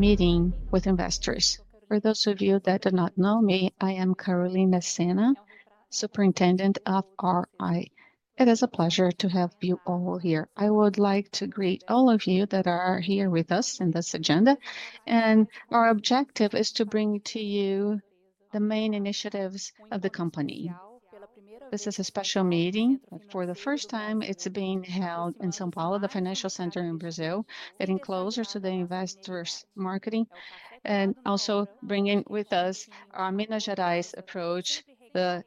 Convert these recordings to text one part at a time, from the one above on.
Meeting with investors. For those of you that do not know me, I am Carolina Sena, Superintendent of IR. It is a pleasure to have you all here. I would like to greet all of you that are here with us in this agenda, and our objective is to bring to you the main initiatives of the company. This is a special meeting. For the first time, it's being held in São Paulo, the financial center in Brazil, getting closer to the investors' marketing, and also bringing with us our Minas Gerais approach, the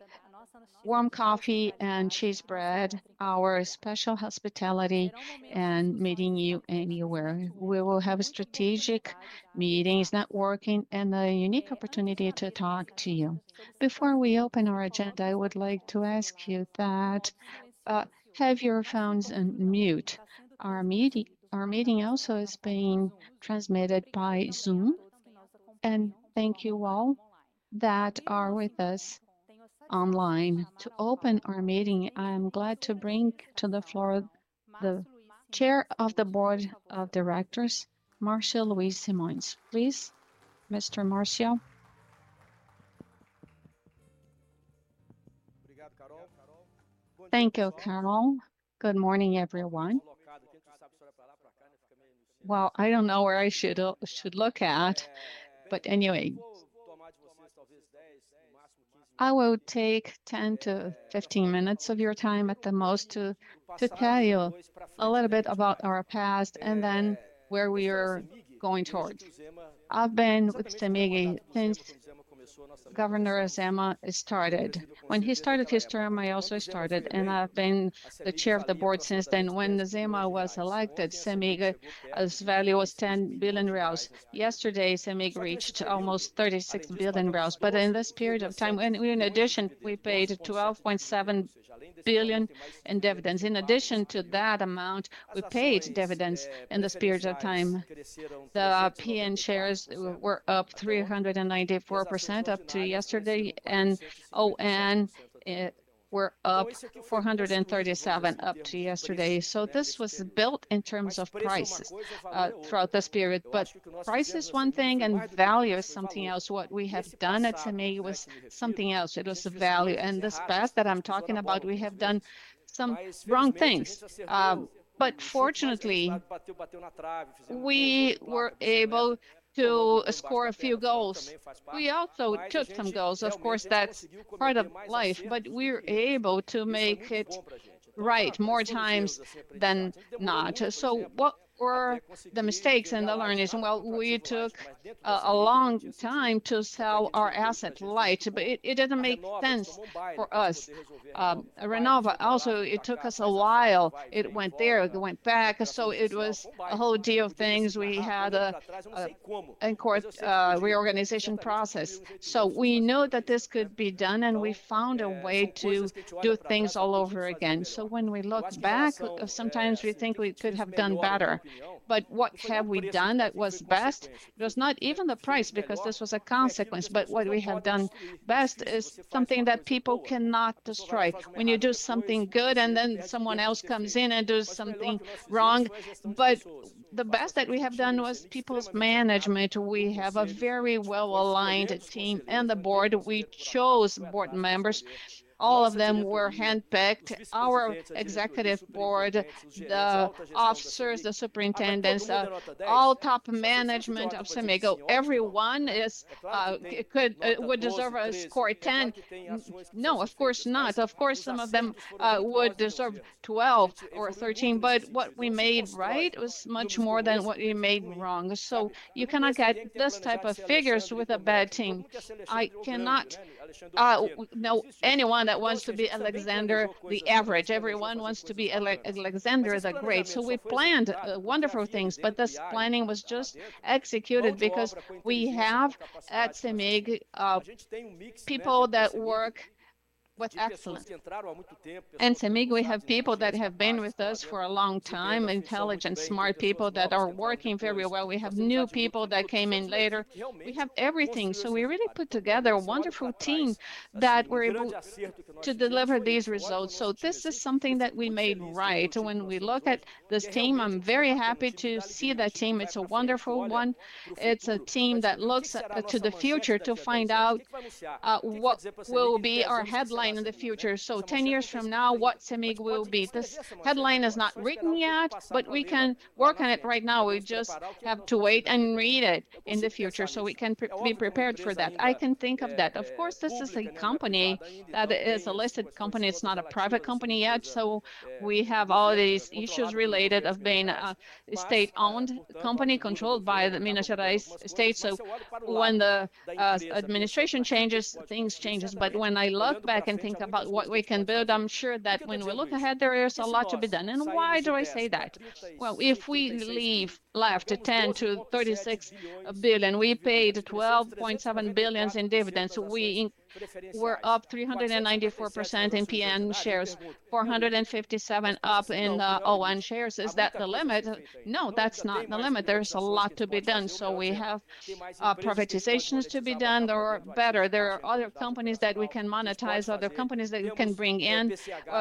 warm coffee and cheese bread, our special hospitality, and meeting you anywhere. We will have strategic meetings, networking, and a unique opportunity to talk to you. Before we open our agenda, I would like to ask you that, have your phones on mute. Our meeting also is being transmitted by Zoom, and thank you all that are with us online. To open our meeting, I'm glad to bring to the floor the Chair of the Board of Directors, Márcio Luiz Simões. Please, Mr. Márcio. Thank you, Carol. Good morning, everyone. I don't know where I should look at, but anyway, I will take 10 minutes-15 minutes of your time at the most to tell you a little bit about our past and then where we are going towards. I've been with CEMIG since Governor Zema started. When he started his term, I also started, and I've been the Chair of the Board since then. When Zema was elected, CEMIG's value was 10 billion. Yesterday, CEMIG reached almost 36 billion. In this period of time, in addition, we paid 12.7 billion in dividends. In addition to that amount, we paid dividends in this period of time. The PN shares were up 394% up to yesterday, and ON were up 437% up to yesterday. So this was built in terms of prices throughout this period. But price is one thing, and value is something else. What we have done at CEMIG was something else. It was a value. And this past that I'm talking about, we have done some wrong things. But fortunately, we were able to score a few goals. We also took some goals. Of course, that's part of life, but we're able to make it right more times than not. So what were the mistakes and the learnings? Well, we took a long time to sell our Light, but it didn't make sense for us. Renova, also, it took us a while. It went there, it went back, so it was a whole deal of things. We had a in court reorganization process. We know that this could be done, and we found a way to do things all over again. When we look back, sometimes we think we could have done better. But what have we done that was best? It was not even the price, because this was a consequence. But what we have done best is something that people cannot destroy. When you do something good, and then someone else comes in and does something wrong. But the best that we have done was people's management. We have a very well-aligned team and the board. We chose board members. All of them were handpicked. Our executive board, the officers, the superintendents, all top management of CEMIG, everyone is would deserve a score of ten. No, of course not. Of course, some of them would deserve twelve or thirteen, but what we made right was much more than what we made wrong, so you cannot get this type of figures with a bad team. I cannot know anyone that wants to be Alexander the Average. Everyone wants to be Alexander the Great, so we planned wonderful things, but this planning was just executed because we have, at CEMIG, people that work with excellence. In CEMIG, we have people that have been with us for a long time, intelligent, smart people that are working very well. We have new people that came in later. We have everything, so we really put together a wonderful team that were able to deliver these results, so this is something that we made right. When we look at this team, I'm very happy to see the team. It's a wonderful one. It's a team that looks to the future to find out what will be our headline in the future. So ten years from now, what CEMIG will be? This headline is not written yet, but we can work on it right now. We just have to wait and read it in the future so we can be prepared for that. I can think of that. Of course, this is a company that is a listed company. It's not a private company yet, so we have all these issues related of being a state-owned company, controlled by the Minas Gerais state. So when the administration changes, things changes. But when I look back and think about what we can build, I'm sure that when we look ahead, there is a lot to be done. And why do I say that? Well, if we left 10 billion-36 billion, we paid 12.7 billion in dividends. We were up 394% in PN shares, 457% up in ON shares. Is that the limit? No, that's not the limit. There's a lot to be done. So we have privatizations to be done. There are other companies that we can monetize, other companies that we can bring in.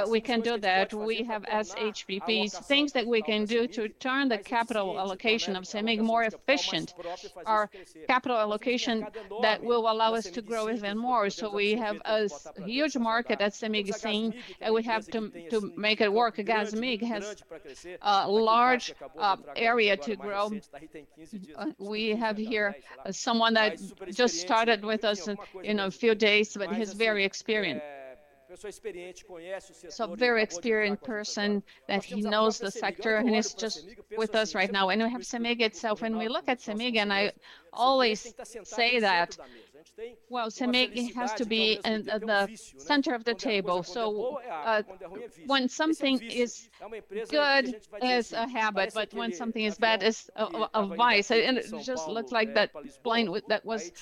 We can do that. We have SHPPs, things that we can do to turn the capital allocation of CEMIG more efficient, our capital allocation that will allow us to grow even more. So we have a huge market at CEMIG scene, and we have to make it work. CEMIG has a large area to grow. We have here someone that just started with us in a few days, but he's very experienced a person experienced, knows the sector. So a very experienced person, that he knows the sector, and he's just with us right now, and we have CEMIG itself. When we look at CEMIG, and I always say that, well, CEMIG has to be in at the center of the table, so when something is good, it's a habit, but when something is bad, it's a vice, and it just looks like that plane that was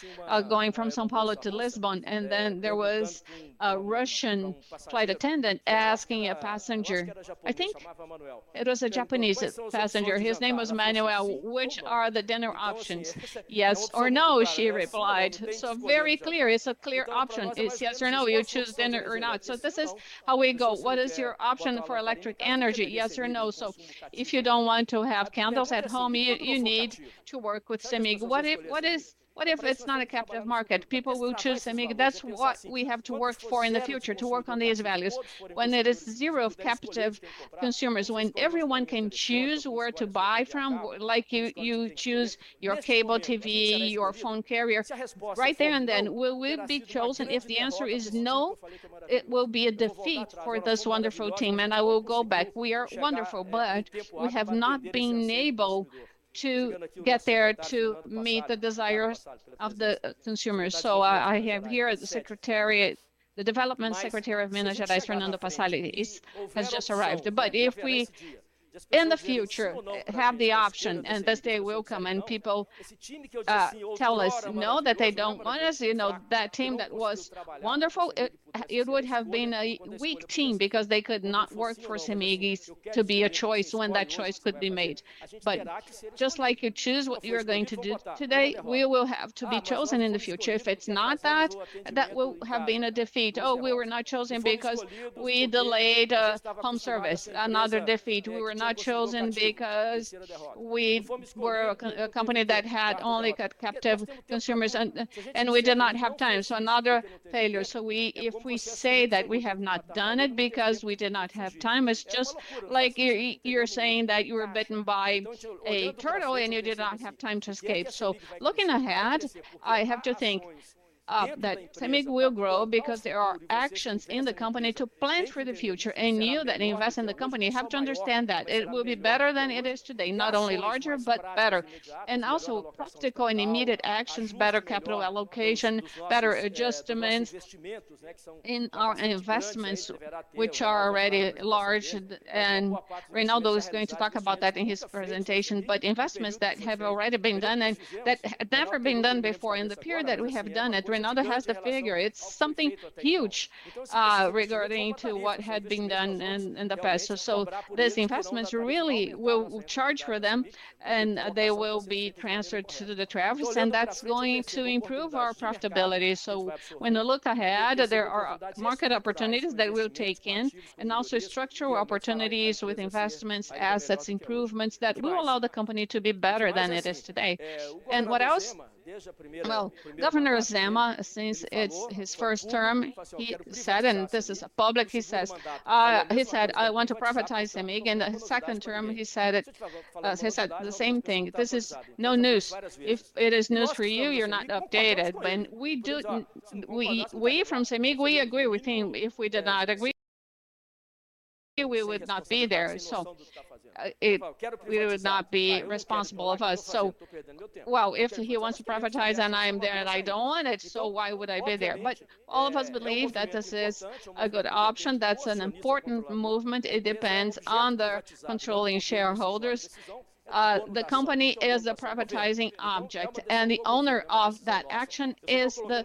going from São Paulo to Lisbon, and then there was a Russian flight attendant asking a passenger, I think it was a Japanese passenger, his name was Manuel, "Which are the dinner options?" "Yes or no," she replied, so very clear, it's a clear option. It's yes or no, you choose dinner or not, so this is how we go. What is your option for electric energy? Yes or no. If you don't want to have candles at home, you need to work with CEMIG. What if it's not a captive market? People will choose CEMIG. That's what we have to work for in the future, to work on these values. When it is zero captive consumers, when everyone can choose where to buy from, like you choose your cable TV, your phone carrier, right there and then, will we be chosen? If the answer is no, it will be a defeat for this wonderful team. I will go back. We are wonderful, but we have not been able to get there to meet the desires of the consumers. I have here the Secretary, the Development Secretary of Minas Gerais, Fernando Passalio, has just arrived. But if we, in the future, have the option, and this day will come, and people tell us no, that they don't want us, you know, that team that was wonderful, it would have been a weak team because they could not work for CEMIG to be a choice when that choice could be made. But just like you choose what you're going to do today, we will have to be chosen in the future. If it's not that, that will have been a defeat. Oh, we were not chosen because we delayed a home service. Another defeat. We were not chosen because we were a company that had only captive consumers, and we did not have time, so another failure. So we... If we say that we have not done it because we did not have time, it's just like you're, you're saying that you were bitten by a turtle and you did not have time to escape. So looking ahead, I have to think that CEMIG will grow because there are actions in the company to plan for the future, and you that invest in the company have to understand that. It will be better than it is today, not only larger, but better. And also practical and immediate actions, better capital allocation, better adjustments in our investments, which are already large, and Reynaldo is going to talk about that in his presentation. But investments that have already been done and that had never been done before in the period that we have done it. Reynaldo has the figure. It's something huge regarding to what had been done in the past. So these investments really will charge for them, and they will be transferred to the tariffs, and that's going to improve our profitability. So when I look ahead, there are market opportunities that we'll take in, and also structural opportunities with investments, assets, improvements, that will allow the company to be better than it is today. And what else? Well, Governor Zema, since it's his first term, he said, and this is public, he says, he said, "I want to privatize CEMIG." In his second term, he said it, he said the same thing. This is no news. If it is news for you, you're not updated. When we do. We from CEMIG, we agree with him. If we did not agree, we would not be there, so we would not be responsible of us. So, well, if he wants to privatize, and I'm there, and I don't want it, so why would I be there? But all of us believe that this is a good option, that's an important movement. It depends on the controlling shareholders. The company is a privatizing object, and the owner of that action is the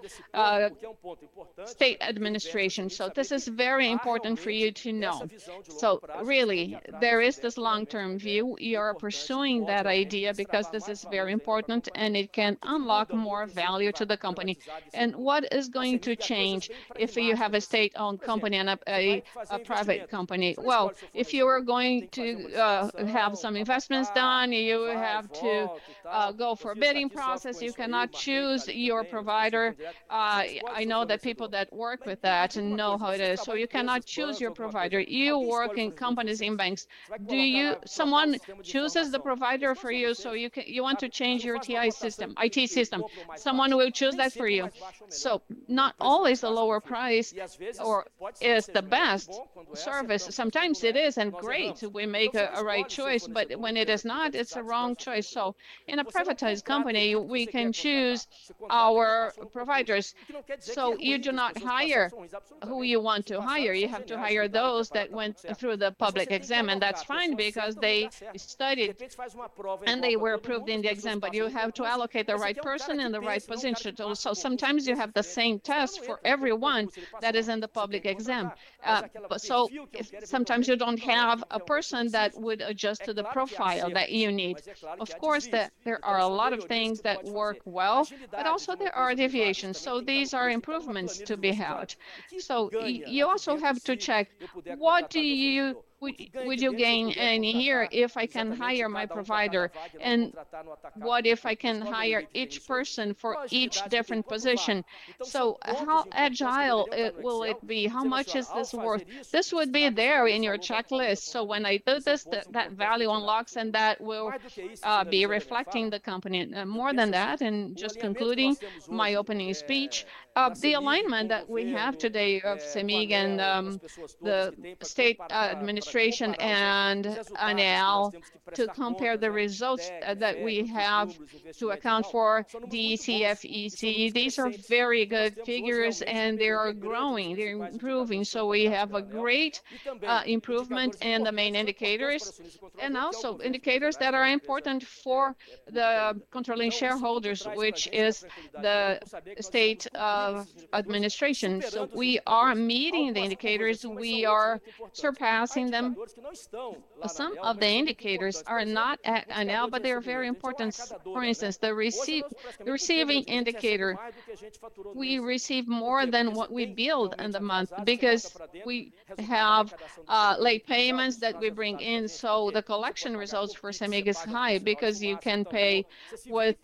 state administration, so this is very important for you to know. So really, there is this long-term view. We are pursuing that idea because this is very important, and it can unlock more value to the company. And what is going to change if you have a state-owned company and a private company? If you are going to have some investments done, you have to go for a bidding process. You cannot choose your provider. I know that people that work with that know how it is. So you cannot choose your provider. You work in companies, in banks. Someone chooses the provider for you, so you want to change your IT system. Someone will choose that for you. So not always a lower price is the best service. Sometimes it is, and great, we make a right choice, but when it is not, it's a wrong choice. So in a privatized company, we can choose our providers. So you do not hire who you want to hire. You have to hire those that went through the public exam, and that's fine because they studied, and they were approved in the exam, but you have to allocate the right person in the right position, so sometimes you have the same test for everyone that is in the public exam, but so if sometimes you don't have a person that would adjust to the profile that you need. Of course, there are a lot of things that work well, but also there are deviations, so these are improvements to be had, so you also have to check, what would you gain in here if I can hire my provider? And what if I can hire each person for each different position? So how agile it will it be? How much is this worth? This would be there in your checklist. When I do this, that value unlocks, and that will be reflecting the company. And more than that, just concluding my opening speech, the alignment that we have today of CEMIG and the state administration, and now to compare the results that we have to account for the DEC/FEC, these are very good figures, and they are growing, they're improving. We have a great improvement in the main indicators, and also indicators that are important for the controlling shareholders, which is the state administration. We are meeting the indicators, we are surpassing them. Some of the indicators are not at..., but they are very important. For instance, the receiving indicator, we receive more than what we build in the month because we have late payments that we bring in, so the collection results for CEMIG is high, because you can pay with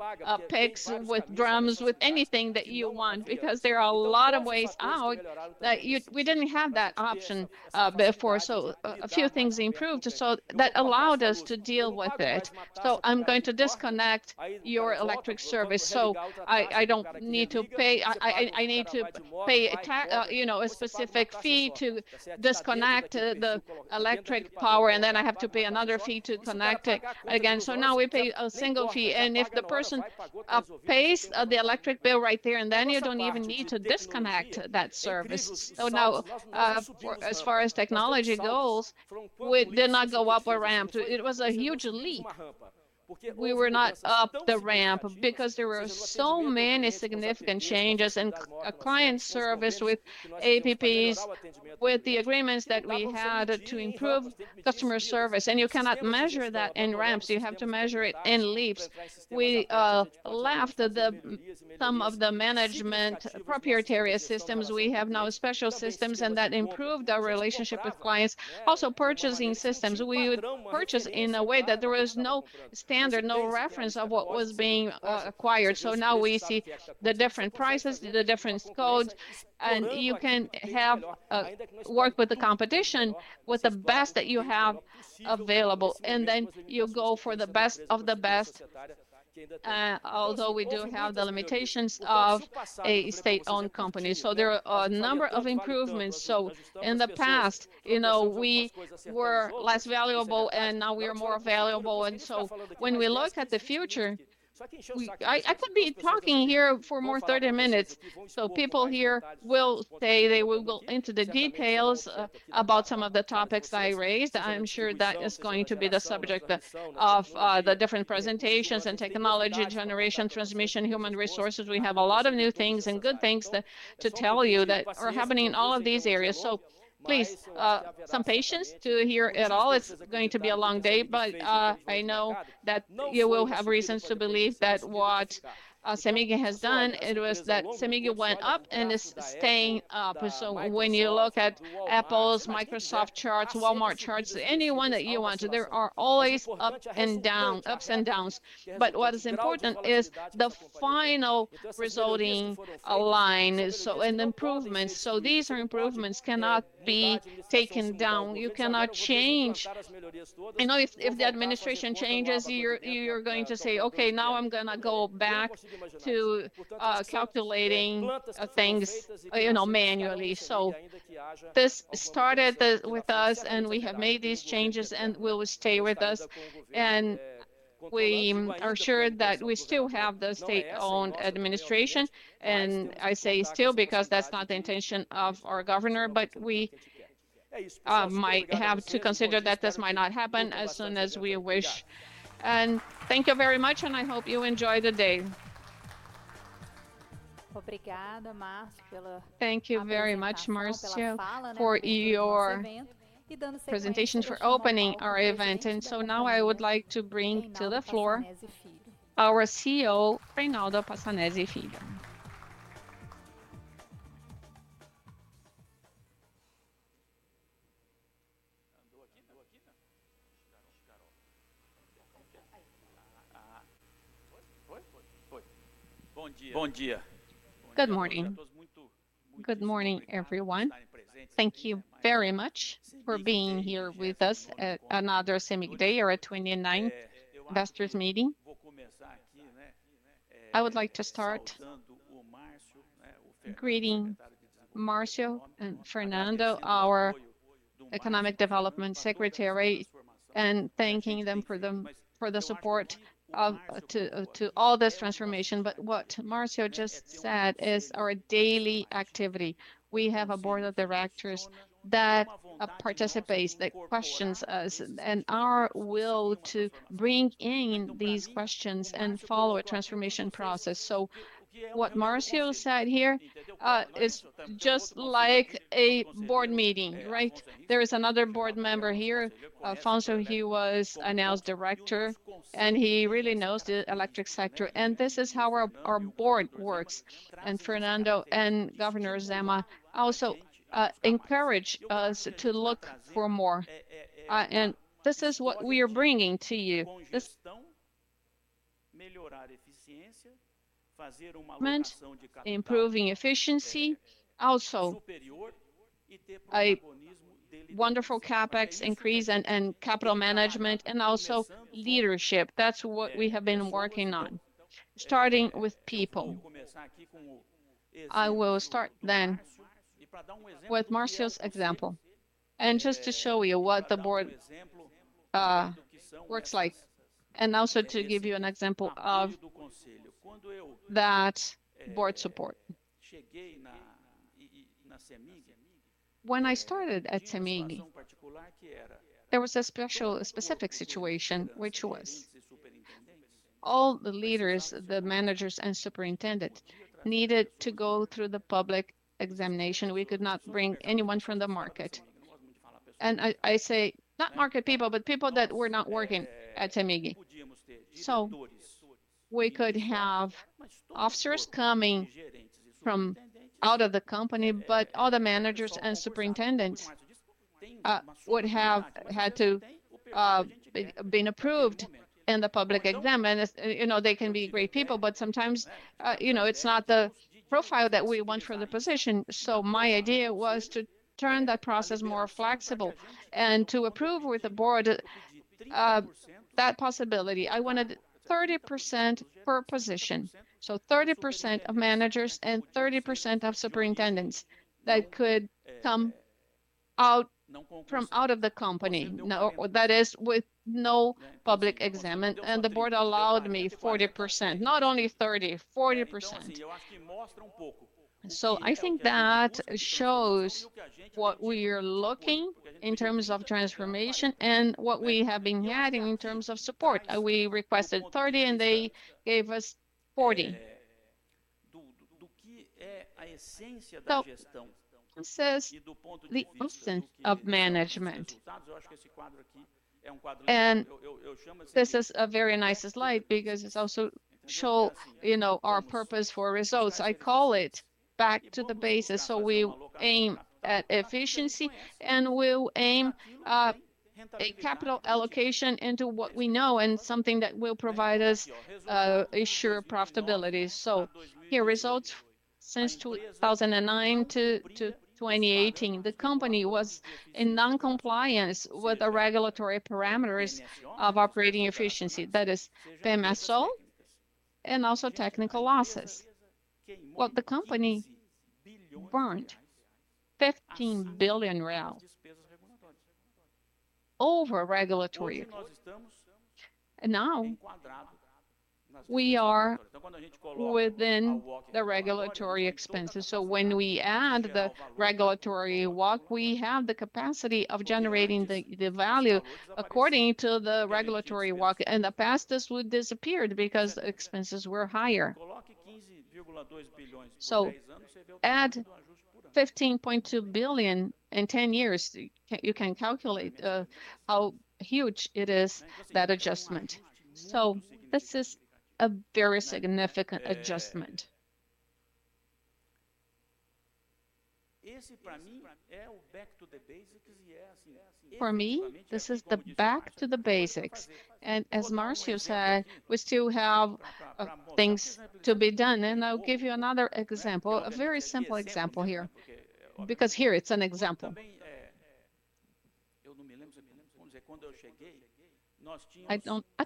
Pix, with debit, with anything that you want, because there are a lot of ways out that you... We didn't have that option before, so a few things improved, so that allowed us to deal with it. So I'm going to disconnect your electric service, so I need to pay, you know, a specific fee to disconnect the electric power, and then I have to pay another fee to connect it again. So now we pay a single fee, and if the person pays the electric bill right there, and then you don't even need to disconnect that service. For as far as technology goes, we did not go up a ramp. It was a huge leap. We were not up the ramp because there were so many significant changes, and client service with apps, with the agreements that we had to improve customer service. You cannot measure that in ramps, you have to measure it in leaps. We left some of the management proprietary systems. We have now special systems, and that improved our relationship with clients. Also, purchasing systems. We would purchase in a way that there was no standard, no reference of what was being acquired. So now we see the different prices, the different codes, and you can have work with the competition with the best that you have available, and then you go for the best of the best. Although we do have the limitations of a state-owned company, so there are a number of improvements. So in the past, you know, we were less valuable, and now we are more valuable. And so when we look at the future, so I could be talking here for more thirty minutes. So people here will say they will go into the details about some of the topics I raised. I'm sure that is going to be the subject of the different presentations in technology, generation, transmission, human resources. We have a lot of new things and good things to tell you that are happening in all of these areas. So please, some patience to hear it all. It's going to be a long day, but, I know that you will have reasons to believe that what, CEMIG has done, it was that CEMIG went up and is staying up. So when you look at Apple's, Microsoft charts, Walmart charts, anyone that you want to, there are always up and down, ups and downs. But what is important is the final resulting line, so, and improvements. So these are improvements cannot be taken down. You cannot change. I know if, if the administration changes, you're, you're going to say: "Okay, now I'm gonna go back to, calculating, things, you know, manually." So this started with us, and we have made these changes and will stay with us. We are sure that we still have the state-owned administration, and I say still because that's not the intention of our governor, but we might have to consider that this might not happen as soon as we wish. Thank you very much, and I hope you enjoy the day. Thank you very much, Márcio, for your presentation, for opening our event. Now I would like to bring to the floor our CEO, Reynaldo Passanezi Filho. Good morning. Good morning, everyone. Thank you very much for being here with us at another CEMIG day, our 29th investors meeting. I would like to start greeting Márcio and Fernando, our economic development secretary, and thanking them for the support to all this transformation. What Márcio just said is our daily activity. We have a board of directors that participates, that questions us, and our will to bring in these questions and follow a transformation process. So what Márcio said here is just like a board meeting, right? There is another board member here, Afonso; he was announced director, and he really knows the electric sector, and this is how our board works. And Fernando and Governor Zema also encourage us to look for more. And this is what we are bringing to you. This improving efficiency, also a wonderful CapEx increase and capital management, and also leadership. That's what we have been working on, starting with people. I will start then with Márcio's example, and just to show you what the board works like, and also to give you an example of that board support. When I started at CEMIG, there was a special, a specific situation, which was all the leaders, the managers and superintendents, needed to go through the public examination. We could not bring anyone from the market. And I say, not market people, but people that were not working at CEMIG. So we could have officers coming from out of the company, but all the managers and superintendents would have had to been approved in the public exam. And you know, they can be great people, but sometimes you know, it's not the profile that we want for the position. So my idea was to turn that process more flexible, and to approve with the board that possibility. I wanted 30% per position, so 30% of managers and 30% of superintendents that could come out from out of the company. Now, that is, with no public exam, and the board allowed me 40%, not only 30%, 40%. I think that shows what we are looking in terms of transformation and what we have been getting in terms of support. We requested 30%, and they gave us 40%. So this is the essence of management. And this is a very nice slide because it also shows, you know, our purpose for results. I call it back to the basics, so we aim at efficiency, and we'll aim a capital allocation into what we know and something that will provide us assured profitability. So here, results since 2009-2018, the company was in non-compliance with the regulatory parameters of operating efficiency, that is PMSO and also technical losses. The company burned BRL 15 billion over regulatory. Now, we are within the regulatory expenses. When we add the regulatory WACC, we have the capacity of generating the value according to the regulatory WACC. In the past, this would disappeared because expenses were higher. Add 15.2 billion in ten years, you can calculate how huge it is, that adjustment. This is a very significant adjustment. For me, this is the back to the basics. And as Márcio said, we still have things to be done. And I'll give you another example, a very simple example here, because here it's an example. I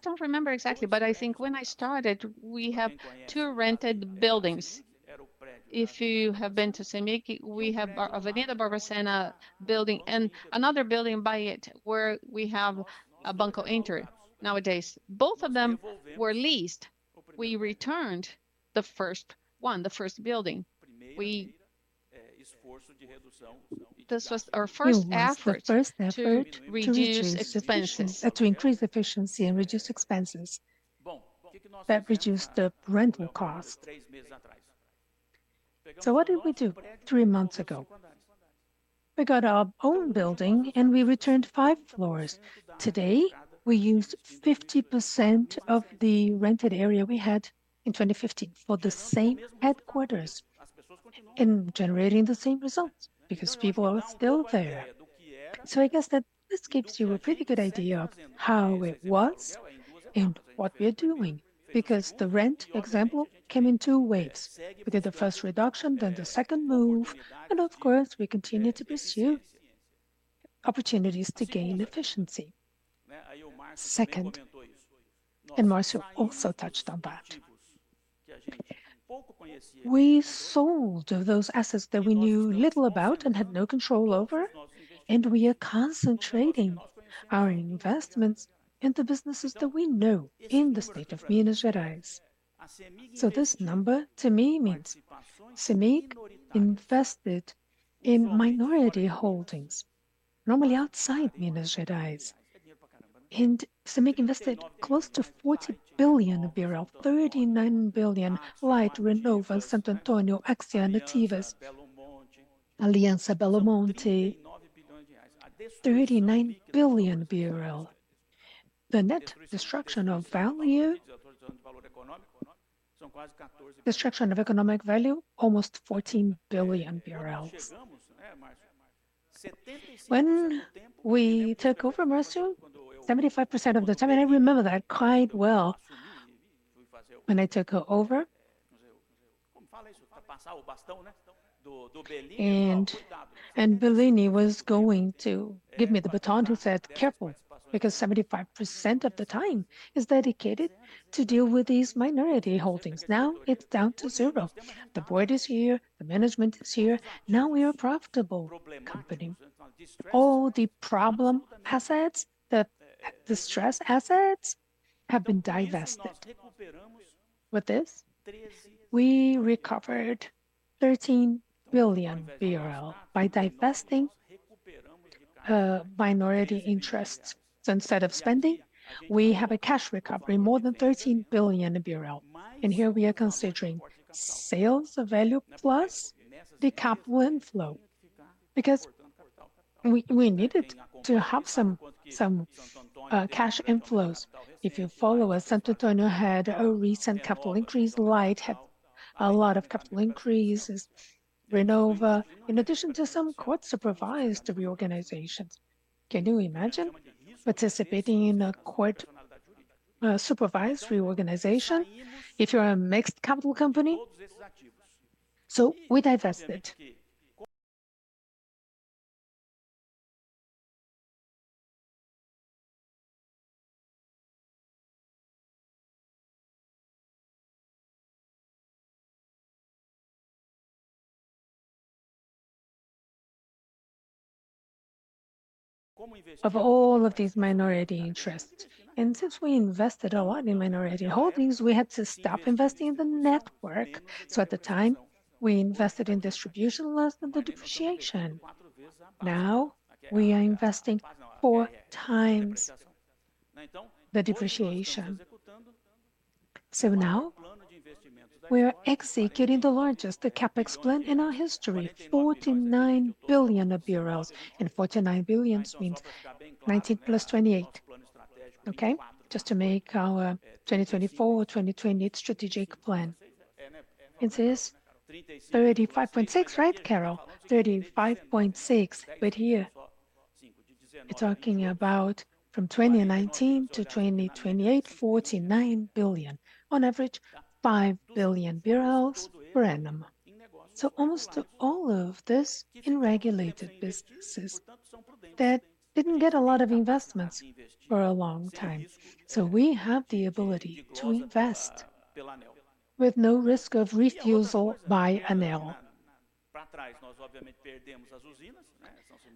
don't remember exactly, but I think when I started, we have two rented buildings. If you have been to CEMIG, we have Avenida Barbacena building and another building by it, where we have a Banco Inter nowadays. Both of them were leased. We returned the first one, the first building. This was our first effort. It was the first effort- to reduce expenses.... to increase efficiency and reduce expenses. That reduced the rental cost. So what did we do three months ago? We got our own building, and we returned five floors. Today, we use 50% of the rented area we had in 2015 for the same headquarters, and generating the same results because people are still there. So I guess that this gives you a pretty good idea of how it was and what we're doing, because the rent example came in two waves. We did the first reduction, then the second move, and of course, we continue to pursue opportunities to gain efficiency. Second, and Márcio also touched on that. We sold those assets that we knew little about and had no control over, and we are concentrating our investments in the businesses that we know in the state of Minas Gerais. So this number, to me, means CEMIG invested in minority holdings, normally outside Minas Gerais. CEMIG invested close to BRL 40 billion, 39 billion, Light, Renova, Santo Antônio, Axxiom, Ativas, Aliança, Belo Monte, BRL 39 billion. The net destruction of value, destruction of economic value, almost 14 billion BRL. When we took over, Márcio, 75% of the time, and I remember that quite well when I took over. Belini was going to give me the baton. He said, "Careful, because 75% of the time is dedicated to deal with these minority holdings." Now it's down to zero. The board is here, the management is here. Now we are a profitable company. All the problem assets, the stress assets have been divested. With this, we recovered BRL 13 billion by divesting minority interests. So instead of spending, we have a cash recovery, more than BRL 13 billion. And here we are considering sales value plus the capital inflow, because we needed to have some cash inflows. If you follow us, Santo Antônio had a recent capital increase, Light had a lot of capital increases, Renova, in addition to some court-supervised reorganizations. Can you imagine participating in a court supervised reorganization if you're a mixed capital company? So we divested. Of all of these minority interests, and since we invested a lot in minority holdings, we had to stop investing in the network. So at the time, we invested in distribution less than the depreciation. Now, we are investing four times the depreciation. So now, we're executing the largest CapEx plan in our history, BRL 49 billion, and BRL 49 billion means 19 + 28. Okay? Just to make our 2024, 2020 strategic plan. It is 35.6, right, Carol? 35.6, but here we're talking about from 2019 to 2028, 49 billion. On average, 5 billion per annum. So almost all of this in regulated businesses that didn't get a lot of investments for a long time. So we have the ability to invest with no risk of refusal by ANEEL.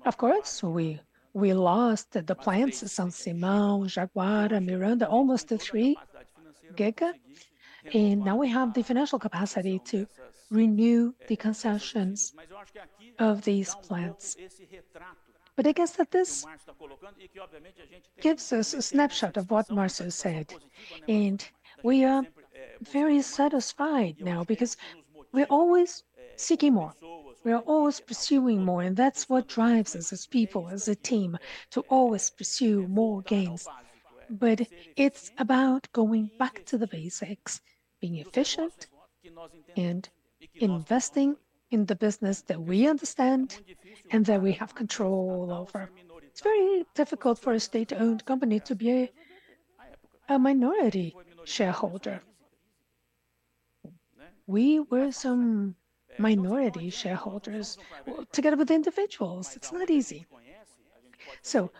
Of course, we, we lost the plants, São Simão, Jaguara, Miranda, almost to 3 GW, and now we have the financial capacity to renew the concessions of these plants. But I guess that this gives us a snapshot of what Márcio said, and we are very satisfied now because we're always seeking more, we are always pursuing more, and that's what drives us as people, as a team, to always pursue more gains. But it's about going back to the basics, being efficient and investing in the business that we understand and that we have control over. It's very difficult for a state-owned company to be a minority shareholder. We were some minority shareholders together with individuals. It's not easy. So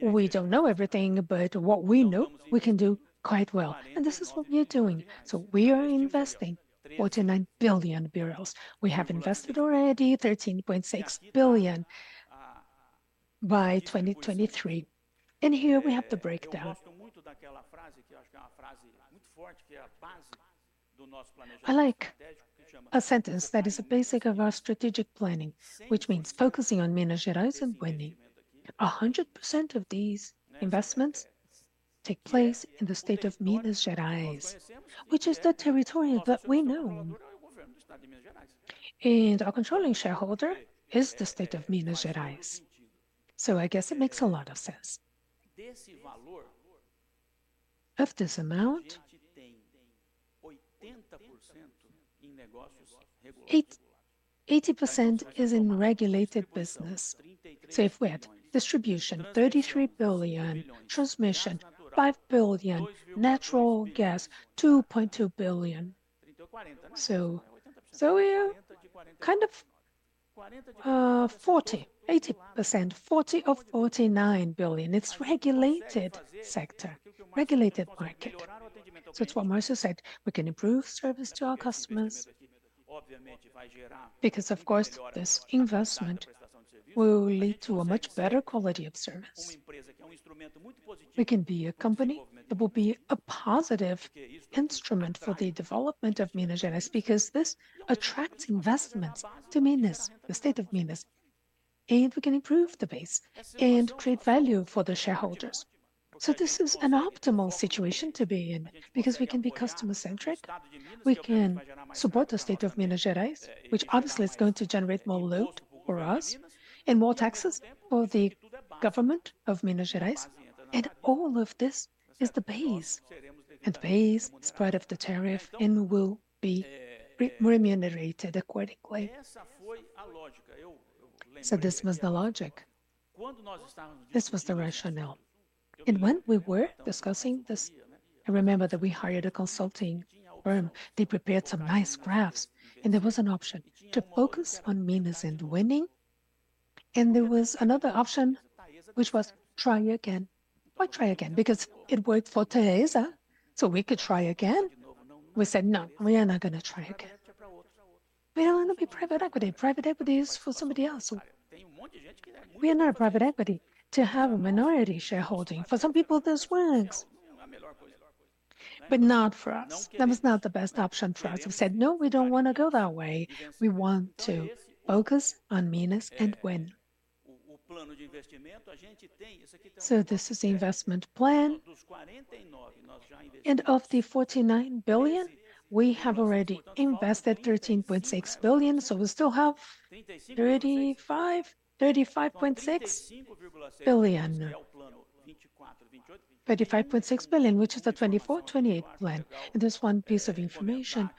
we don't know everything, but what we know, we can do quite well, and this is what we are doing. So we are investing 49 billion BRL. We have invested already 13.6 billion by 2023, and here we have the breakdown. I like a sentence that is a basic of our strategic planning, which means focusing on Minas Gerais and winning. 100% of these investments take place in the state of Minas Gerais, which is the territory that we know. Our controlling shareholder is the state of Minas Gerais, so I guess it makes a lot of sense. Of this amount, 80% is in regulated business. So if we had distribution, 33 billion, transmission, 5 billion, natural gas, 2.2 billion. So we are kind of 80%, 40 billion of 49 billion. It's regulated sector, regulated market. So it's what Márcio said, we can improve service to our customers, because, of course, this investment will lead to a much better quality of service. We can be a company that will be a positive instrument for the development of Minas Gerais, because this attracts investments to Minas, the state of Minas, and we can improve the base and create value for the shareholders. So this is an optimal situation to be in, because we can be customer-centric, we can support the state of Minas Gerais, which obviously is going to generate more load for us and more taxes for the government of Minas Gerais, and all of this is the base spread of the tariff, and we will be remunerated accordingly. So this was the logic. This was the rationale. And when we were discussing this, I remember that we hired a consulting firm. They prepared some nice graphs, and there was an option to focus on Minas and winning, and there was another option, which was try again. Why try again? Because it worked for Taesa, so we could try again. We said, "No, we are not gonna try again." We don't wanna be private equity. Private equity is for somebody else. We are not a private equity to have a minority shareholding. For some people, this works, but not for us. That was not the best option for us. We said, "No, we don't wanna go that way. We want to focus on Minas and win, so this is the investment plan. And of the 49 billion, we have already invested 13.6 billion, so we still have 35, 35.6 billion. 35.6 billion, which is the 2024-2028 plan. And there's one piece of information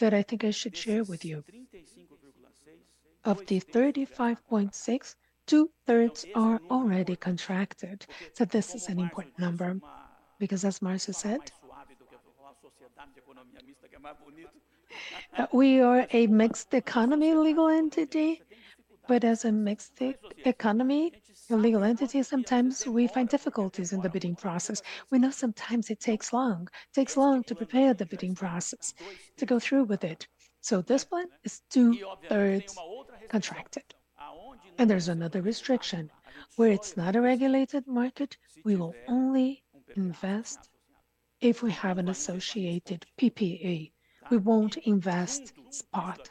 that I think I should share with you. Of the 35.6, 2/3 are already contracted. So this is an important number, because as Márcio said, we are a mixed economy legal entity, but as a mixed economy legal entity, sometimes we find difficulties in the bidding process. We know sometimes it takes long, takes long to prepare the bidding process, to go through with it. So this plan is two-thirds contracted. And there's another restriction, where it's not a regulated market, we will only invest if we have an associated PPA. We won't invest spot.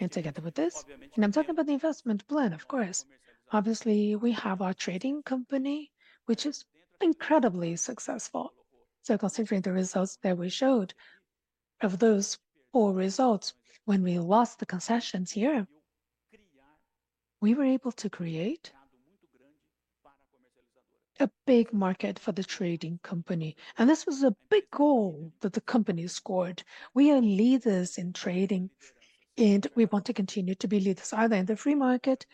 And together with this, and I'm talking about the investment plan, of course. Obviously, we have our trading company, which is incredibly successful. So considering the results that we showed, of those poor results, when we lost the concessions here, we were able to create a big market for the trading company, and this was a big goal that the company scored. We are leaders in trading, and we want to continue to be leaders, either in the free market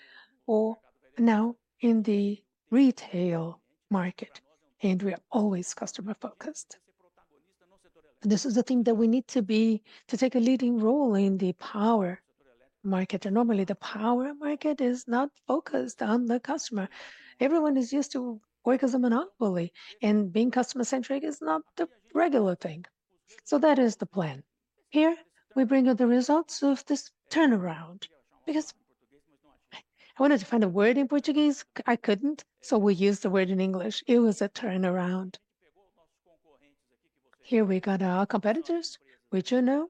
or now in the retail market, and we are always customer-focused. This is the thing that we need to be, to take a leading role in the power market. And normally, the power market is not focused on the customer. Everyone is used to work as a monopoly, and being customer-centric is not the regular thing. So that is the plan. Here, we bring you the results of this turnaround, because I wanted to find a word in Portuguese, I couldn't, so we used the word in English. It was a turnaround. Here we got our competitors, which you know,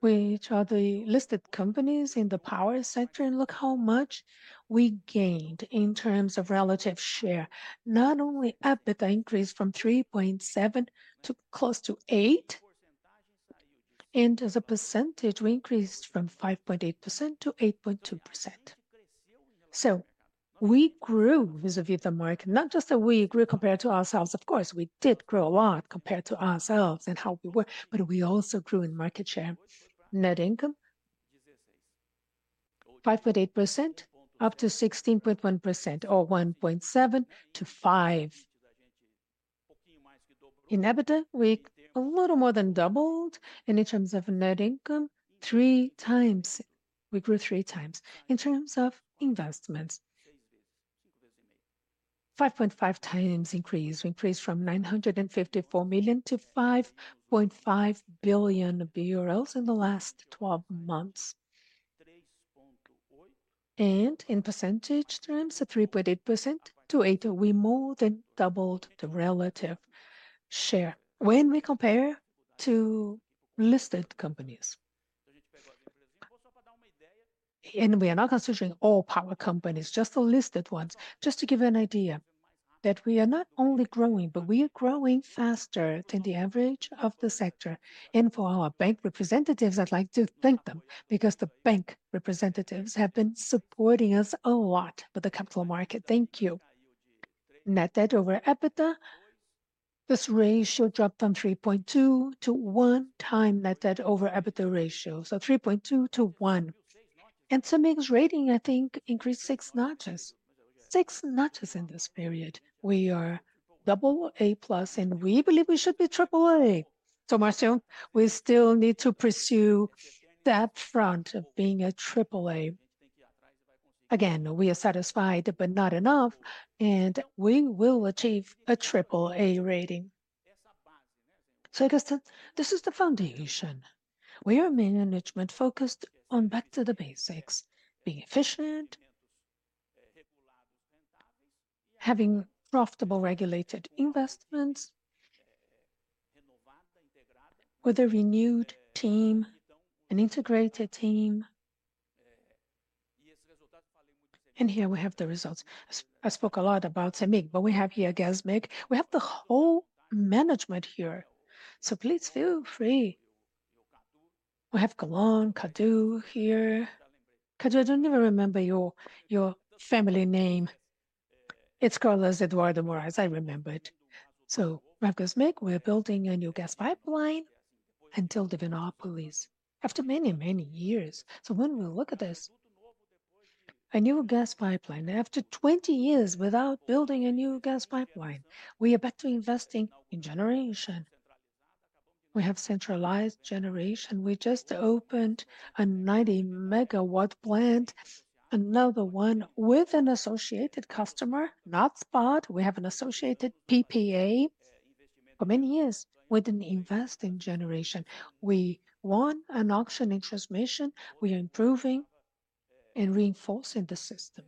which are the listed companies in the power sector, and look how much we gained in terms of relative share. Not only EBITDA increased from 3.7 to close to eight, and as a percentage, we increased from 5.8%-o 8.2%. So we grew vis-à-vis the market, not just that we grew compared to ourselves. Of course, we did grow a lot compared to ourselves and how we were, but we also grew in market share. Net income, 5.8%, up to 16.1%, or 1.7 to five. In EBITDA, we a little more than doubled, and in terms of net income, 3x. We grew three times. In terms of investments, 5.5x increase. We increased from 954 million to BRL 5.5 billion in the last 12 months. And in percentage terms, a 3.8%-8%, we more than doubled the relative share when we compare to listed companies. We are not considering all power companies, just the listed ones, just to give you an idea that we are not only growing, but we are growing faster than the average of the sector. For our bank representatives, I'd like to thank them, because the bank representatives have been supporting us a lot with the capital market. Thank you. Net debt over EBITDA, this ratio dropped from 3.2x-1x net debt over EBITDA ratio, so 3.2 to 1. Moody's rating, I think, increased six notches. six notches in this period. We are AA+, and we believe we should be AAA! Márcio, we still need to pursue that front of being a AAA. Again, we are satisfied, but not enough, and we will achieve a AAA rating. I guess that this is the foundation. We are management-focused on back to the basics: being efficient, having profitable regulated investments with a renewed team, an integrated team. And here we have the results. I, I spoke a lot about CEMIG, but we have here Gasmig. We have the whole management here, so please feel free. We have Colombo, Cadu here. Cadu, I don't ever remember your, your family name. It's Carlos Eduardo Moraes, I remembered. So we have Gasmig, we're building a new gas pipeline until Divinópolis after many, many years. So when we look at this, a new gas pipeline, after 20 years without building a new gas pipeline, we are back to investing in generation. We have centralized generation. We just opened a 90-MW plant, another one with an associated customer, not spot. We have an associated PPA. For many years, we didn't invest in generation. We won an auction in transmission. We are improving and reinforcing the system,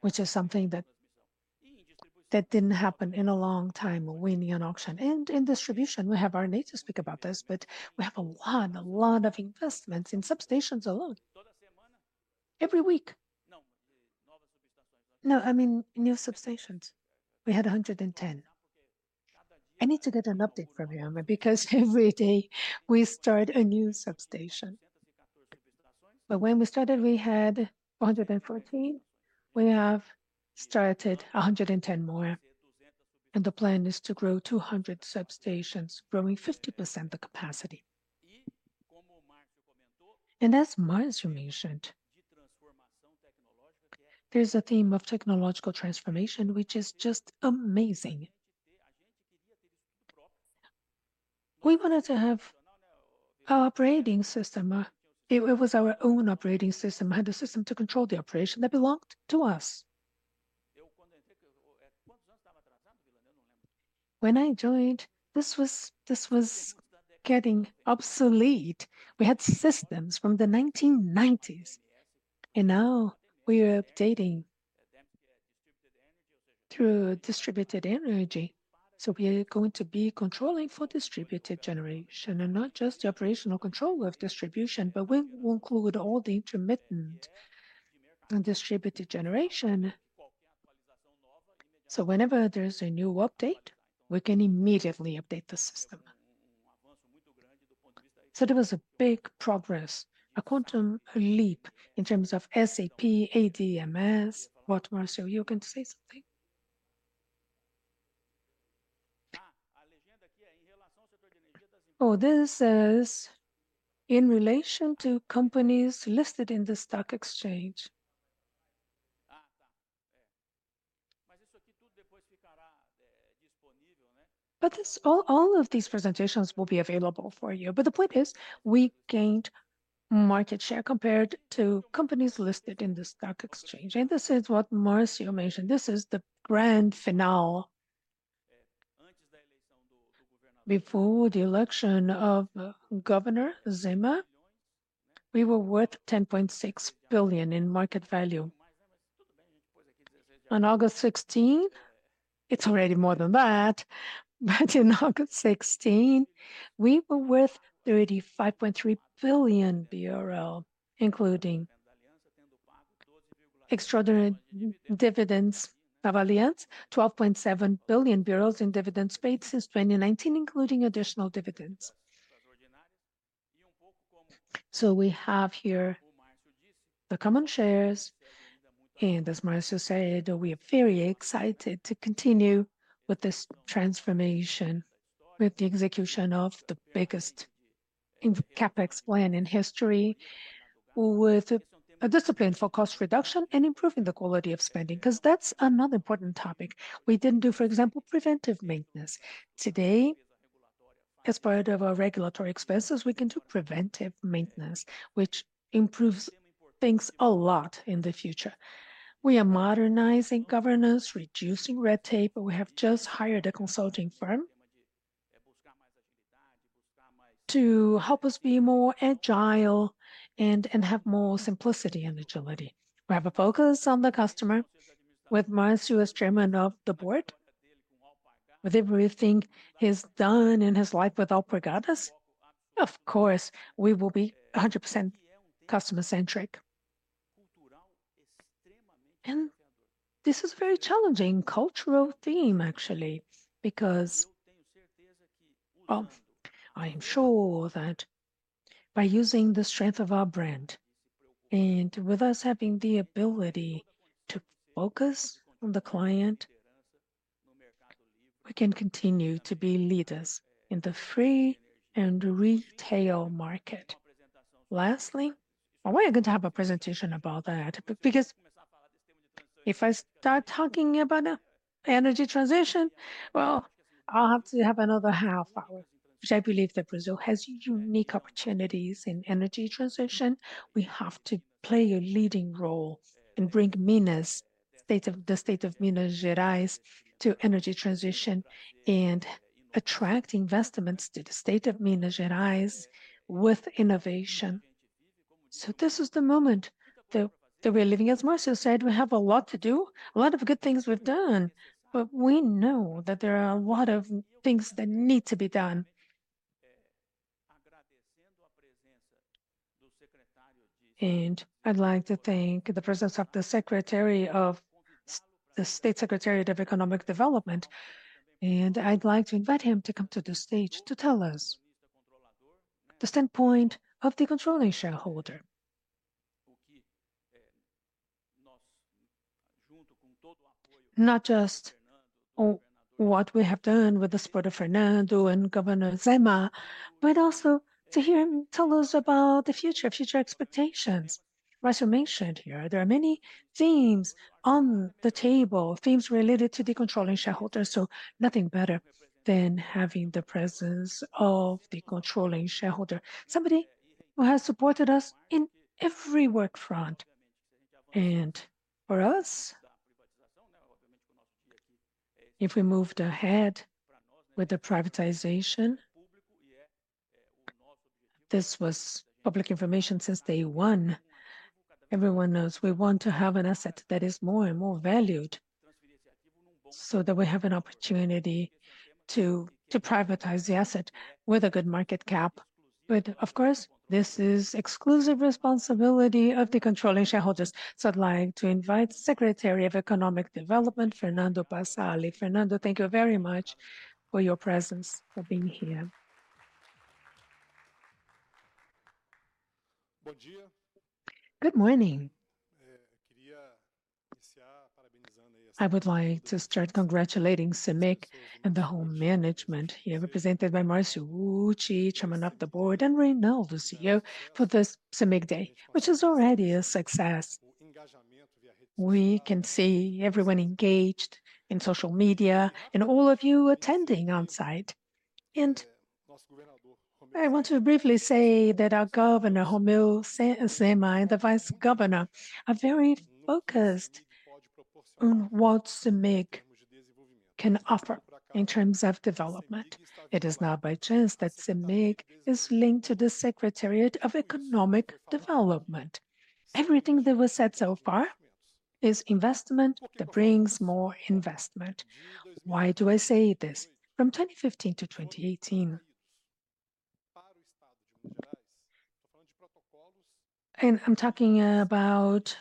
which is something that didn't happen in a long time, winning an auction. And in distribution, we'll have Marney to speak about this, but we have a lot of investments in substations alone. Every week! No, I mean, new substations. We had 110. I need to get an update from you, Marney, because every day we start a new substation. But when we started, we had 114. We have started 110 more, and the plan is to grow 200 substations, growing 50% the capacity. And as Márcio mentioned, there's a theme of technological transformation, which is just amazing. We wanted to have our operating system. It was our own operating system, had a system to control the operation that belonged to us. When I joined, this was, this was getting obsolete. We had systems from the 1990s, and now we are updating through distributed energy. So we are going to be controlling for Distributed Generation and not just the operational control of distribution, but we will include all the intermittent and Distributed Generation. So whenever there's a new update, we can immediately update the system. So there was a big progress, a quantum leap in terms of SAP, ADMS. What, Márcio, you were going to say something? Oh, this says, "In relation to companies listed in the stock exchange," but this... All of these presentations will be available for you. But the point is, we gained market share compared to companies listed in the stock exchange, and this is what Márcio mentioned. This is the grand finale. Before the election of Governor Zema, we were worth 10.6 billion in market value. On August 16, it's already more than that, but in August 16, we were worth 35.3 billion BRL, including extraordinary dividends of Aliança, 12.7 billion BRL in dividends paid since 2019, including additional dividends. So we have here the common shares, and as Márcio said, we are very excited to continue with this transformation, with the execution of the biggest CapEx plan in history, with a discipline for cost reduction and improving the quality of spending, 'cause that's another important topic. We didn't do, for example, preventive maintenance. Today, as part of our regulatory expenses, we can do preventive maintenance, which improves things a lot in the future. We are modernizing governance, reducing red tape, and we have just hired a consulting firm to help us be more agile and have more simplicity and agility. We have a focus on the customer with Márcio as Chairman of the Board. With everything he's done in his life with Alpargatas, of course, we will be 100% customer-centric. And this is a very challenging cultural theme, actually, because I am sure that by using the strength of our brand and with us having the ability to focus on the client, we can continue to be leaders in the free and retail market. Lastly, we are going to have a presentation about that because if I start talking about the energy transition, I'll have to have another half hour, which I believe that Brazil has unique opportunities in energy transition. We have to play a leading role and bring the state of Minas Gerais to energy transition and attract investments to the state of Minas Gerais with innovation. So this is the moment that we're living. As Márcio said, we have a lot to do, a lot of good things we've done, but we know that there are a lot of things that need to be done, and I'd like to thank the presence of the State Secretary of Economic Development, and I'd like to invite him to come to the stage to tell us the standpoint of the controlling shareholder. Not just on what we have done with the support of Fernando and Governor Zema, but also to hear him tell us about the future expectations. Márcio mentioned here, there are many themes on the table, themes related to the controlling shareholder, so nothing better than having the presence of the controlling shareholder, somebody who has supported us in every work front. And for us, if we moved ahead with the privatization, this was public information since day one. Everyone knows we want to have an asset that is more and more valued, so that we have an opportunity to privatize the asset with a good market cap. But of course, this is exclusive responsibility of the controlling shareholders. So I'd like to invite Secretary of Economic Development, Fernando Passalio. Fernando, thank you very much for your presence, for being here. Good morning. I would like to start congratulating CEMIG and the whole management here, represented by Márcio Utsch, Chairman of the Board, and Reynaldo, the CEO, for this CEMIG Day, which is already a success. We can see everyone engaged in social media and all of you attending on site. I want to briefly say that our governor, Romeu Zema, and the Vice Governor, are very focused on what CEMIG can offer in terms of development. It is not by chance that CEMIG is linked to the Secretariat of Economic Development. Everything that was said so far is investment that brings more investment. Why do I say this? From 2015-2018, and I'm talking about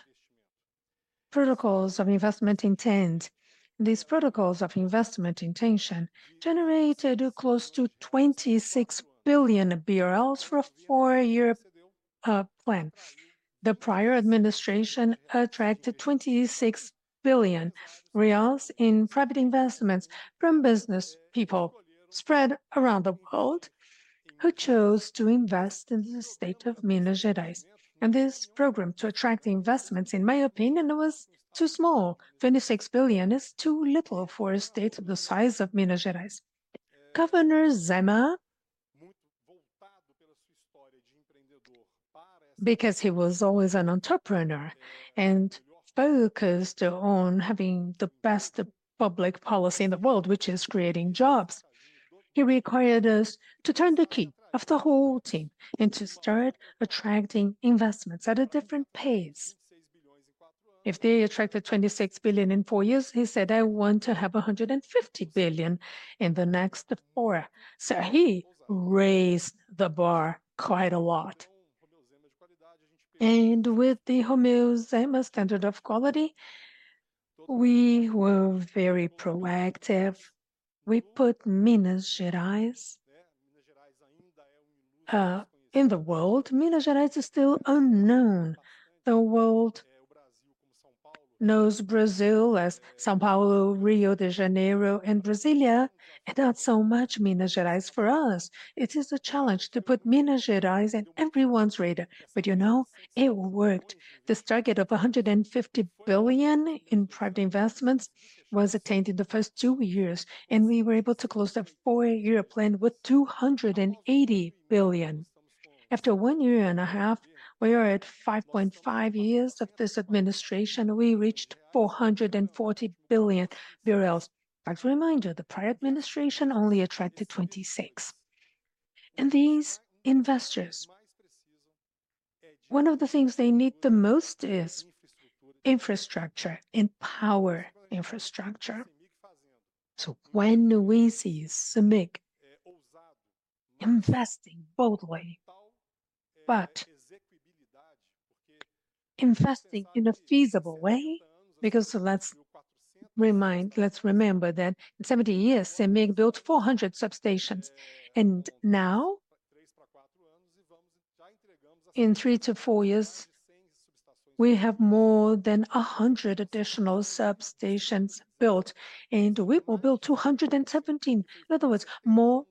protocols of investment intent. These protocols of investment intention generated close to 26 billion BRL for a four-year plan. The prior administration attracted 26 billion reais in private investments from business people spread around the world, who chose to invest in the state of Minas Gerais. This program to attract investments, in my opinion, was too small. 26 billion is too little for a state the size of Minas Gerais. Governor Zema, because he was always an entrepreneur and focused on having the best public policy in the world, which is creating jobs, he required us to turn the key of the whole team and to start attracting investments at a different pace. If they attracted 26 billion in four years, he said, "I want to have 150 billion in the next four." He raised the bar quite a lot. With the Romeu Zema standard of quality, we were very proactive. We put Minas Gerais in the world. Minas Gerais is still unknown. The world knows Brazil as São Paulo, Rio de Janeiro, and Brasília, and not so much Minas Gerais. For us, it is a challenge to put Minas Gerais on everyone's radar. But, you know, it worked. This target of 150 billion in private investments was attained in the first two years, and we were able to close the four-year plan with 280 billion. After one year and a half, we are at 5.5 years of this administration, we reached 440 billion BRL. As a reminder, the prior administration only attracted 26 billion. And these investors, one of the things they need the most is infrastructure and power infrastructure. So when we see CEMIG investing both ways, but investing in a feasible way, because let's remind, let's remember that in 70 years, CEMIG built 400 substations, and now, in three-to-four years, we have more than 100 additional substations built, and we will build 217. In other words, more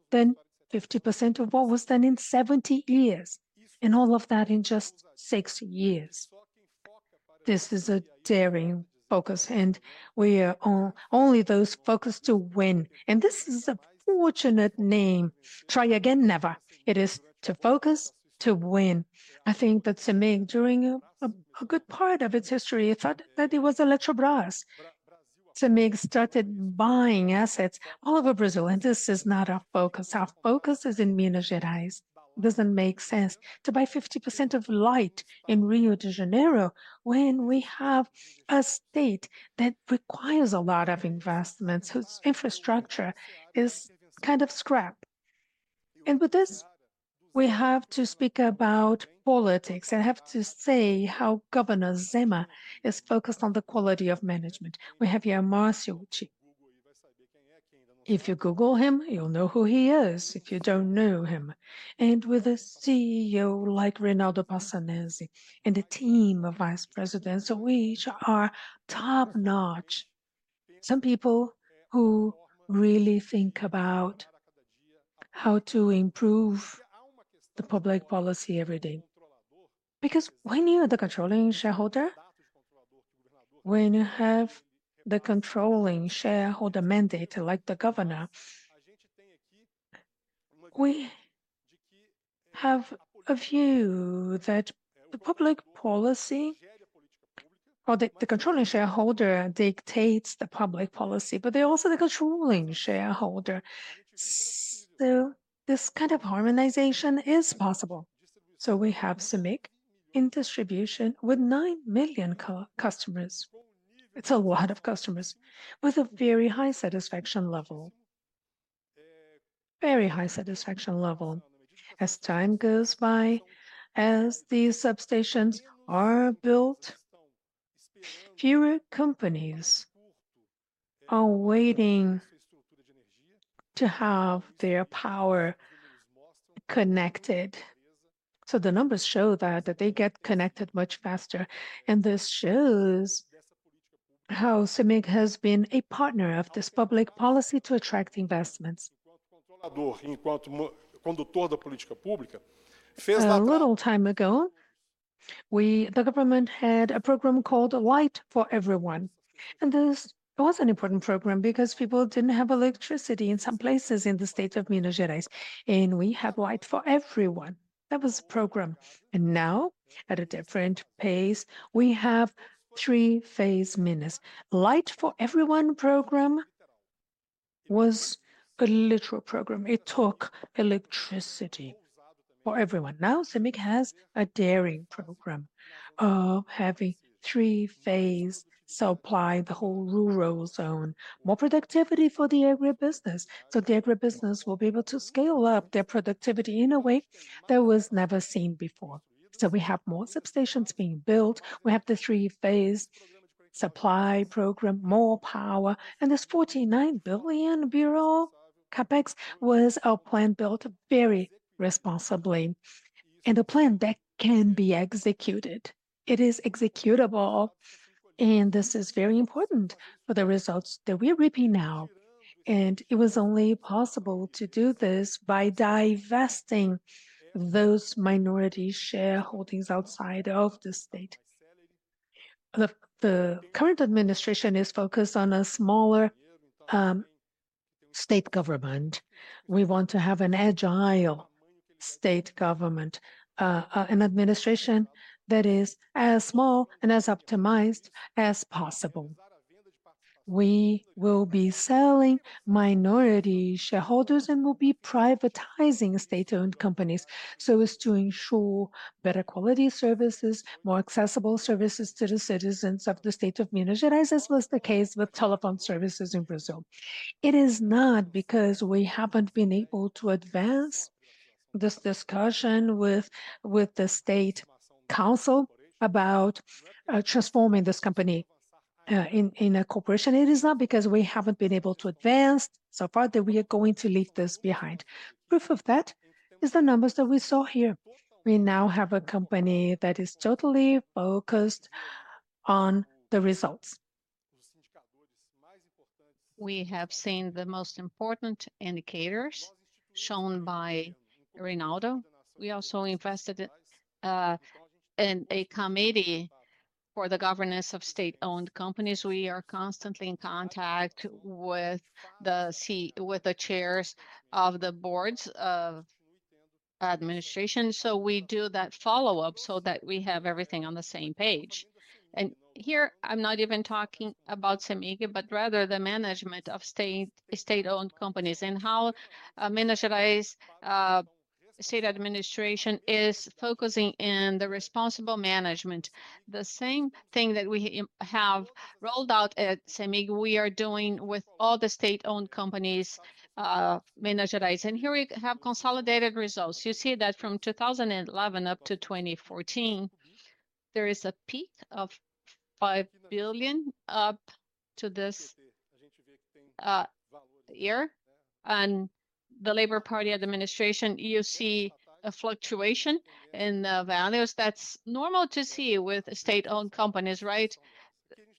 than 50% of what was done in 70 years, and all of that in just six years. This is a daring focus, and we are only those focused to win. And this is a fortunate name. Try again? Never. It is to focus to win. I think that CEMIG, during a good part of its history, it thought that it was Eletrobras. CEMIG started buying assets all over Brazil, and this is not our focus. Our focus is in Minas Gerais. doesn't make sense to buy 50% of Light in Rio de Janeiro when we have a state that requires a lot of investments, whose infrastructure is kind of scrap. With this, we have to speak about politics, and I have to say how Governor Zema is focused on the quality of management. We have here Márcio, Chair. If you Google him, you'll know who he is, if you don't know him. With a CEO like Reynaldo Passanezi and a team of vice presidents which are top-notch, some people who really think about how to improve the public policy every day. Because when you are the controlling shareholder, when you have the controlling shareholder mandate, like the governor, we have a view that the public policy, or the controlling shareholder dictates the public policy, but they're also the controlling shareholder, so this kind of harmonization is possible. We have CEMIG in distribution with nine million customers. It's a lot of customers, with a very high satisfaction level. Very high satisfaction level. As time goes by, as these substations are built, fewer companies are waiting to have their power connected. The numbers show that they get connected much faster, and this shows how CEMIG has been a partner of this public policy to attract investments. A little time ago, the government had a program called Light for Everyone, and this was an important program because people didn't have electricity in some places in the state of Minas Gerais, and we have Light for Everyone. That was the program. Now, at a different pace, we have Minas Trifásico. Light for Everyone program was a federal program. It took electricity for everyone. Now, CEMIG has a daring program of having three-phase supply the whole rural zone. More productivity for the agribusiness, so the agribusiness will be able to scale up their productivity in a way that was never seen before. So we have more substations being built. We have the three-phase supply program, more power, and this 49 billion CapEx was our plan built very responsibly, and a plan that can be executed. It is executable, and this is very important for the results that we're reaping now, and it was only possible to do this by divesting those minority shareholdings outside of the state. The current administration is focused on a smaller state government. We want to have an agile state government, an administration that is as small and as optimized as possible. We will be selling minority shareholders and will be privatizing state-owned companies so as to ensure better quality services, more accessible services to the citizens of the state of Minas Gerais, as was the case with telephone services in Brazil. It is not because we haven't been able to advance this discussion with the state council about transforming this company in a corporation. It is not because we haven't been able to advance so far that we are going to leave this behind. Proof of that is the numbers that we saw here. We now have a company that is totally focused on the results. We have seen the most important indicators shown by Reynaldo. We also invested in it in a committee for the governance of state-owned companies. We are constantly in contact with the chairs of the boards of administration, so we do that follow-up so that we have everything on the same page. Here, I'm not even talking about CEMIG, but rather the management of state-owned companies and how Minas Gerais state administration is focusing in the responsible management. The same thing that we have rolled out at CEMIG, we are doing with all the state-owned companies of Minas Gerais. Here we have consolidated results. You see that from 2011 up to 2014, there is a peak of 5 billion up to this year. On the Labor Party administration, you see a fluctuation in values. That's normal to see with state-owned companies, right?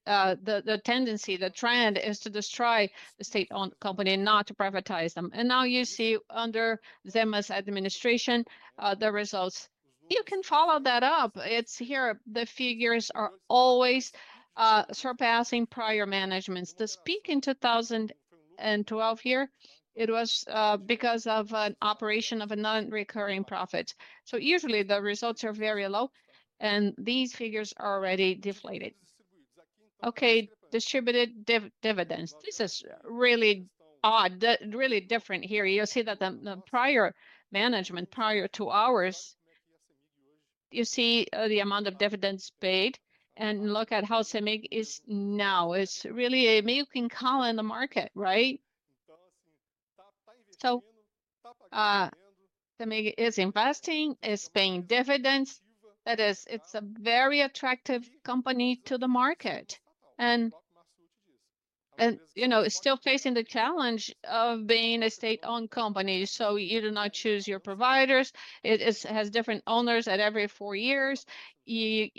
The tendency, the trend is to destroy the state-owned company, not to privatize them. Now you see under Zema's administration, the results. You can follow that up, it's here. The figures are always surpassing prior managements. The peak in 2012 here, it was because of an operation of a non-recurring profit. So usually the results are very low, and these figures are already deflated. Okay, distributed dividends. This is really odd, really different here. You'll see that the prior management, prior to ours, you see, the amount of dividends paid, and look at how CEMIG is now. It's really a making call in the market, right? So, CEMIG is investing, is paying dividends. That is, it's a very attractive company to the market. You know, it's still facing the challenge of being a state-owned company, so you do not choose your providers. It has different owners every four years.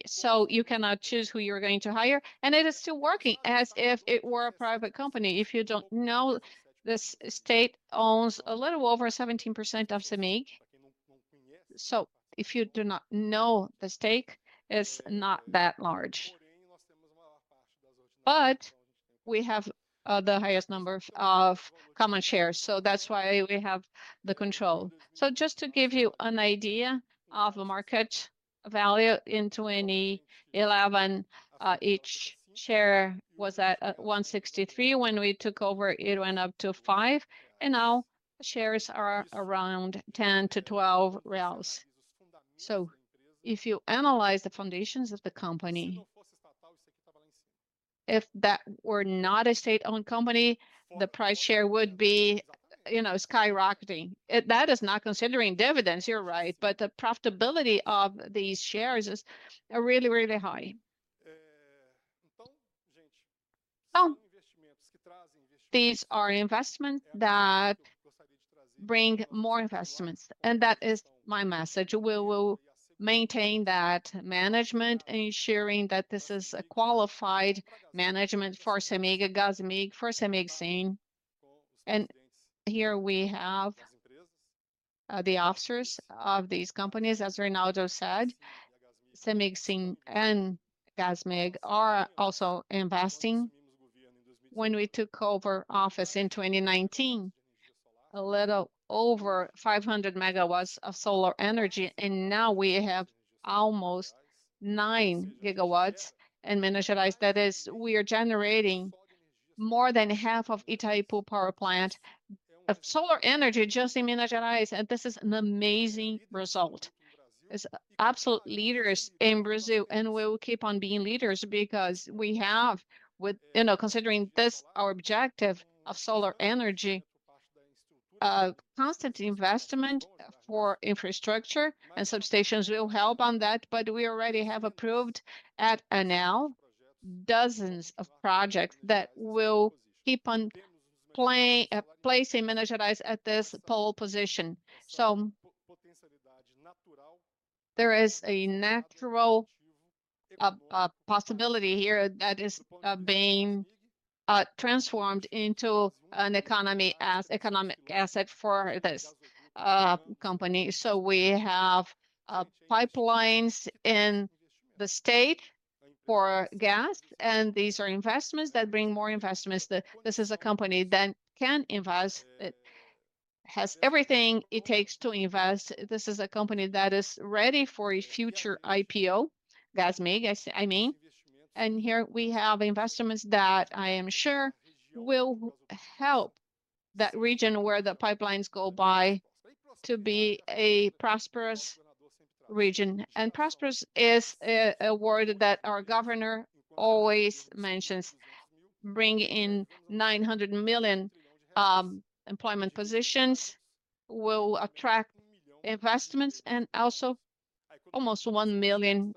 So you cannot choose who you're going to hire, and it is still working as if it were a private company. If you don't know, the state owns a little over 17% of CEMIG. So if you do not know, the stake is not that large. But we have the highest number of common shares, so that's why we have the control. So just to give you an idea of the market value in 2011, each share was at 163. When we took over, it went up to five, and now shares are around 10- 12 reais. If you analyze the foundations of the company, if that were not a state-owned company, the price share would be, you know, skyrocketing. That is not considering dividends, you're right, but the profitability of these shares is, are really, really high. So these are investments that bring more investments, and that is my message. We will maintain that management, ensuring that this is a qualified management for CEMIG, Gasmig, for CEMIG SIM. And here we have the officers of these companies. As Reynaldo said, CEMIG SIM and Gasmig are also investing. When we took over office in 2019, a little over 500 megawatts of solar energy, and now we have almost 9 GW in Minas Gerais. That is, we are generating more than half of Itaipu Power Plant of solar energy just in Minas Gerais, and this is an amazing result. It's absolute leaders in Brazil, and we will keep on being leaders because we have with... You know, considering this our objective of solar energy, constant investment for infrastructure and substations will help on that, but we already have approved at ANEEL dozens of projects that will keep on play, placing Minas Gerais at this pole position. So, there is a natural possibility here that is being transformed into an economic asset for this company. So we have pipelines in the state for gas, and these are investments that bring more investments. This is a company that can invest. It has everything it takes to invest. This is a company that is ready for a future IPO, Gasmig, I mean. Here we have investments that I am sure will help that region where the pipelines go by to be a prosperous region. Prosperous is a word that our governor always mentions. Bring in 900 million employment positions will attract investments, and also almost 1 million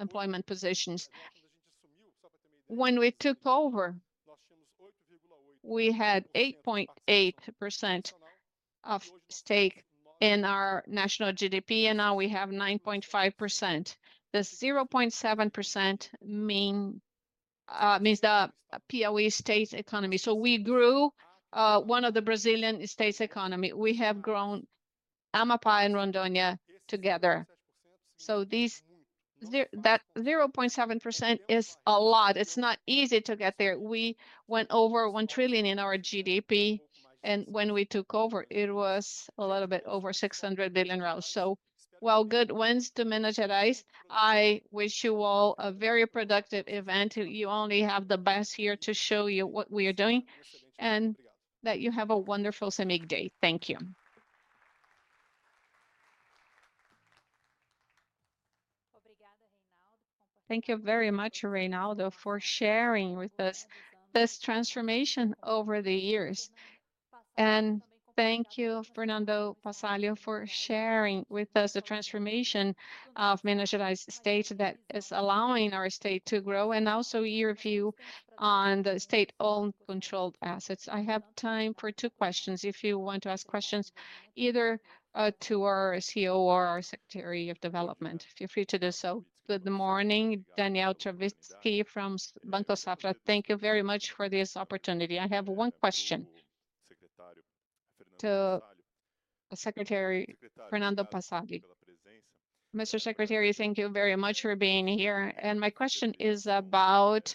employment positions. When we took over, we had 8.8% stake in our national GDP, and now we have 9.5%. The 0.7% means the whole state's economy. So we grew one of the Brazilian state's economy. We have grown Amapá and Rondônia together. So these, that 0.7% is a lot. It's not easy to get there. We went over 1 trillion in our GDP, and when we took over, it was a little bit over 600 billion reais. So well, good winds to Minas Gerais. I wish you all a very productive event. You only have the best here to show you what we are doing, and that you have a wonderful CEMIG Day. Thank you. Thank you very much, Reynaldo, for sharing with us this transformation over the years. And thank you, Fernando Passalio, for sharing with us the transformation of Minas Gerais state that is allowing our state to grow, and also your view on the state-owned controlled assets. I have time for two questions, if you want to ask questions, either, to our CEO or our Secretary of Development. Feel free to do so. Good morning, Daniel Travitzky from Banco Safra. Thank you very much for this opportunity. I have one question to Secretary Fernando Passalio. Mr. Secretary, thank you very much for being here, and my question is about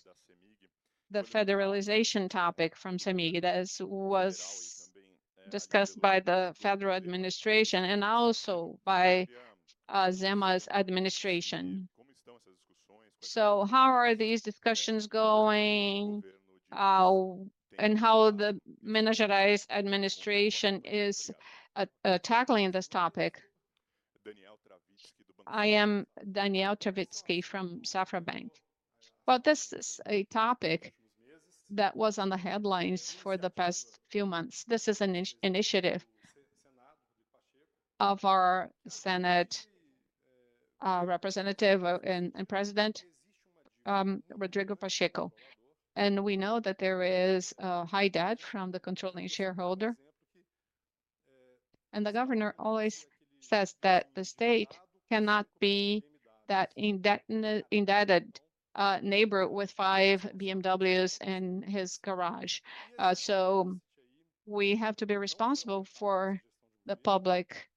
the federalization topic from CEMIG that is, was discussed by the federal administration and also by, Zema's administration. So how are these discussions going, and how the Minas Gerais administration is tackling this topic? Daniel Travitzky: I am Daniel Travitzky from Banco Safra. Well, this is a topic that was on the headlines for the past few months. This is an initiative of our Senate representative and President, Rodrigo Pacheco. And we know that there is a high debt from the controlling shareholder, and the governor always says that the state cannot be that indebted neighbor with five BMWs in his garage. So we have to be responsible for the public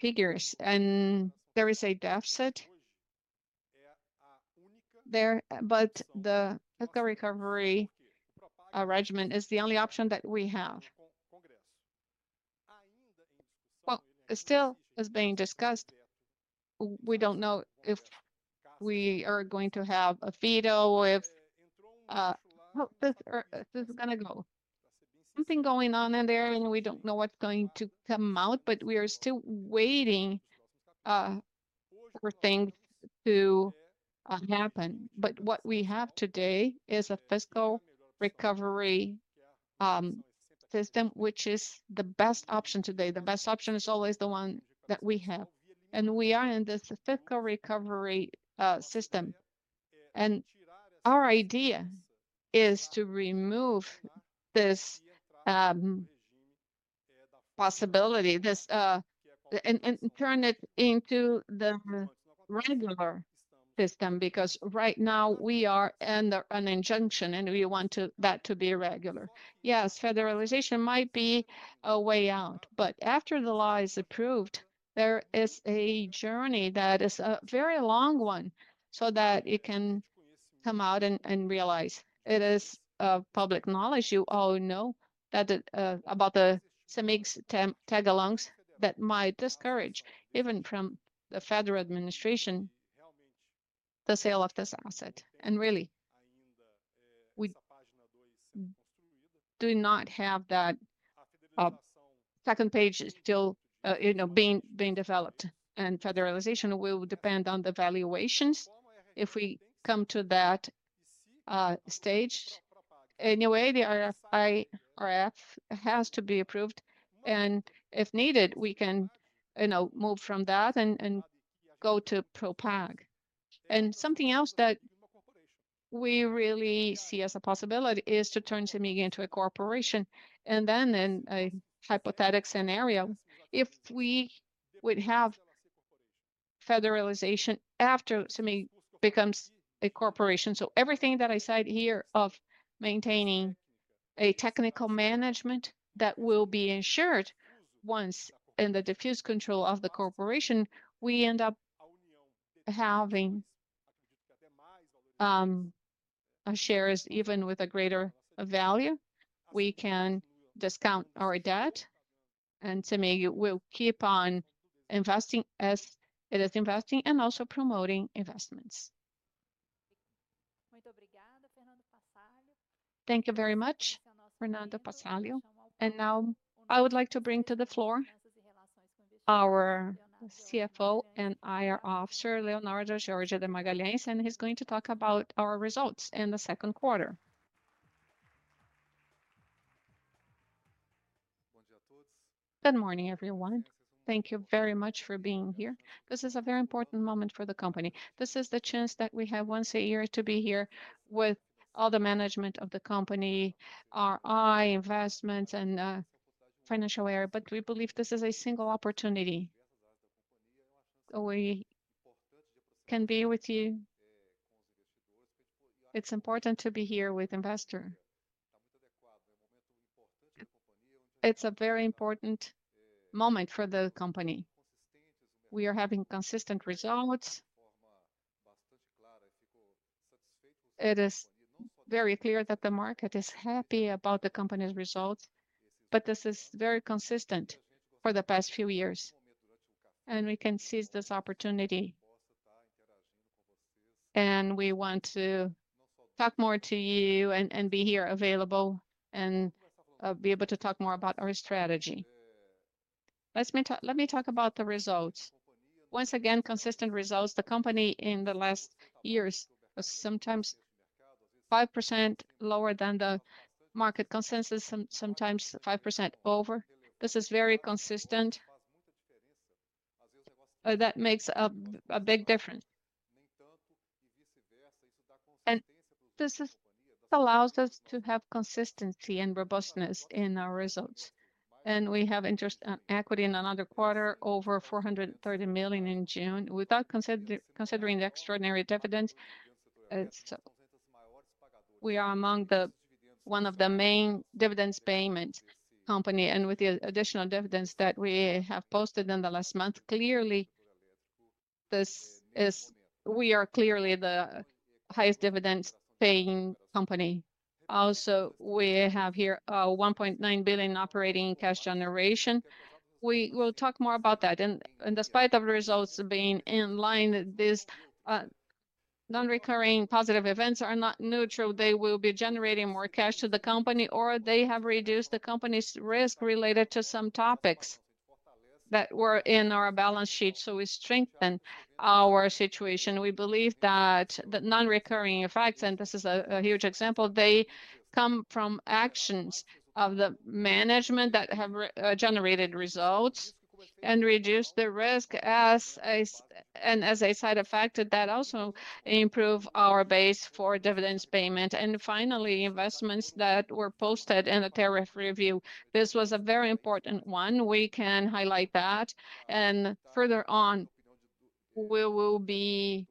figures, and there is a deficit there, but the recovery regime is the only option that we have. Well, it still is being discussed. We don't know if we are going to have a veto or if how this is gonna go. Something going on in there, and we don't know what's going to come out, but we are still waiting for things to happen. But what we have today is a Fiscal Recovery Regime, which is the best option today. The best option is always the one that we have, and we are in this Fiscal Recovery Regime. Our idea is to remove this possibility, this... And turn it into the regular system, because right now we are under an injunction, and we want that to be regular. Yes, federalization might be a way out, but after the law is approved, there is a journey that is a very long one, so that it can come out and realize. It is public knowledge. You all know that about CEMIG's tag-alongs that might discourage, even from the federal administration, the sale of this asset. And really, we do not have that second page until, you know, being developed, and federalization will depend on the valuations if we come to that stage. Anyway, the RRF has to be approved, and if needed, we can, you know, move from that and go to IPO. And something else that we really see as a possibility is to turn CEMIG into a corporation, and then in a hypothetical scenario, if we would have federalization after CEMIG becomes a corporation. So everything that I said here of maintaining a technical management, that will be ensured once in the diffused control of the corporation, we end up having our shares even with a greater value. We can discount our debt, and CEMIG will keep on investing as it is investing and also promoting investments. Thank you very much, Fernando Passalio, and now I would like to bring to the floor our CFO and IR officer, Leonardo George de Magalhães, and he's going to talk about our results in the second quarter. Good morning, everyone. Thank you very much for being here. This is a very important moment for the company. This is the chance that we have once a year to be here with all the management of the company, our analysts and investors, and financial area, but we believe this is a single opportunity, so we can be with you. It's important to be here with investors. It's a very important moment for the company. We are having consistent results. It is very clear that the market is happy about the company's results, but this is very consistent for the past few years, and we can seize this opportunity. We want to talk more to you and be here available and be able to talk more about our strategy. Let me talk about the results. Once again, consistent results. The company in the last years was sometimes 5% lower than the market consensus, sometimes 5% over. This is very consistent. That makes a big difference. And this allows us to have consistency and robustness in our results. And we have interest equity in another quarter, over 430 million in June. Without considering the extraordinary dividends, it's... We are among the one of the main dividend paying companies, and with the additional dividends that we have posted in the last month, clearly this is. We are clearly the highest dividend paying company. Also, we have here 1.9 billion operating cash generation. We will talk more about that. And despite of the results being in line, these non-recurring positive events are not neutral. They will be generating more cash to the company, or they have reduced the company's risk related to some topics that were in our balance sheet, so we strengthen our situation. We believe that the non-recurring effects, and this is a huge example, they come from actions of the management that have re-generated results and reduced the risk as a side effect, that also improve our base for dividend payment. Finally, investments that were posted in the tariff review. This was a very important one. We can highlight that, and further on, we will be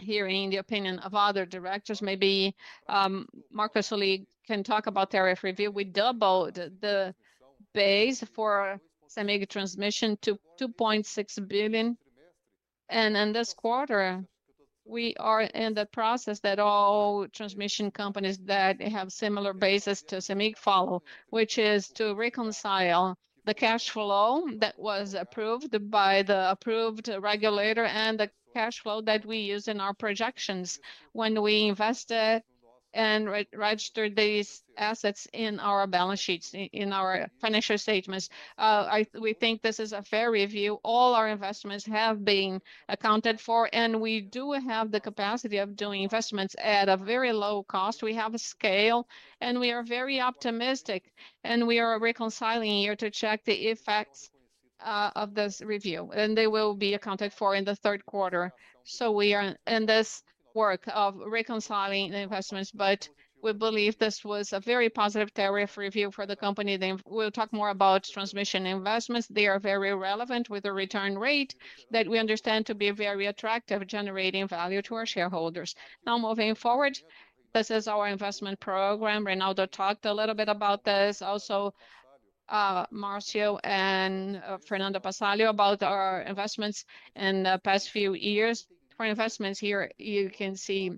hearing the opinion of other directors. Maybe, Marco Soligo can talk about tariff review. We doubled the base for CEMIG transmission to 2.6 billion, and in this quarter, we are in the process that all transmission companies that have similar bases to CEMIG follow, which is to reconcile the cash flow that was approved by the approved regulator and the cash flow that we use in our projections when we invested and re-registered these assets in our balance sheets, in our financial statements. We think this is a fair review. All our investments have been accounted for, and we do have the capacity of doing investments at a very low cost. We have a scale, and we are very optimistic, and we are reconciling here to check the effects of this review, and they will be accounted for in the third quarter. So we are in this work of reconciling the investments, but we believe this was a very positive tariff review for the company. Then we'll talk more about transmission investments. They are very relevant with a return rate that we understand to be very attractive, generating value to our shareholders. Now, moving forward, this is our investment program. Reynaldo talked a little bit about this, also Márcio and Fernando Passalio, about our investments in the past few years. For investments here, you can see,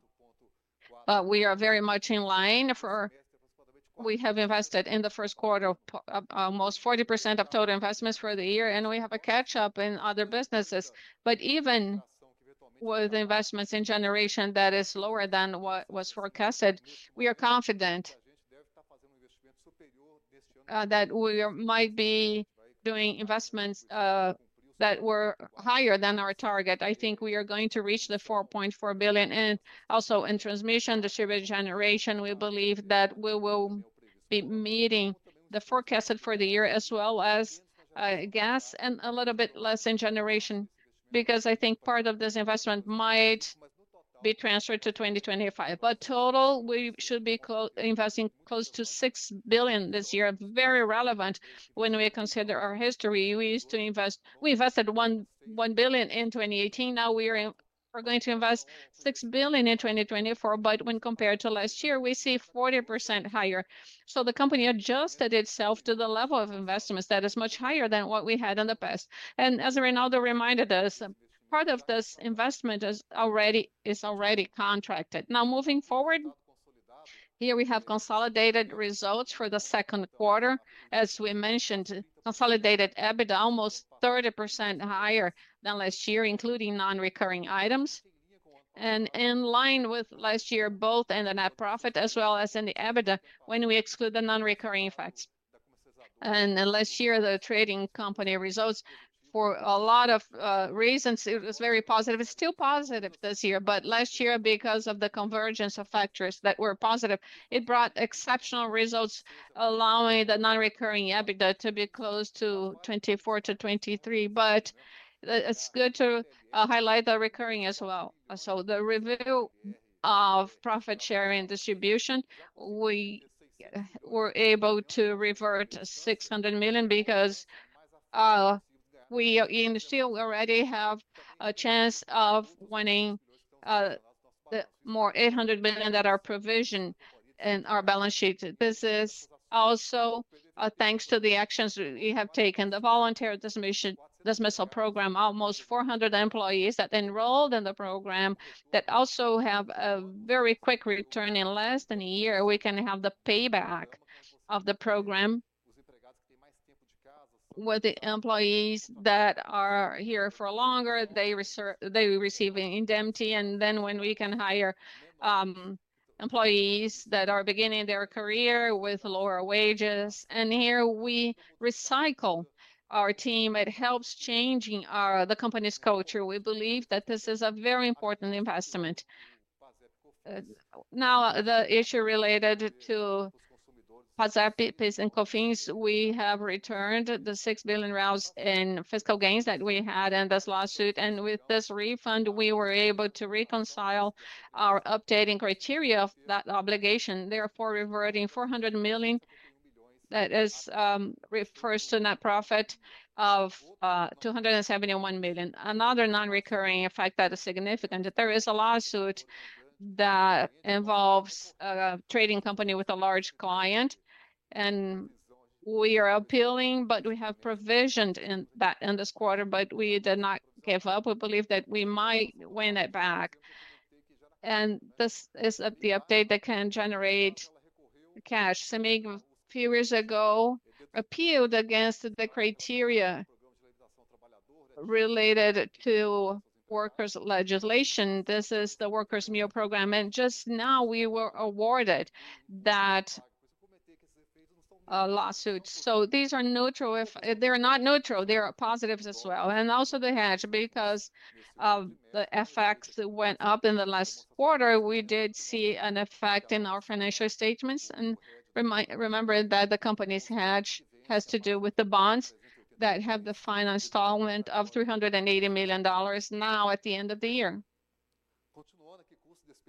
we are very much in line for... We have invested in the first quarter almost 40% of total investments for the year, and we have a catch-up in other businesses. But even with investments in generation that is lower than what was forecasted, we are confident that we might be doing investments that were higher than our target. I think we are going to reach 4.4 billion. And also in transmission, distribution, generation, we believe that we will be meeting the forecasted for the year, as well as gas and a little bit less in generation, because I think part of this investment might be transferred to 2025. But total, we should be investing close to 6 billion this year. Very relevant when we consider our history. We used to invest. We invested one billion in 2018. Now we're going to invest 6 billion in 2024, but when compared to last year, we see 40% higher. The company adjusted itself to the level of investments that is much higher than what we had in the past. As Reynaldo reminded us, part of this investment is already contracted. Now, moving forward, here we have consolidated results for the second quarter. As we mentioned, consolidated EBITDA, almost 30% higher than last year, including non-recurring items, and in line with last year, both in the net profit as well as in the EBITDA when we exclude the non-recurring effects. Last year, the trading company results, for a lot of reasons, it was very positive. It's still positive this year, but last year, because of the convergence of factors that were positive, it brought exceptional results, allowing the non-recurring EBITDA to be close to 24-23. But it's good to highlight the recurring as well. So the review of profit sharing and distribution, we were able to revert 600 million because we and still already have a chance of winning the more 800 million that are provisioned in our balance sheets. This is also thanks to the actions we have taken, the Voluntary Dismissal Program, almost 400 employees that enrolled in the program, that also have a very quick return. In less than a year, we can have the payback of the program. With the employees that are here for longer, they receive an indemnity, and then when we can hire, employees that are beginning their career with lower wages, and here we recycle our team, it helps changing our, the company's culture. We believe that this is a very important investment. Now, the issue related to PIS/COFINS, we have returned the 6 billion in fiscal gains that we had in this lawsuit, and with this refund, we were able to reconcile our updating criteria of that obligation, therefore reverting 400 million. That is, refers to net profit of, 271 million. Another non-recurring effect that is significant, that there is a lawsuit that involves, a trading company with a large client, and we are appealing, but we have provisioned in that, in this quarter, but we did not give up. We believe that we might win it back, and this is the update that can generate cash. CEMIG, a few years ago, appealed against the criteria related to workers' legislation. This is the Workers' Meal Program, and just now, we were awarded that lawsuit. So these are neutral. They're not neutral, they are positives as well. And also the hedge, because of the FX that went up in the last quarter, we did see an effect in our financial statements. And remember that the company's hedge has to do with the bonds that have the final installment of $380 million now, at the end of the year.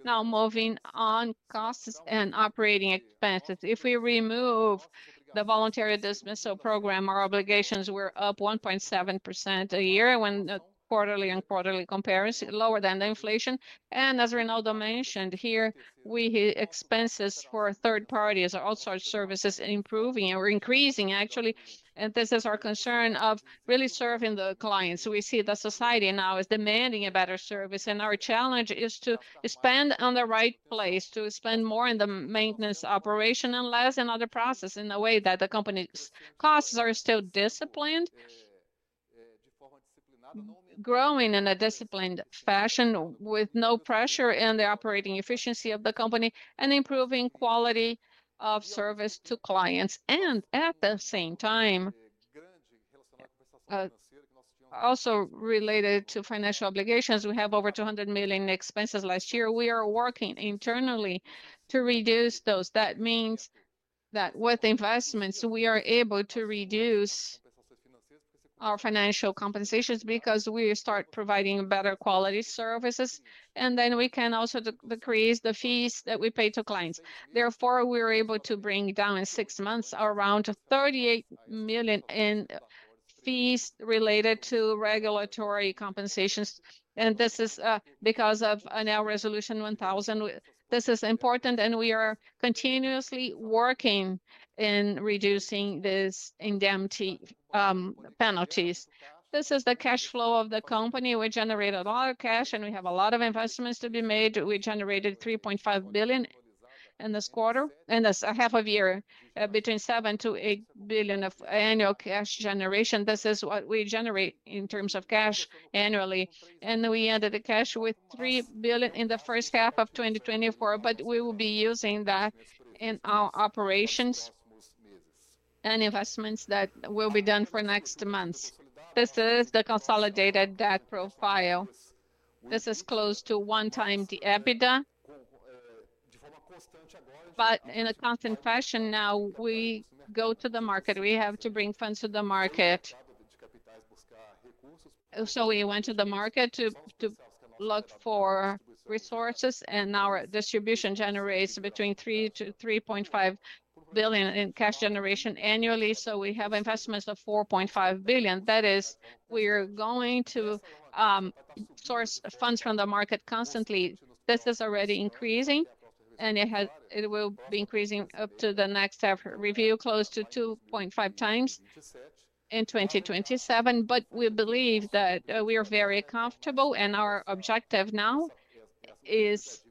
Now, moving on, costs and operating expenses. If we remove the Voluntary Dismissal Program, our obligations were up 1.7% a year, when quarterly-and-quarterly comparison, lower than the inflation. And as Reynaldo mentioned here, expenses for third parties or outsourced services improving or increasing, actually, and this is our concern of really serving the clients. So we see that society now is demanding a better service, and our challenge is to spend on the right place, to spend more in the maintenance operation and less in other processes, in a way that the company's costs are still disciplined, growing in a disciplined fashion, with no pressure in the operating efficiency of the company, and improving quality of service to clients. And at the same time, also related to financial obligations, we have over 200 million expenses last year. We are working internally to reduce those. That means that with investments, we are able to reduce our financial compensations because we start providing better quality services, and then we can also decrease the fees that we pay to clients. Therefore, we're able to bring down in six months around 38 million in fees related to regulatory compensations, and this is because of now Resolution 1000. This is important, and we are continuously working in reducing these indemnity penalties. This is the cash flow of the company. We generated a lot of cash, and we have a lot of investments to be made. We generated 3.5 billion in this quarter, in this half of year, between 7 billion-8 billion of annual cash generation. This is what we generate in terms of cash annually, and we ended the cash with 3 billion in the first half of 2024, but we will be using that in our operations and investments that will be done for next months. This is the consolidated debt profile. This is close to one time the EBITDA, but in a constant fashion, now we go to the market. We have to bring funds to the market. So we went to the market to look for resources, and our distribution generates between 3 billion-3.5 billion in cash generation annually, so we have investments of 4.5 billion. That is, we are going to source funds from the market constantly. This is already increasing, and it will be increasing up to the next half review, close to 2.5x in 2027. But we believe that we are very comfortable, and our objective now is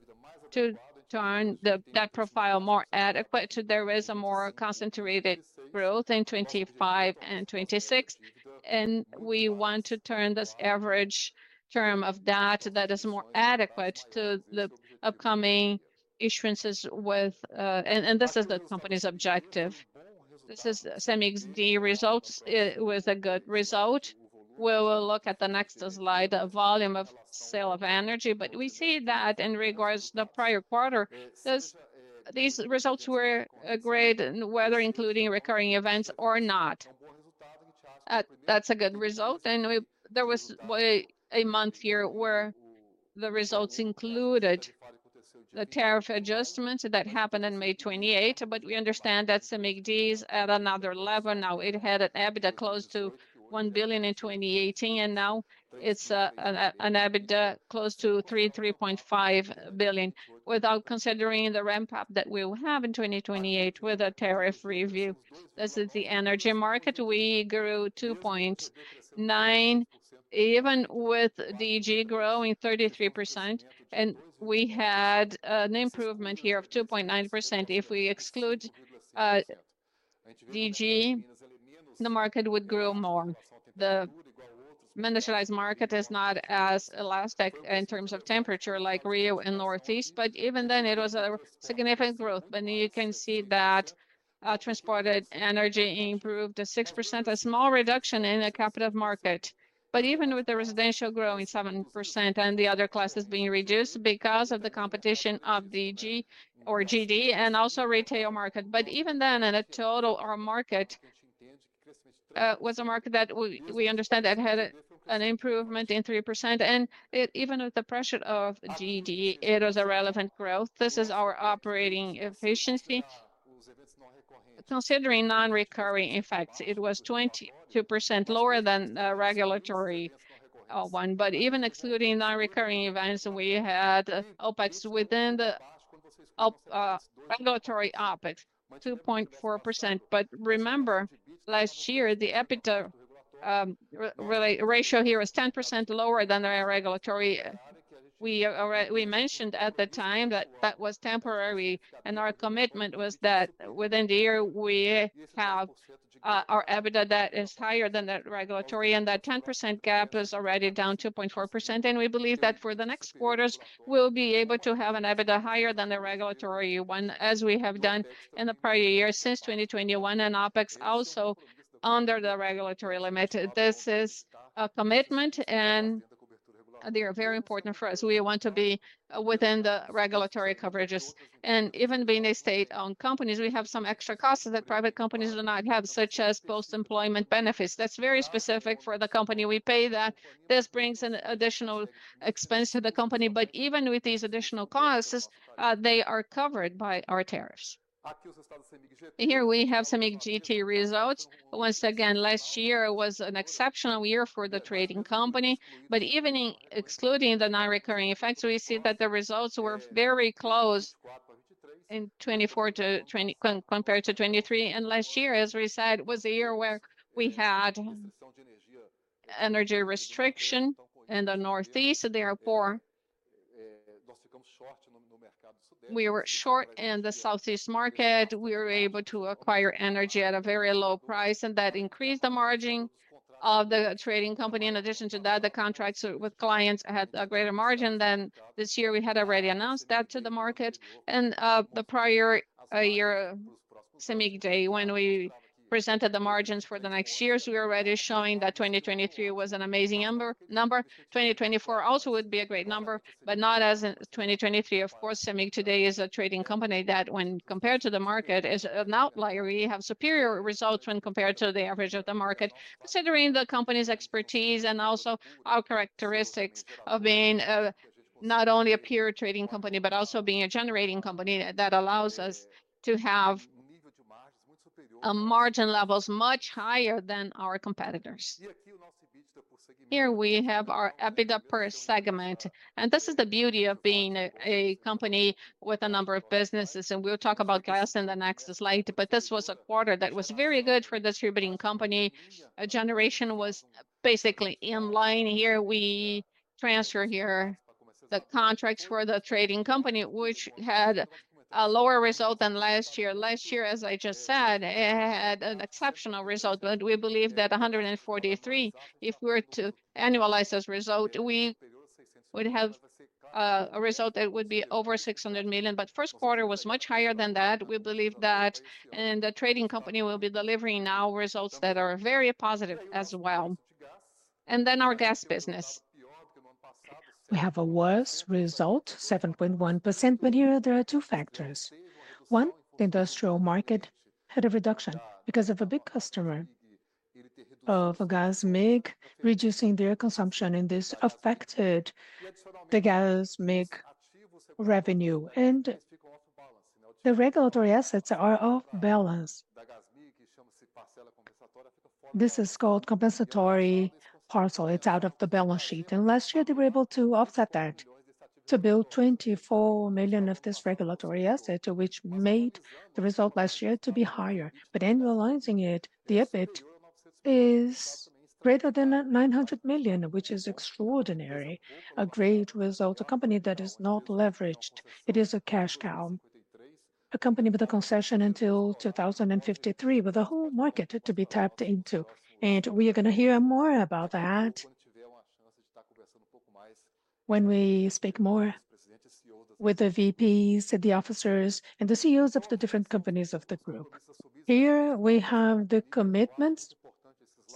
to turn the debt profile more adequate. There is a more concentrated growth in 2025 and 2026, and we want to turn this average term of debt that is more adequate to the upcoming issuances with... And this is the company's objective. This is CEMIG's. The results was a good result. We will look at the next slide, the volume of sale of energy. But we see that in regards to the prior quarter, these results were great, whether including recurring events or not. That's a good result, and we. There was a month here where the results included the tariff adjustments that happened in May 2018, but we understand that CEMIG is at another level now. It had an EBITDA close to 1 billion in 2018, and now it's an EBITDA close to 3.5 billion, without considering the ramp-up that we will have in 2028 with a tariff review. This is the energy market. We grew 2.9%, even with DG growing 33%, and we had an improvement here of 2.9%. If we exclude DG, the market would grow more. The industrialized market is not as elastic in terms of temperature, like Rio and Northeast, but even then, it was a significant growth. But you can see that transported energy improved to 6%, a small reduction in the competitive market. But even with the residential growing 7% and the other classes being reduced because of the competition of DG or GD and also retail market, but even then, in total, our market was a market that we understand that had an improvement in 3%, and it even with the pressure of DG, it was a relevant growth. This is our operating efficiency. Considering non-recurring effects, it was 22% lower than regulatory one. But even excluding non-recurring events, we had OpEx within the approved regulatory OpEx, 2.4%. But remember, last year, the EBITDA leverage ratio here was 10% lower than our regulatory. We mentioned at the time that that was temporary, and our commitment was that within the year, we have our EBITDA that is higher than the regulatory, and that 10% gap is already down 2.4%. And we believe that for the next quarters, we'll be able to have an EBITDA higher than the regulatory one, as we have done in the prior years, since 2021, and OpEx also under the regulatory limit. This is a commitment, and they are very important for us. We want to be within the regulatory coverages. And even being a state-owned company, we have some extra costs that private companies do not have, such as post-employment benefits. That's very specific for the company. We pay that. This brings an additional expense to the company, but even with these additional costs, they are covered by our tariffs. Here we have some CEMIG GT results. Once again, last year was an exceptional year for the trading company, but even in excluding the non-recurring effects, we see that the results were very close in 2024 compared to 2023. Last year, as we said, was a year where we had energy restriction in the Northeast, therefore, we were short in the southeast market. We were able to acquire energy at a very low price, and that increased the margin of the trading company. In addition to that, the contracts with clients had a greater margin than this year. We had already announced that to the market. The prior year, CEMIG Day, when we presented the margins for the next years, we were already showing that 2023 was an amazing number. 2024 also would be a great number, but not as in 2023. Of course, CEMIG today is a trading company that, when compared to the market, is an outlier. We have superior results when compared to the average of the market, considering the company's expertise and also our characteristics of being not only a pure trading company, but also being a generating company. That allows us to have margin levels much higher than our competitors. Here we have our EBITDA per segment, and this is the beauty of being a company with a number of businesses, and we'll talk about gas in the next slide. But this was a quarter that was very good for distributing company. Generation was basically in line. Here we transferred the contracts for the trading company, which had a lower result than last year. Last year, as I just said, it had an exceptional result, but we believe that 143, if we were to annualize this result, we would have a result that would be over 600 million. But first quarter was much higher than that. We believe that, and the trading company will be delivering now results that are very positive as well. And then our gas business. We have a worse result, 7.1%, but here there are two factors. One, the industrial market had a reduction because of a big customer of Gasmig reducing their consumption, and this affected the Gasmig revenue. And the regulatory assets are off balance. This is called compensatory parcel. It's out of the balance sheet. And last year, they were able to offset that, to build 24 million of this regulatory asset, which made the result last year to be higher. But annualizing it, the EBIT is greater than 900 million, which is extraordinary, a great result. A company that is not leveraged, it is a cash cow, a company with a concession until 2053, with a whole market to be tapped into. We are gonna hear more about that when we speak more with the VPs, the officers, and the CEOs of the different companies of the group. Here we have the commitments.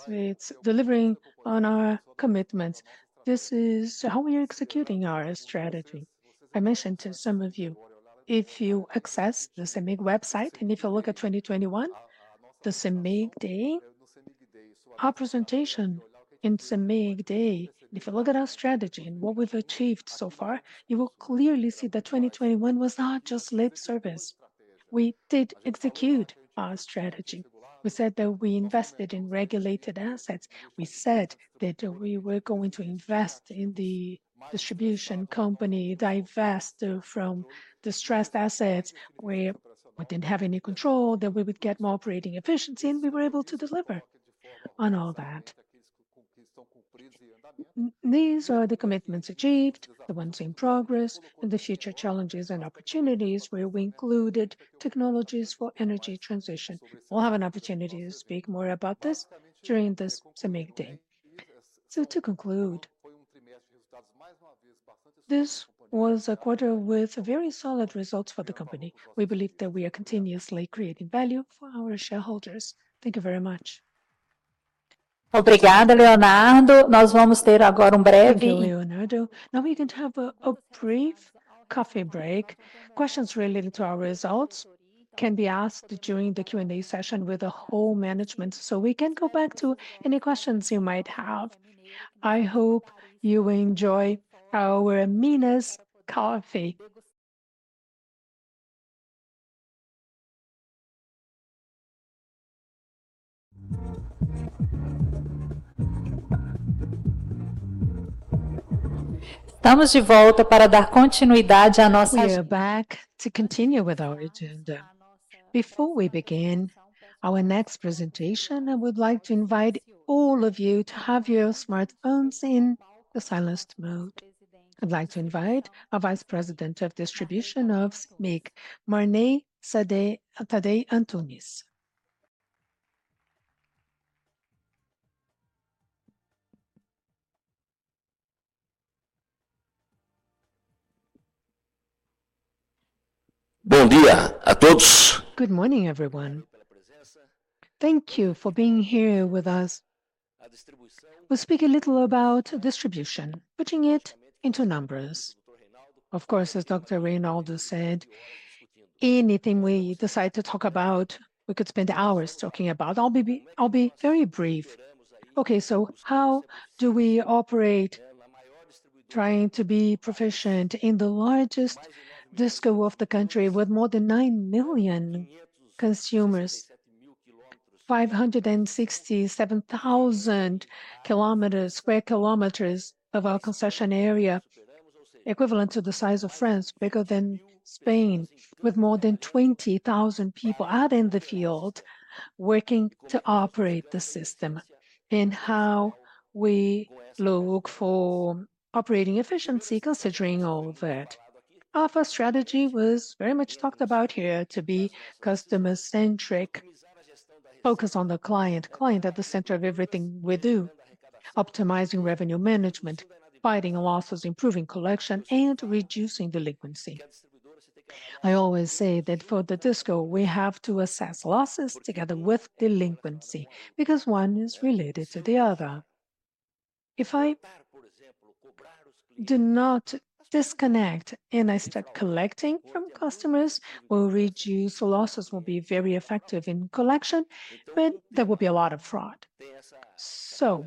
It's delivering on our commitments. This is how we are executing our strategy. I mentioned to some of you, if you access the CEMIG website, and if you look at 2021, the CEMIG Day, our presentation in CEMIG Day, if you look at our strategy and what we've achieved so far, you will clearly see that 2021 was not just lip service. We did execute our strategy. We said that we invested in regulated assets. We said that we were going to invest in the distribution company, divest from distressed assets where we didn't have any control, that we would get more operating efficiency, and we were able to deliver on all that. These are the commitments achieved, the ones in progress, and the future challenges and opportunities where we included technologies for energy transition. We'll have an opportunity to speak more about this during this CEMIG Day. So to conclude, this was a quarter with very solid results for the company. We believe that we are continuously creating value for our shareholders. Thank you very much. Thank you, Leonardo. Now we're going to have a brief coffee break. Questions related to our results can be asked during the Q&A session with the whole management, so we can go back to any questions you might have. I hope you enjoy our Minas coffee. We are back to continue with our agenda. Before we begin our next presentation, I would like to invite all of you to have your smartphones in the silenced mode. I'd like to invite our Vice President of Distribution of CEMIG, Marney Tadeu Antunes. Good morning, everyone. Thank you for being here with us. We'll speak a little about distribution, putting it into numbers. Of course, as Dr. Reynaldo said, anything we decide to talk about, we could spend hours talking about. I'll be very brief. Okay, so how do we operate, trying to be proficient in the largest disco of the country, with more than 9 million consumers? 567,000 sq km of our concession area, equivalent to the size of France, bigger than Spain, with more than 20,000 people out in the field, working to operate the system, and how we look for operating efficiency, considering all that? Our strategy was very much talked about here, to be customer-centric, focused on the client, client at the center of everything we do: optimizing revenue management, fighting losses, improving collection, and reducing delinquency. I always say that for the disco, we have to assess losses together with delinquency, because one is related to the other. If I do not disconnect and I start collecting from customers, we'll reduce. The losses will be very effective in collection, but there will be a lot of fraud, so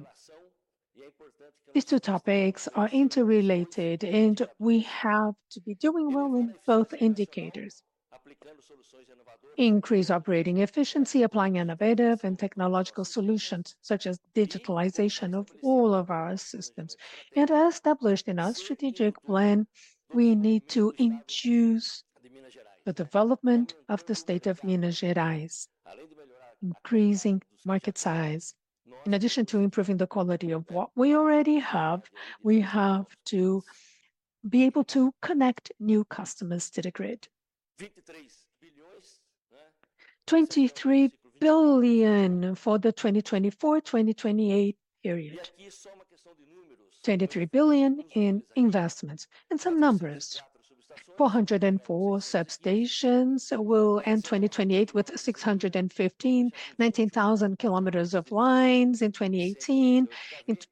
these two topics are interrelated, and we have to be doing well in both indicators. Increase operating efficiency, applying innovative and technological solutions, such as digitalization of all of our systems, and as established in our strategic plan, we need to induce the development of the state of Minas Gerais, increasing market size. In addition to improving the quality of what we already have, we have to be able to connect new customers to the grid. 23 billion for the 2024-2028 period. 23 billion in investments. And some numbers: 404 substations. We'll end 2028 with 615. 19,000 km of lines in 2018.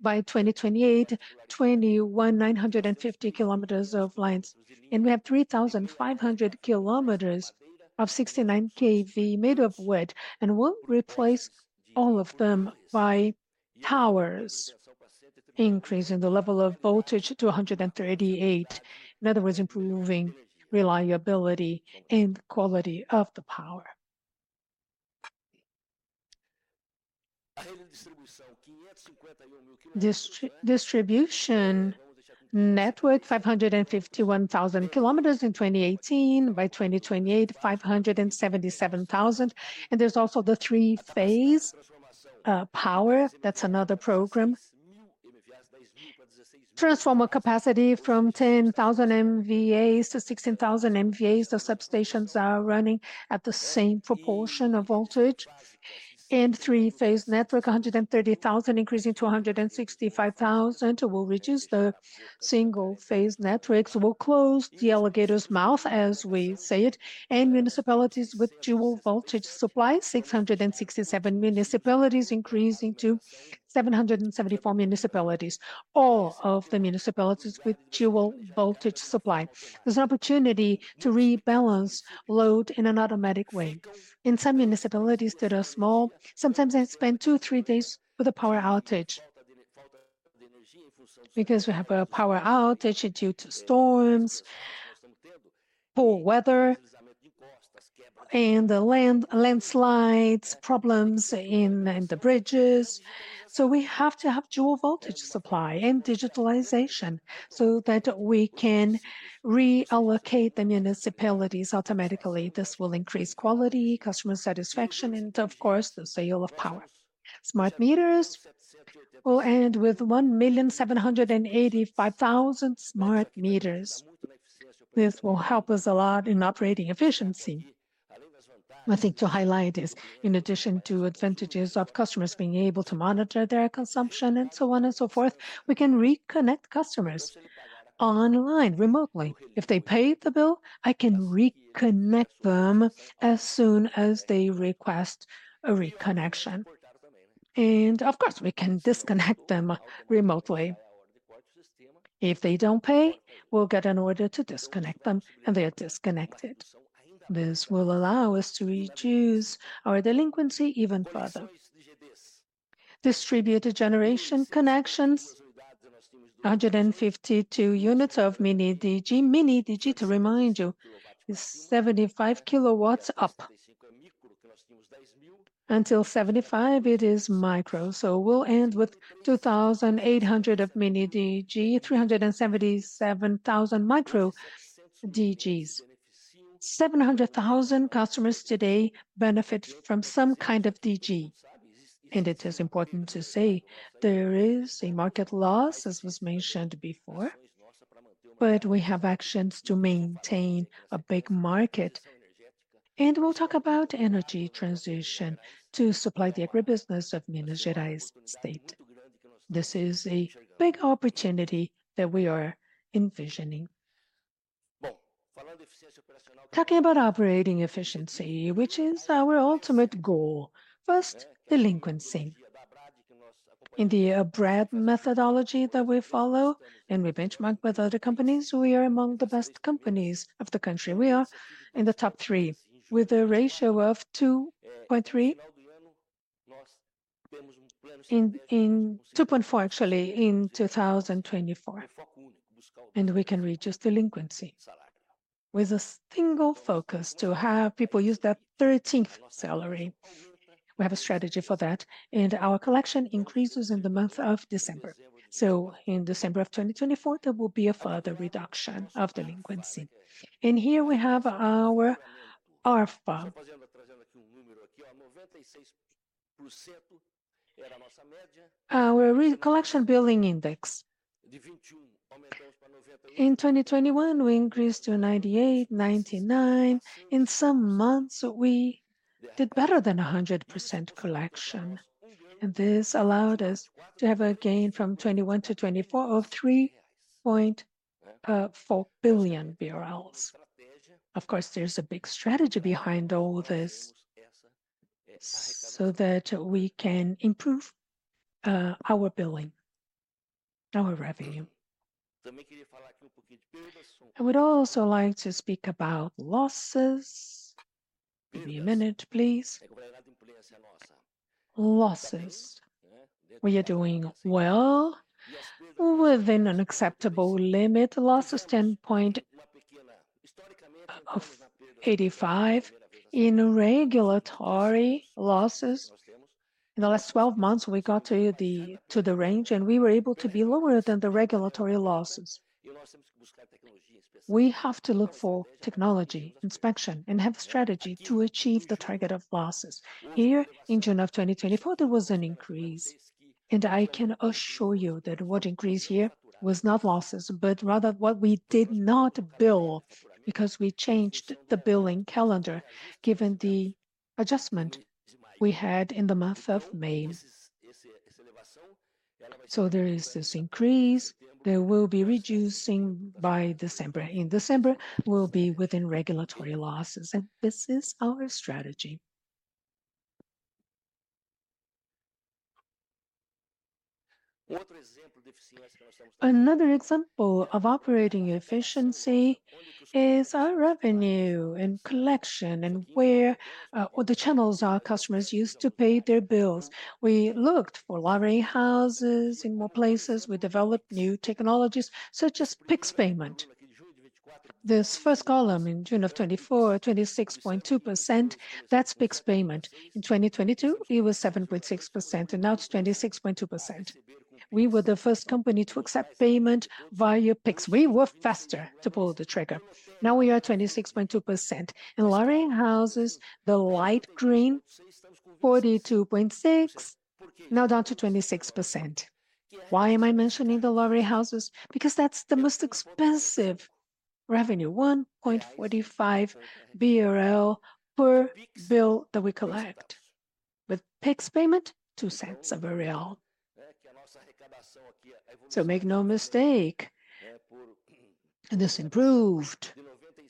By 2028, 21,950 km of lines. And we have 3,500 km of 69 kV made of wood, and we'll replace all of them by towers, increasing the level of voltage to 138. In other words, improving reliability and quality of the power. Distribution network, 551,000 km in 2018. By 2028, 577,000. And there's also the three-phase power. That's another program. Transformer capacity from 10,000 MVA-16,000 MVA, so substations are running at the same proportion of voltage. And three-phase network, 130,000, increasing to 165,000, will reduce the single-phase networks. We'll close the alligator's mouth, as we say it, in municipalities with dual voltage supply, 667 municipalities, increasing to 774 municipalities, all of the municipalities with dual voltage supply. There's an opportunity to rebalance load in an automatic way. In some municipalities that are small, sometimes they spend two, three days with a power outage. Because we have a power outage due to storms, poor weather, and the landslides, problems in the bridges. So we have to have dual voltage supply and digitalization, so that we can reallocate the municipalities automatically. This will increase quality, customer satisfaction, and of course, the sale of power. Smart meters, we'll end with one million seven hundred and eighty-five thousand smart meters. This will help us a lot in operating efficiency. One thing to highlight is, in addition to advantages of customers being able to monitor their consumption, and so on and so forth, we can reconnect customers online, remotely. If they pay the bill, I can reconnect them as soon as they request a reconnection, and of course, we can disconnect them remotely. If they don't pay, we'll get an order to disconnect them, and they are disconnected. This will allow us to reduce our delinquency even further. Distributed Generation connections, 152 units of mini DG. Mini DG, to remind you, is 75 kilowatts up. Until 75, it is micro, so we'll end with 2,800 of mini DG, 377,000 micro DGs. 700,000 customers today benefit from some kind of DG, and it is important to say there is a market loss, as was mentioned before, but we have actions to maintain a big market. We'll talk about energy transition to supply the agribusiness of Minas Gerais state. This is a big opportunity that we are envisioning. Talking about operating efficiency, which is our ultimate goal. First, delinquency. In the ABRADEE methodology that we follow, and we benchmark with other companies, we are among the best companies of the country. We are in the top three, with a ratio of 2.3. In 2.4, actually, in 2024, and we can reduce delinquency. With a single focus to have people use that thirteenth salary. We have a strategy for that, and our collection increases in the month of December. In December of 2024, there will be a further reduction of delinquency. Here we have our IAR, our receivables collection billing index. In 2021, we increased to 98, 99. In some months, we did better than 100% collection, and this allowed us to have a gain from 2021-2024 of 3.4 billion BRL. Of course, there's a big strategy behind all this, so that we can improve our billing, our revenue. I would also like to speak about losses. Give me a minute, please. Losses. We are doing well, within an acceptable limit. Losses, 10.85. In regulatory losses, in the last twelve months, we got to the range, and we were able to be lower than the regulatory losses. We have to look for technology, inspection, and have a strategy to achieve the target of losses. Here, in June of 2024, there was an increase, and I can assure you that what increased here was not losses, but rather what we did not bill, because we changed the billing calendar, given the adjustment we had in the month of May. So there is this increase, there will be reducing by December. In December, we'll be within regulatory losses, and this is our strategy. Another example of operating efficiency is our revenue and collection, and where, or the channels our customers use to pay their bills. We looked for lottery houses and more places. We developed new technologies, such as Pix payment. This first column in June of 2024, 26.2%, that's Pix payment. In 2022, it was 7.6%, and now it's 26.2%. We were the first company to accept payment via Pix. We were faster to pull the trigger. Now we are at 26.2%. In lottery houses, the light green, 42.6%, now down to 26%. Why am I mentioning the lottery houses? Because that's the most expensive revenue, 1.45 BRL per bill that we collect. With Pix payment, two cents of a real. So make no mistake, this improved.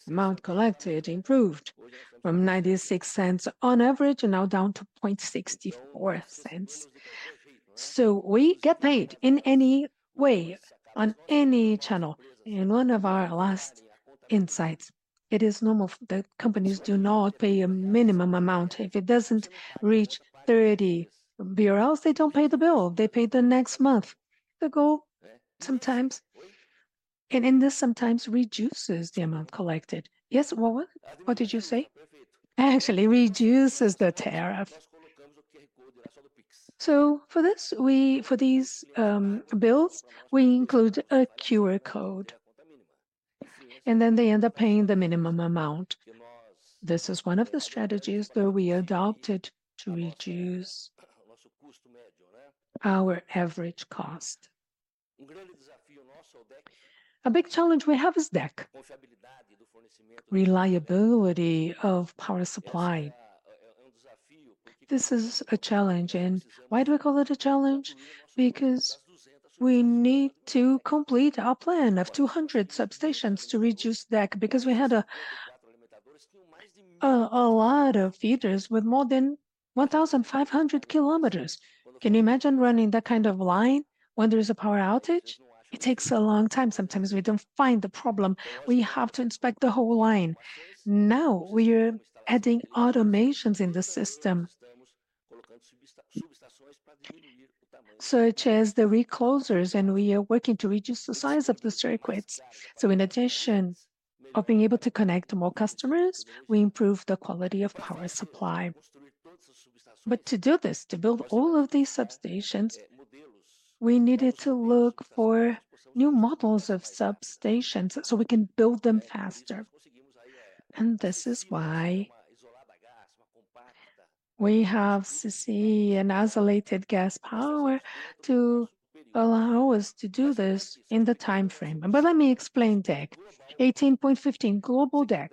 The amount collected improved from ninety-six cents on average, now down to point sixty-four cents. So we get paid in any way, on any channel. In one of our last insights, it is normal that companies do not pay a minimum amount. If it doesn't reach BRL 30, they don't pay the bill. They pay the next month. They go sometimes, and then this sometimes reduces the amount collected. Yes, Robert, what did you say? Actually reduces the tariff. For this, for these bills, we include a QR code, and then they end up paying the minimum amount. This is one of the strategies that we adopted to reduce our average cost. A big challenge we have is DEC, reliability of power supply. This is a challenge, and why do we call it a challenge? Because we need to complete our plan of 200 substations to reduce DEC, because we had a lot of feeders with more than 1,500 km. Can you imagine running that kind of line when there is a power outage? It takes a long time. Sometimes we don't find the problem. We have to inspect the whole line. Now, we are adding automations in the system, such as the reclosers, and we are working to reduce the size of the circuits. So in addition of being able to connect more customers, we improve the quality of power supply. But to do this, to build all of these substations, we needed to look for new models of substations so we can build them faster, and this is why we have CCEE and Gas Insulated Substations to allow us to do this in the timeframe. But let me explain DEC 18.15, Global DEC.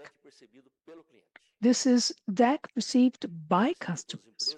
This is DEC perceived by customers.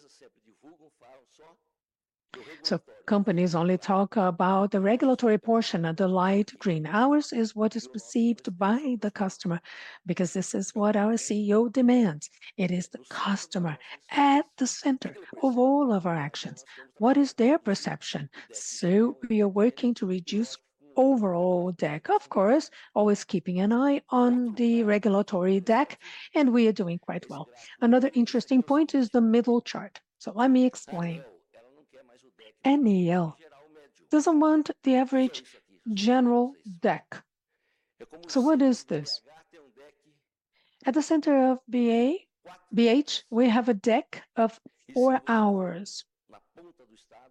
So companies only talk about the regulatory portion and the light green. Ours is what is perceived by the customer, because this is what our CEO demands. It is the customer at the center of all of our actions. What is their perception? So we are working to reduce overall DEC, of course, always keeping an eye on the regulatory DEC, and we are doing quite well. Another interesting point is the middle chart, so let me explain. ANEEL doesn't want the average general DEC. So what is this? At the center of BA, BH, we have a DEC of four hours.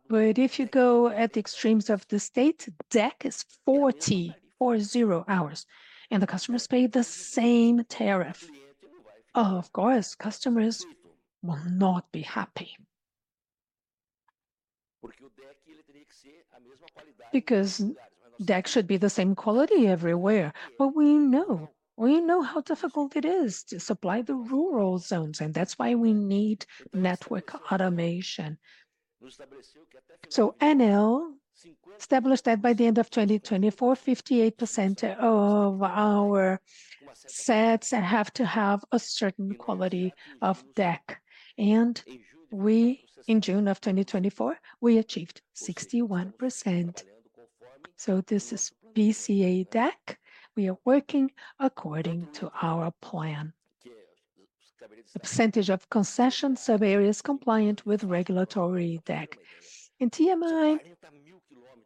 But if you go at the extremes of the state, DEC is forty, four zero, hours, and the customers pay the same tariff. Of course, customers will not be happy. Because DEC should be the same quality everywhere. But we know, we know how difficult it is to supply the rural zones, and that's why we need network automation. So ANEEL established that by the end of 2024, 58% of our sets have to have a certain quality of DEC, and we, in June of 2024, we achieved 61%. This is our DEC. We are working according to our plan. The percentage of concession sub-areas compliant with regulatory DEC. In TMA,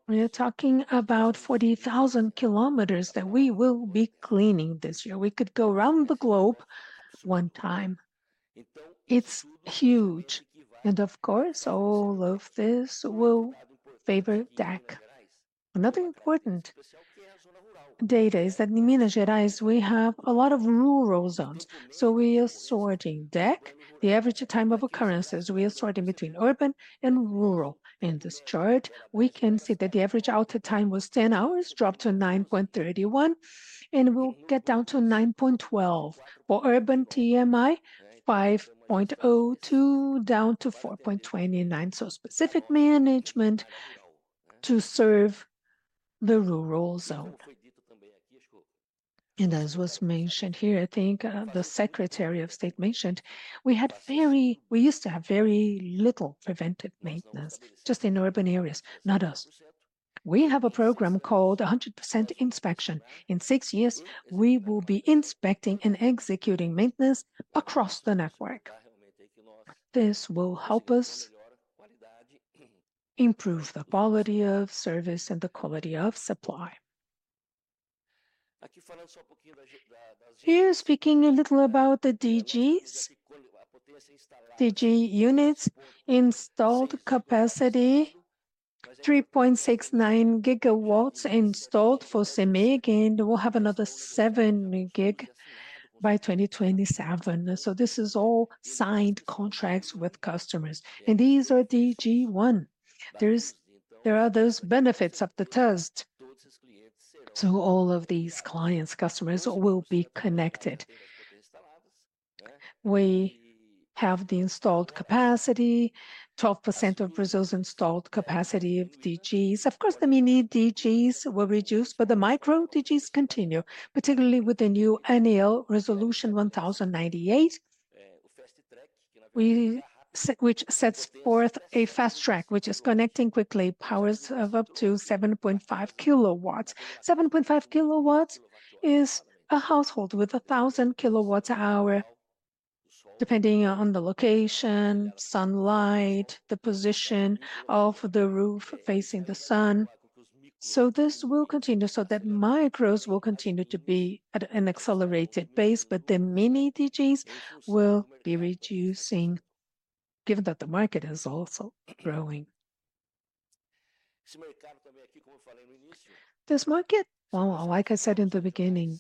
we are talking about 40,000 km that we will be cleaning this year. We could go around the globe one time. It's huge, and of course, all of this will favor DEC. Another important data is that in Minas Gerais, we have a lot of rural zones, so we are shortening DEC, the average time of occurrences. We are sorting between urban and rural. In this chart, we can see that the average outage time was 10 hours, dropped to 9.31, and will get down to 9.12. For urban TMA, 5.02, down to 4.29, so specific management to serve the rural zone. As was mentioned here, I think, the Secretary of State mentioned, we had very... We used to have very little preventive maintenance, just in urban areas, not us. We have a program called a hundred percent inspection. In six years, we will be inspecting and executing maintenance across the network. This will help us improve the quality of service and the quality of supply. Here, speaking a little about the DGs. DG units, installed capacity, 3.69 gigawatts installed for CEMIG, and we'll have another 7 GW by 2027. So this is all signed contracts with customers, and these are DG one. There is- there are those benefits of the test, so all of these clients, customers, will be connected. We have the installed capacity, 12% of Brazil's installed capacity of DGs. Of course, the mini DGs will reduce, but the micro DGs continue, particularly with the new ANEEL Resolution 1098, which sets forth a fast track, which is connecting quickly powers of up to 7.5 kW. 7.5 kW is a household with 1,000 kWh, depending on the location, sunlight, the position of the roof facing the sun. So this will continue so that micros will continue to be at an accelerated pace, but the mini DGs will be reducing, given that the market is also growing. This market, well, like I said in the beginning,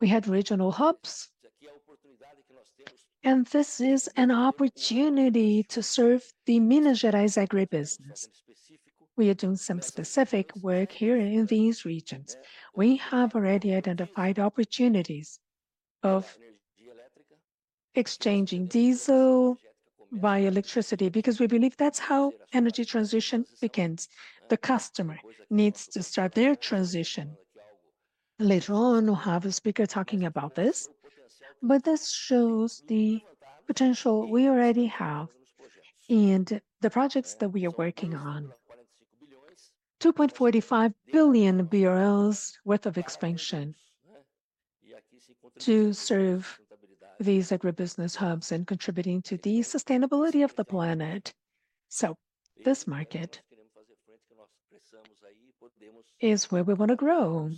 we had regional hubs, and this is an opportunity to serve the Minas Gerais agribusiness. We are doing some specific work here in these regions. We have already identified opportunities of exchanging diesel via electricity, because we believe that's how energy transition begins. The customer needs to start their transition. Later on, we'll have a speaker talking about this, but this shows the potential we already have and the projects that we are working on. 2.45 billion BRL worth of expansion to serve these agribusiness hubs and contributing to the sustainability of the planet. So this market is where we wanna grow,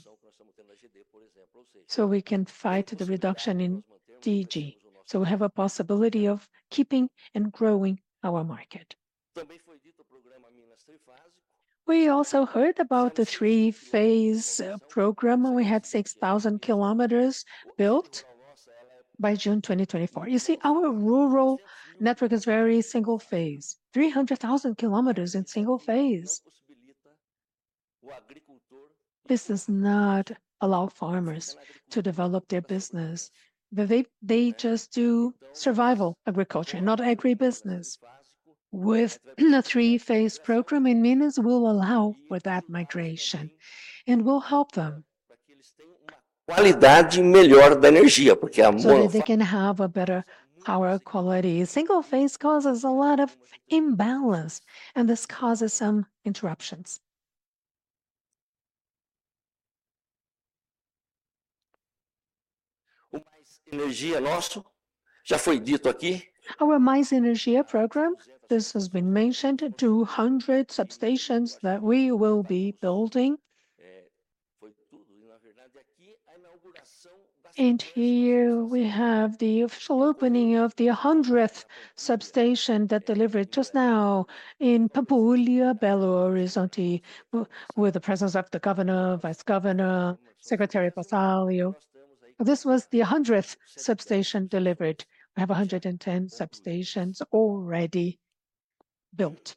so we can fight the reduction in DG, so we have a possibility of keeping and growing our market. We also heard about the three-phase program, where we had six thousand kilometers built by June 2024. You see, our rural network is very single phase, three hundred thousand kilometers in single phase. This does not allow farmers to develop their business. They just do survival agriculture, not agribusiness. With a three-phase program in Minas will allow for that migration and will help them-... So that they can have a better power quality. Single phase causes a lot of imbalance, and this causes some interruptions. Our Mais Energia program, this has been mentioned, 200 substations that we will be building. And here we have the official opening of the hundredth substation that delivered just now in Pampulha, Belo Horizonte, with the presence of the Governor, Vice Governor, Secretary Passalio. This was the hundredth substation delivered. We have 110 substations already built.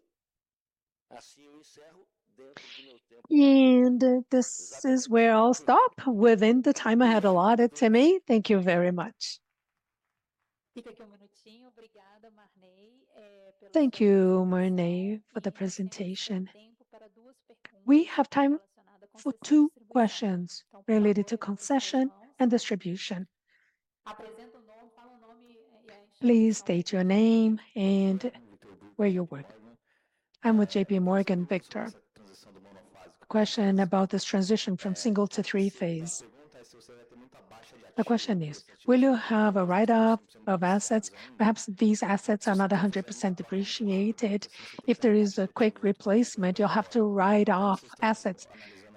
And this is where I'll stop within the time I had allotted to me. Thank you very much. Thank you, Marney, for the presentation. We have time for two questions related to concession and distribution. Please state your name and where you work. I'm with JPMorgan, Victor. Question about this transition from single to three-phase. The question is: Will you have a write-off of assets? Perhaps these assets are not 100% depreciated. If there is a quick replacement, you'll have to write off assets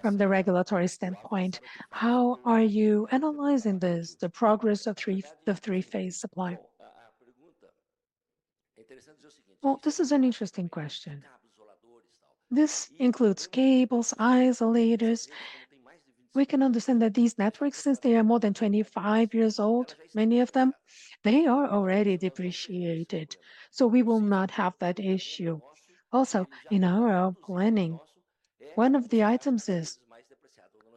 from the regulatory standpoint. How are you analyzing this, the progress of three - the three-phase supply? This is an interesting question. This includes cables, isolators. We can understand that these networks, since they are more than 25 years old, many of them, they are already depreciated, so we will not have that issue. Also, in our planning, one of the items is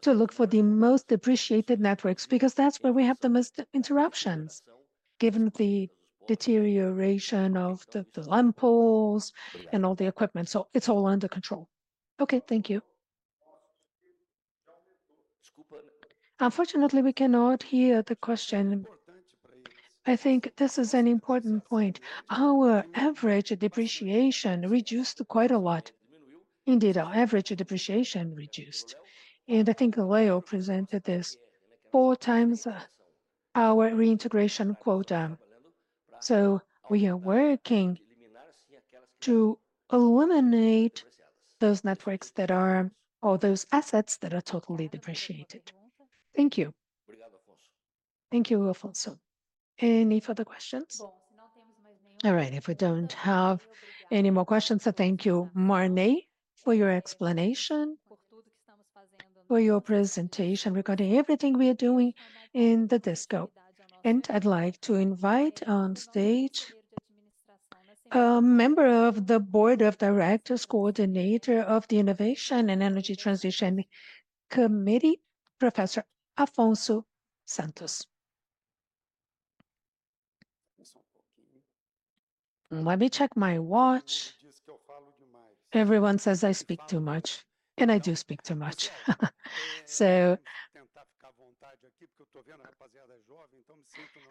to look for the most depreciated networks, because that's where we have the most interruptions, given the deterioration of the light poles and all the equipment. So it's all under control. Okay, thank you. Unfortunately, we cannot hear the question. I think this is an important point. Our average depreciation reduced quite a lot. Indeed, our average depreciation reduced, and I think Leo presented this, 4x our reintegration quota. So we are working to eliminate those networks that are or those assets that are totally depreciated. Thank you. Thank you, Afonso. Thank you, Afonso. Any further questions? All right, if we don't have any more questions, so thank you, Marney, for your presentation regarding everything we are doing in the DSO. And I'd like to invite on stage a Member of the Board of Directors, Coordinator of the Innovation and Energy Transition Committee, Professor Afonso Santos. Let me check my watch. Everyone says I speak too much, and I do speak too much. So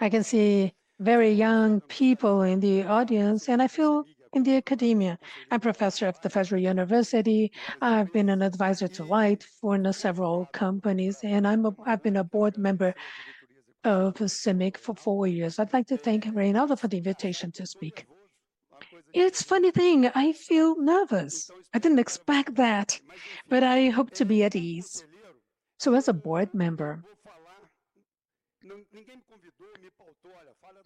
I can see very young people in the audience, and I feel in the academia. I'm professor at the Federal University. I've been an advisor to Light for several companies, and I've been a board member of CEMIG for four years. I'd like to thank Reynaldo for the invitation to speak. It's a funny thing, I feel nervous. I didn't expect that, but I hope to be at ease. As a board member,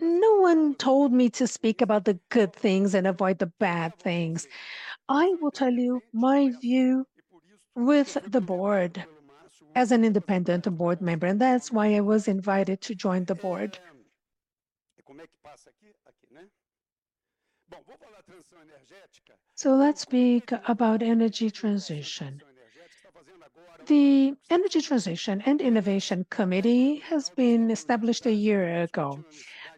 no one told me to speak about the good things and avoid the bad things. I will tell you my view with the board as an independent board member, and that's why I was invited to join the board. Let's speak about energy transition. The Energy Transition and Innovation Committee has been established a year ago.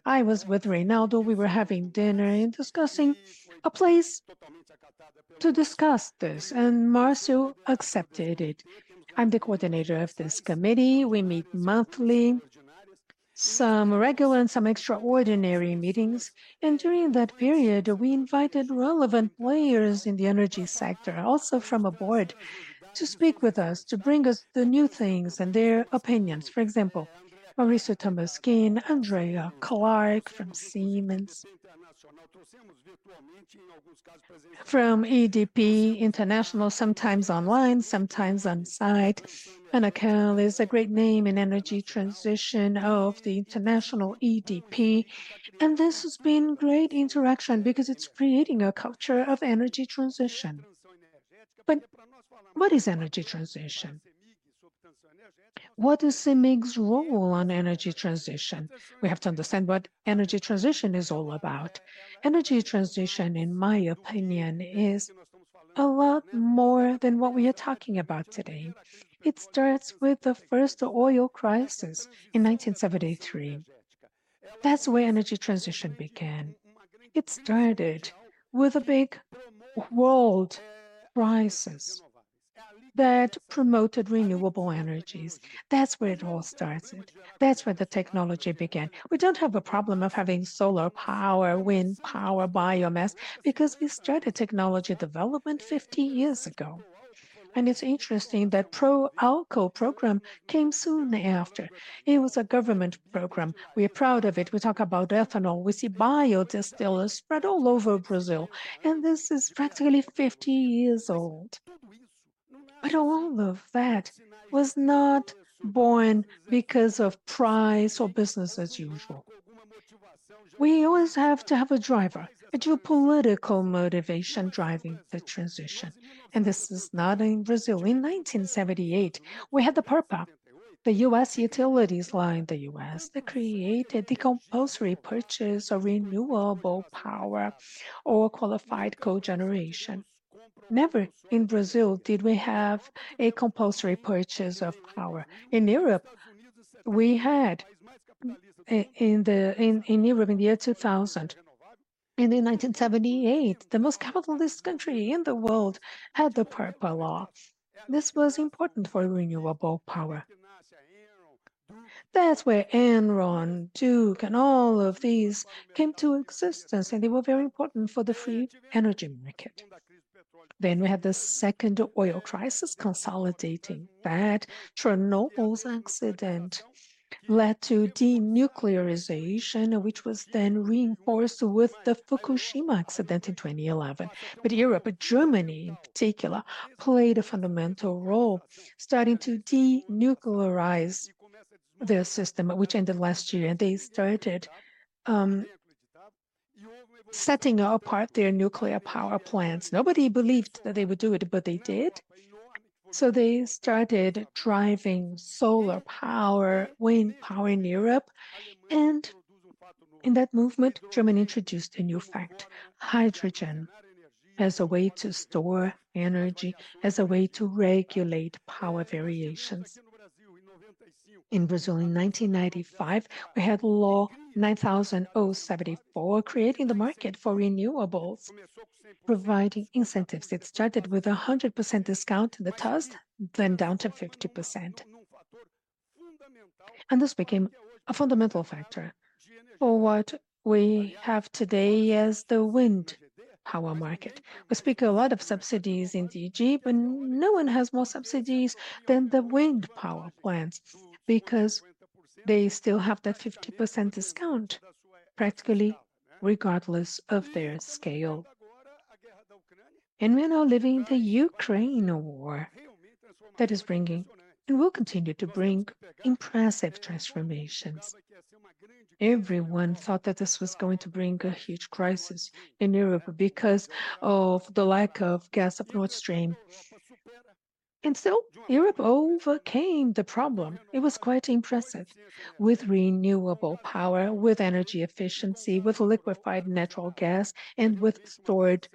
I was with Reynaldo. We were having dinner and discussing a place to discuss this, and Márcio accepted it. I'm the coordinator of this committee. We meet monthly, some regular and some extraordinary meetings, and during that period, we invited relevant players in the energy sector, also from abroad, to speak with us, to bring us the new things and their opinions. For example, Maurício Tolmasquim, André Clark from Siemens, from EDP International, sometimes online, sometimes on site. Ana Quelhas is a great name in energy transition of the international EDP, and this has been great interaction because it's creating a culture of energy transition. But what is energy transition? What is CEMIG's role on energy transition? We have to understand what energy transition is all about. Energy transition, in my opinion, is a lot more than what we are talking about today. It starts with the first oil crisis in 1973. That's where energy transition began. It started with a big world crisis that promoted renewable energies. That's where it all started. That's where the technology began. We don't have a problem of having solar power, wind power, biomass, because we started technology development 50 years ago. And it's interesting, that Proálcool program came soon after. It was a government program. We are proud of it. We talk about ethanol. We see biodistilleries spread all over Brazil, and this is practically 50 years old. But all of that was not born because of price or business as usual. We always have to have a driver, a geopolitical motivation driving the transition, and this is not in Brazil. In 1978, we had the PURPA, the U.S. utilities law in the U.S. that created the compulsory purchase of renewable power or qualified cogeneration. Never in Brazil did we have a compulsory purchase of power. In Europe, we had in Europe in the year 2000. In 1978, the most capitalist country in the world had the PURPA law. This was important for renewable power. That's where Enron, Duke, and all of these came to existence, and they were very important for the free energy market. We had the second oil crisis consolidating that. Chernobyl's accident led to denuclearization, which was then reinforced with the Fukushima accident in 2011. Europe, Germany, in particular, played a fundamental role, starting to denuclearize their system, which ended last year, and they started setting apart their nuclear power plants. Nobody believed that they would do it, but they did. They started driving solar power, wind power in Europe, and in that movement, Germany introduced a new fact: hydrogen as a way to store energy, as a way to regulate power variations. In Brazil, in 1995, we had Law 9,074, creating the market for renewables, providing incentives. It started with 100% discount to the cost, then down to 50%. And this became a fundamental factor for what we have today as the wind power market. We speak a lot of subsidies in DG, but no one has more subsidies than the wind power plants, because they still have that 50% discount, practically regardless of their scale. And we are now living in the Ukraine war that is bringing, and will continue to bring, impressive transformations. Everyone thought that this was going to bring a huge crisis in Europe because of the lack of Russian gas, and so Europe overcame the problem. It was quite impressive, with renewable power, with energy efficiency, with liquefied natural gas, and with stored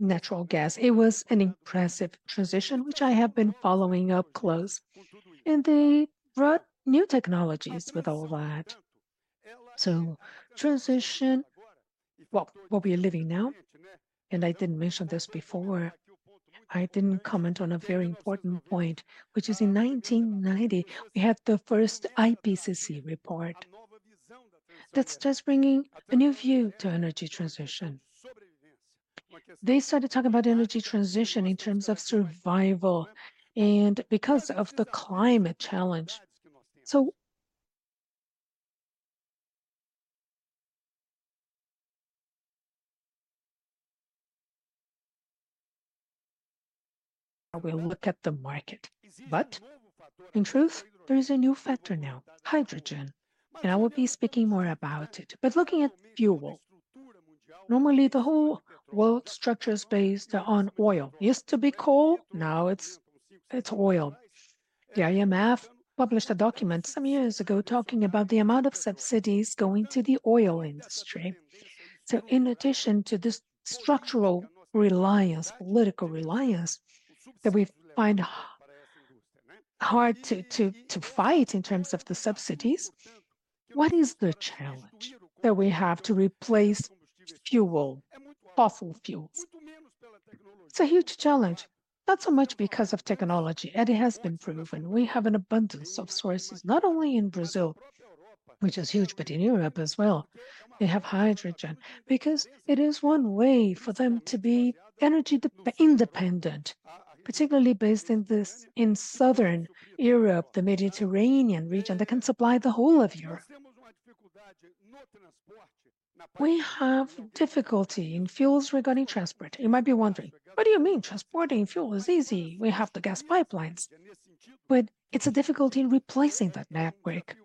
natural gas. It was an impressive transition, which I have been following up close, and they brought new technologies with all that so transition. Well, what we are living now, and I didn't mention this before, I didn't comment on a very important point, which is in 1990, we had the first IPCC report. That's just bringing a new view to energy transition. They started talking about energy transition in terms of survival and because of the climate challenge. So we'll look at the market, but in truth, there is a new factor now: hydrogen, and I will be speaking more about it. But looking at fuel, normally, the whole world structure is based on oil. It used to be coal, now it's, it's oil. The IMF published a document some years ago talking about the amount of subsidies going to the oil industry. So in addition to this structural reliance, political reliance, that we find hard to fight in terms of the subsidies. What is the challenge that we have to replace fuel, fossil fuels? It's a huge challenge, not so much because of technology, and it has been proven. We have an abundance of sources, not only in Brazil, which is huge, but in Europe as well. They have hydrogen, because it is one way for them to be energy independent, particularly based in this, in Southern Europe, the Mediterranean region, that can supply the whole of Europe. We have difficulty in fuels regarding transport. You might be wondering, "What do you mean? Transporting fuel is easy. We have the gas pipelines." But it's a difficulty in replacing that network,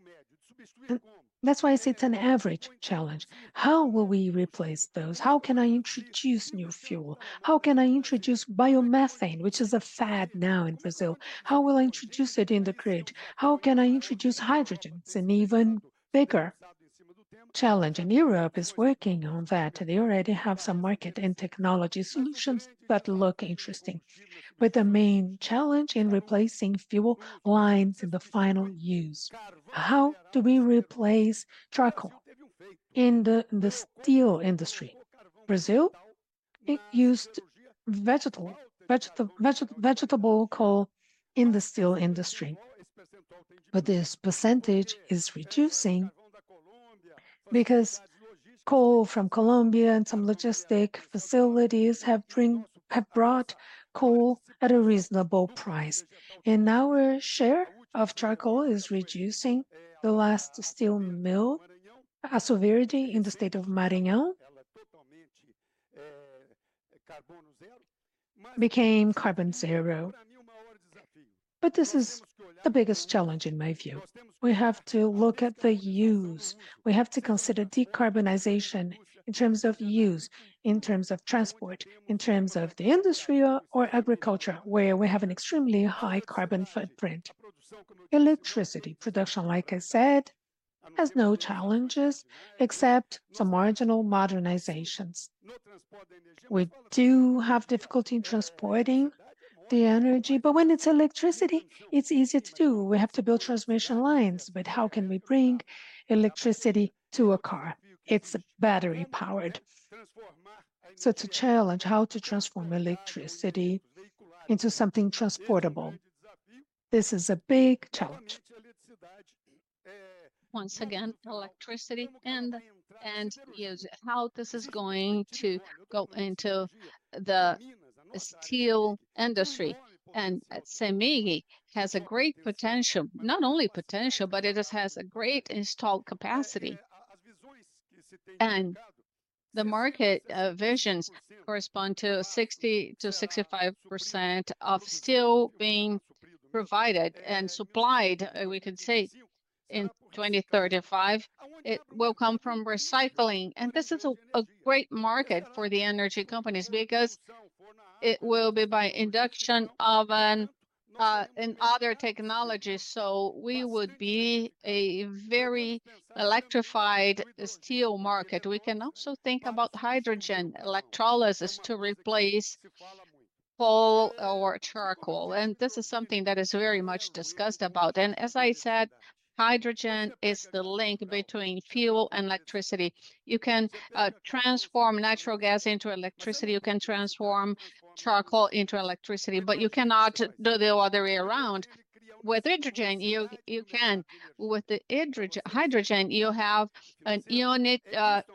and that's why I say it's an average challenge. How will we replace those? How can I introduce new fuel? How can I introduce biomethane, which is a fad now in Brazil? How will I introduce it in the grid? How can I introduce hydrogen? It's an even bigger challenge, and Europe is working on that, and they already have some market and technology solutions that look interesting. But the main challenge in replacing fuel lies in the final use. How do we replace charcoal in the steel industry? Brazil used vegetable coal in the steel industry, but this percentage is reducing because coal from Colombia and some logistic facilities have brought coal at a reasonable price, and now our share of charcoal is reducing. The last steel mill, Aço Verde, in the state of Maranhão, became carbon zero. But this is the biggest challenge in my view. We have to look at the use. We have to consider decarbonization in terms of use, in terms of transport, in terms of the industry or, or agriculture, where we have an extremely high carbon footprint. Electricity production, like I said, has no challenges except some marginal modernizations. We do have difficulty in transporting the energy, but when it's electricity, it's easier to do. We have to build transmission lines, but how can we bring electricity to a car? It's battery-powered. So it's a challenge how to transform electricity into something transportable. This is a big challenge. Once again, electricity and is how this is going to go into the steel industry, and CEMIG has a great potential, not only potential, but it just has a great installed capacity. The market visions correspond to 60%-65% of steel being provided and supplied, we could say in 2035. It will come from recycling, and this is a great market for the energy companies because it will be by induction oven and other technologies, so we would be a very electrified steel market. We can also think about hydrogen electrolysis to replace coal or charcoal, and this is something that is very much discussed about, and as I said, hydrogen is the link between fuel and electricity. You can transform natural gas into electricity. You can transform charcoal into electricity, but you cannot do the other way around. With hydrogen, you can. With the hydrogen, you have a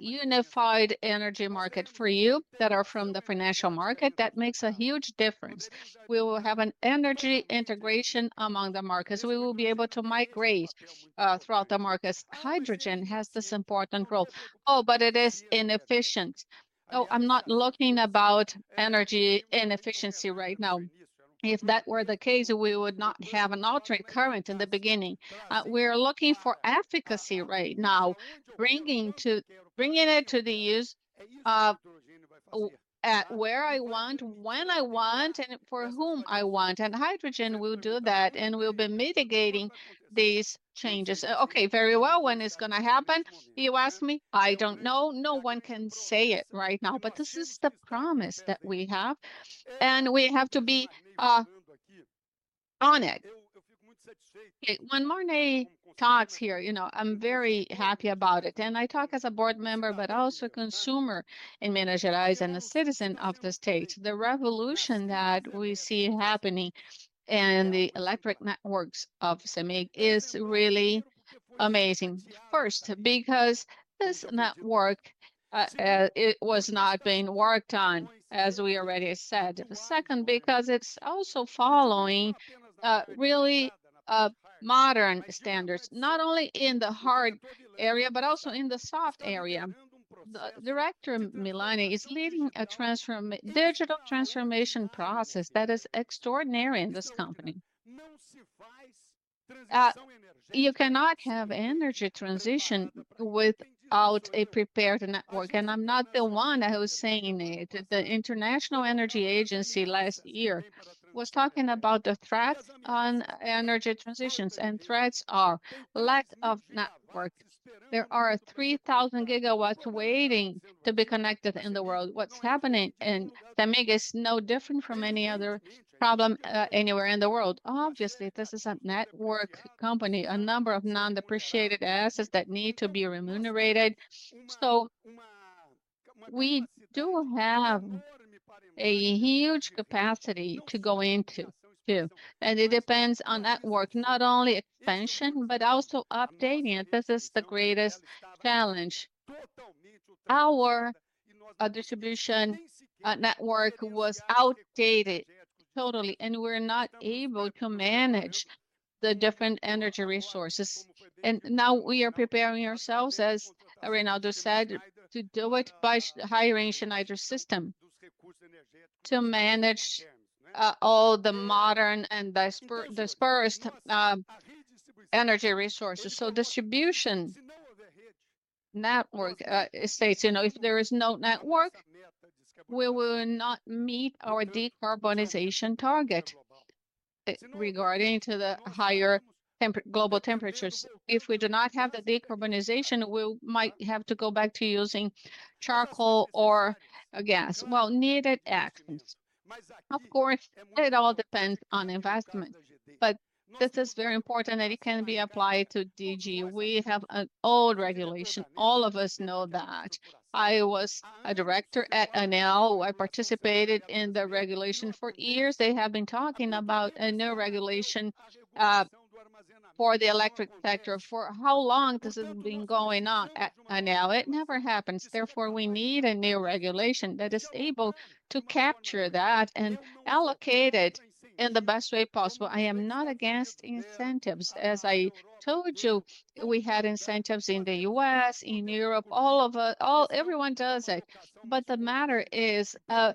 unified energy market. For you that are from the financial market, that makes a huge difference. We will have an energy integration among the markets. We will be able to migrate throughout the markets. Hydrogen has this important role. "Oh, but it is inefficient." Oh, I'm not looking about energy inefficiency right now. If that were the case, we would not have an alternating current in the beginning. We're looking for efficacy right now, bringing it to the use of at where I want, when I want, and for whom I want, and hydrogen will do that, and we'll be mitigating these changes. "Okay, very well. When it's gonna happen?" You ask me, I don't know. No one can say it right now, but this is the promise that we have, and we have to be on it. When Marney talks here, you know, I'm very happy about it, and I talk as a board member, but also a consumer in Minas Gerais and a citizen of the state. The revolution that we see happening in the electric networks of CEMIG is really amazing. First, because this network, it was not being worked on, as we already said. Second, because it's also following really modern standards, not only in the hard area, but also in the soft area. The director, Marney, is leading a digital transformation process that is extraordinary in this company. You cannot have energy transition without a prepared network, and I'm not the one who is saying it. The International Energy Agency last year was talking about the threats on energy transitions, and threats are lack of network. There are 3,000 GW waiting to be connected in the world. What's happening in CEMIG is no different from any other problem anywhere in the world. Obviously, this is a network company, a number of non-depreciated assets that need to be remunerated, so we do have a huge capacity to go into, too, and it depends on network, not only expansion, but also updating it. This is the greatest challenge. Our distribution network was outdated totally, and we're not able to manage the different energy resources, and now we are preparing ourselves, as Reynaldo said, to do it by hiring Schneider system to manage all the modern and dispersed energy resources. Distribution network, it states, you know, if there is no network, we will not meet our decarbonization target, regarding to the higher global temperatures. If we do not have the decarbonization, we might have to go back to using charcoal or gas. Needed actions. Of course, it all depends on investment, but this is very important, and it can be applied to DG. We have an old regulation. All of us know that. I was a director at ANEEL. I participated in the regulation. For years they have been talking about a new regulation for the electric sector. For how long this has been going on at ANEEL? It never happens. Therefore, we need a new regulation that is able to capture that and allocate it in the best way possible. I am not against incentives. As I told you, we had incentives in the U.S., in Europe, all over, everyone does it. But the matter is a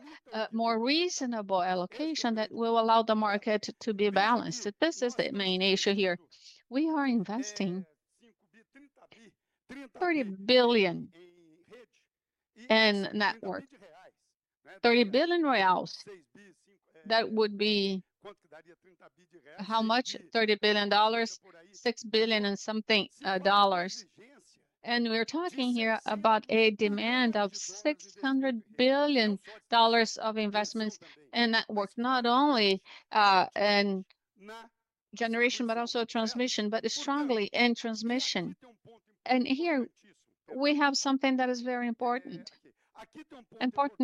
more reasonable allocation that will allow the market to be balanced. This is the main issue here. We are investing 30 billion in network, 30 billion. That would be how much? $30 billion, $6 billion and something, dollars. And we're talking here about a demand of $600 billion of investments in network, not only in generation, but also transmission, but strongly in transmission. And here we have something that is very important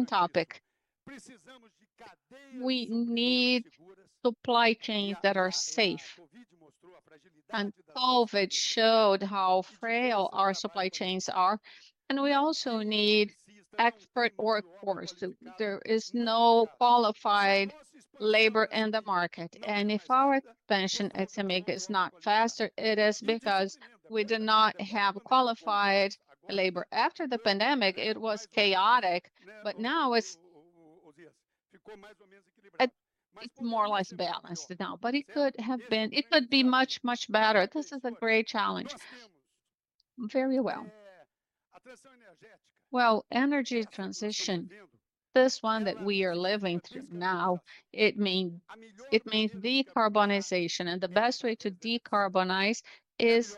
topic: We need supply chains that are safe, and COVID showed how frail our supply chains are, and we also need expert workforce. There is no qualified labor in the market, and if our expansion at CEMIG is not faster, it is because we do not have qualified labor. After the pandemic, it was chaotic, but now it's more or less balanced now, but it could be much, much better. This is a great challenge. Very well. Well, energy transition, this one that we are living through now, it means decarbonization, and the best way to decarbonize is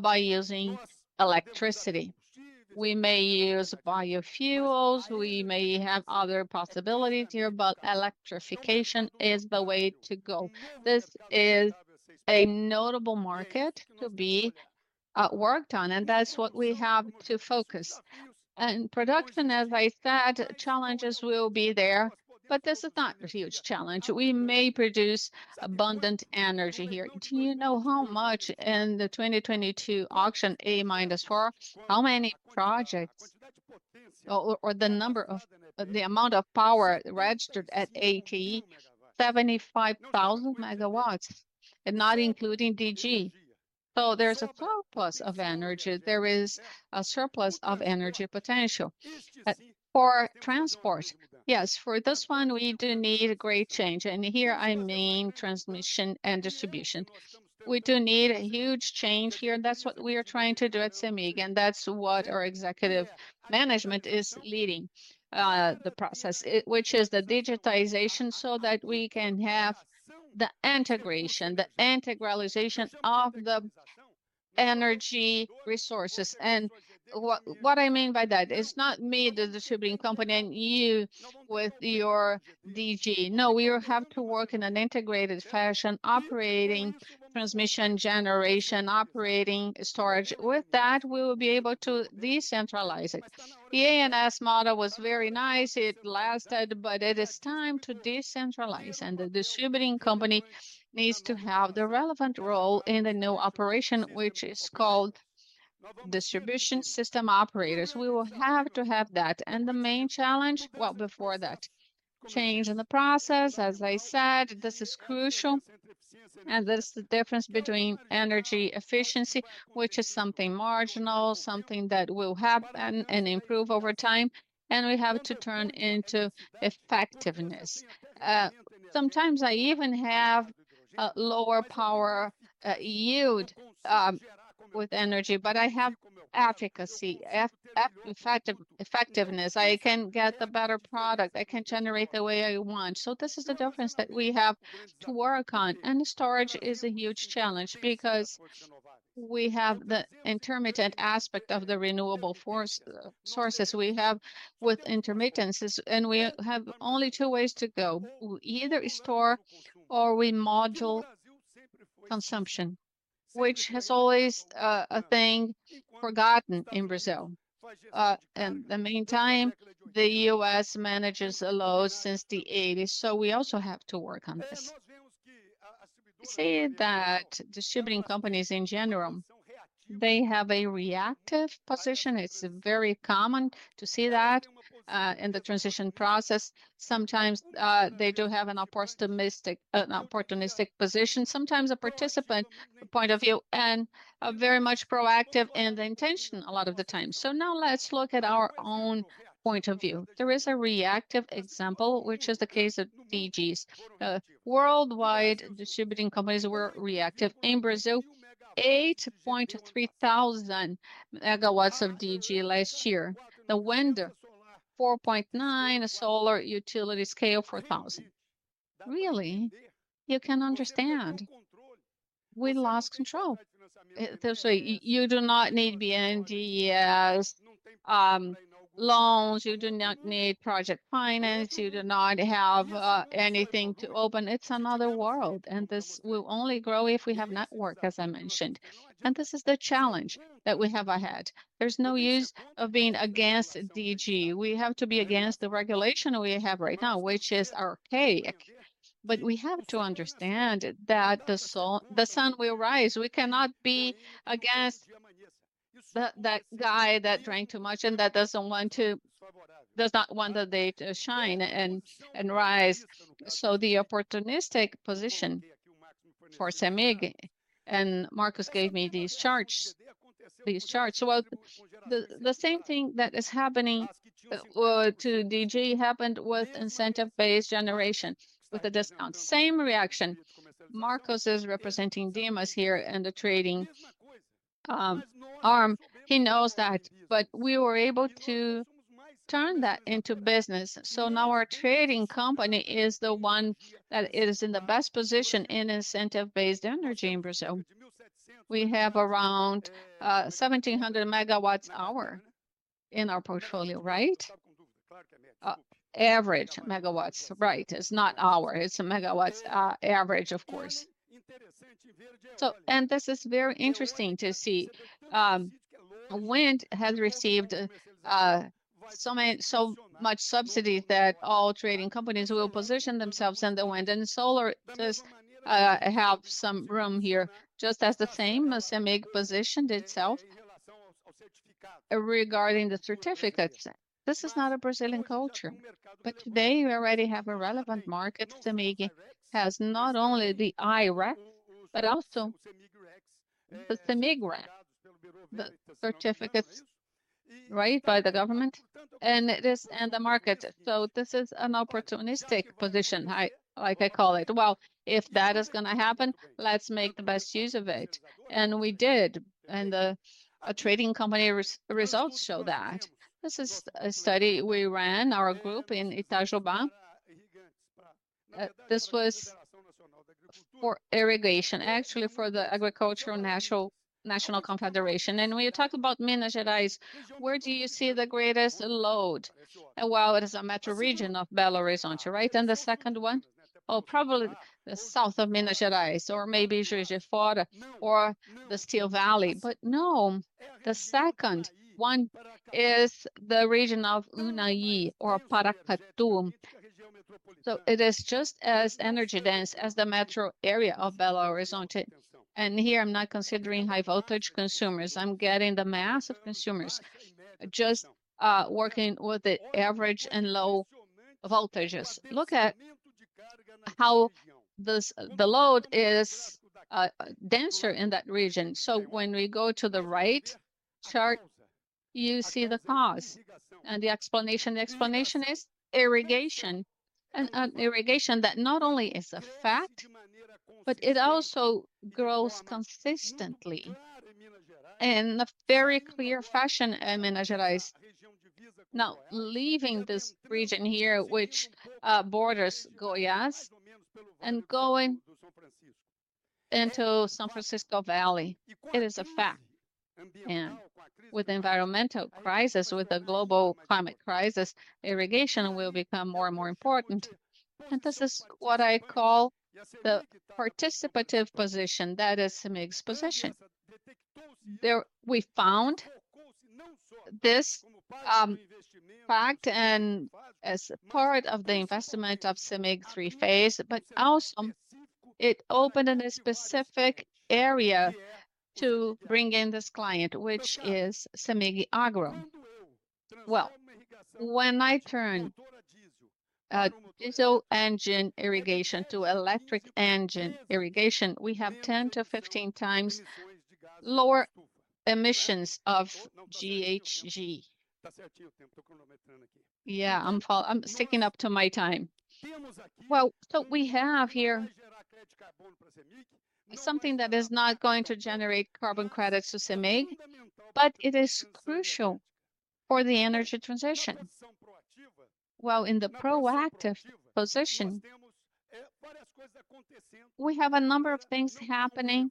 by using electricity. We may use biofuels, we may have other possibilities here, but electrification is the way to go. This is a notable market to be worked on, and that's what we have to focus. And production, as I said, challenges will be there, but this is not a huge challenge. We may produce abundant energy here. Do you know how much in the 2022 auction, A-4, how many projects or the number of, the amount of power registered at EPE? 75,000 MW, and not including DG. So there's a surplus of energy. There is a surplus of energy potential. For transport, yes, for this one we do need a great change, and here I mean transmission and distribution. We do need a huge change here. That's what we are trying to do at CEMIG, and that's what our executive management is leading the process, which is the digitization so that we can have the integration, the integration of the energy resources. And what I mean by that, it's not me, the distribution company, and you with your DG. No, we have to work in an integrated fashion, operating transmission generation, operating storage. With that, we will be able to decentralize it. The ANEEL model was very nice. It lasted, but it is time to decentralize, and the distribution company needs to have the relevant role in the new operation, which is called Distribution System Operators. We will have to have that. And the main challenge. Well, before that, change in the process, as I said, this is crucial, and this is the difference between energy efficiency, which is something marginal, something that will happen and improve over time, and we have to turn into effectiveness. Sometimes I even have a lower power yield with energy, but I have efficacy, effectiveness. I can get the better product. I can generate the way I want. So this is the difference that we have to work on. And storage is a huge challenge because we have the intermittent aspect of the renewable sources we have with intermittencies, and we have only two ways to go: either store or we modulate consumption, which has always a thing forgotten in Brazil. In the meantime, the U.S. manages a load since the 1980s, so we also have to work on this. We see that distribution companies in general, they have a reactive position. It's very common to see that in the transition process. Sometimes they do have an opportunistic position, sometimes a participant point of view, and a very much proactive in the intention a lot of the time. So now let's look at our own point of view. There is a reactive example, which is the case of DGs. Worldwide distribution companies were reactive. In Brazil, 8,300 MW of DG last year. The wind, 4.9, solar utility scale, 4,000. Really, you can understand we lost control. So you do not need BNDES, loans, you do not need project finance, you do not have anything to open. It's another world, and this will only grow if we have network, as I mentioned, and this is the challenge that we have ahead. There's no use of being against DG. We have to be against the regulation we have right now, which is archaic, but we have to understand that the sun will rise. We cannot be against the, that guy that drank too much and that doesn't want to does not want the day to shine and rise, so the opportunistic position for CEMIG, and Marcos gave me these charts. Well, the same thing that is happening to DG happened with incentive-based generation, with the discount. Same reaction. Marcos is representing Dimas here in the trading arm. He knows that, but we were able to turn that into business. So now our trading company is the one that is in the best position in incentive-based energy in Brazil. We have around 1,700 MW in our portfolio, right? Average megawatts, right. It's not hour, it's a megawatts average, of course. So and this is very interesting to see. Wind has received so much subsidy that all trading companies will position themselves in the wind, and solar does have some room here, just as the same as CEMIG positioned itself regarding the certificates. This is not a Brazilian culture, but today we already have a relevant market. CEMIG has not only the I-REC, but also the CEMIG-REC, the certificates, right, by the government, and it is in the market. This is an opportunistic position, I, like I call it. "Well, if that is gonna happen, let's make the best use of it." And we did, and the, our trading company results show that. This is a study we ran, our group in Itajubá. This was for irrigation, actually for the National Agricultural Confederation. When you talk about Minas Gerais, where do you see the greatest load? It is a metro region of Belo Horizonte, right? And the second one? Probably the south of Minas Gerais, or maybe Juiz de Fora, or the Steel Valley. But no, the second one is the region of Unaí or Paracatu. It is just as energy-dense as the metro area of Belo Horizonte. And here, I'm not considering high-voltage consumers. I'm getting the mass of consumers, just, working with the average and low voltages. Look at how this, the load is denser in that region. So when we go to the right chart, you see the cause and the explanation. The explanation is irrigation, and an irrigation that not only is a fact, but it also grows consistently in a very clear fashion in Minas Gerais. Now, leaving this region here, which borders Goiás and going into São Francisco Valley, it is a fact. And with environmental crisis, with the global climate crisis, irrigation will become more and more important. And this is what I call the participative position. That is CEMIG's position. There, we found this fact and as a part of the investment of CEMIG three-phase, but also it opened in a specific area to bring in this client, which is CEMIG Agro. When I turn a diesel engine irrigation to electric engine irrigation, we have 10x-15x lower emissions of GHG. Yeah, I'm sticking up to my time. We have here something that is not going to generate carbon credits to CEMIG, but it is crucial for the energy transition. While in the proactive position, we have a number of things happening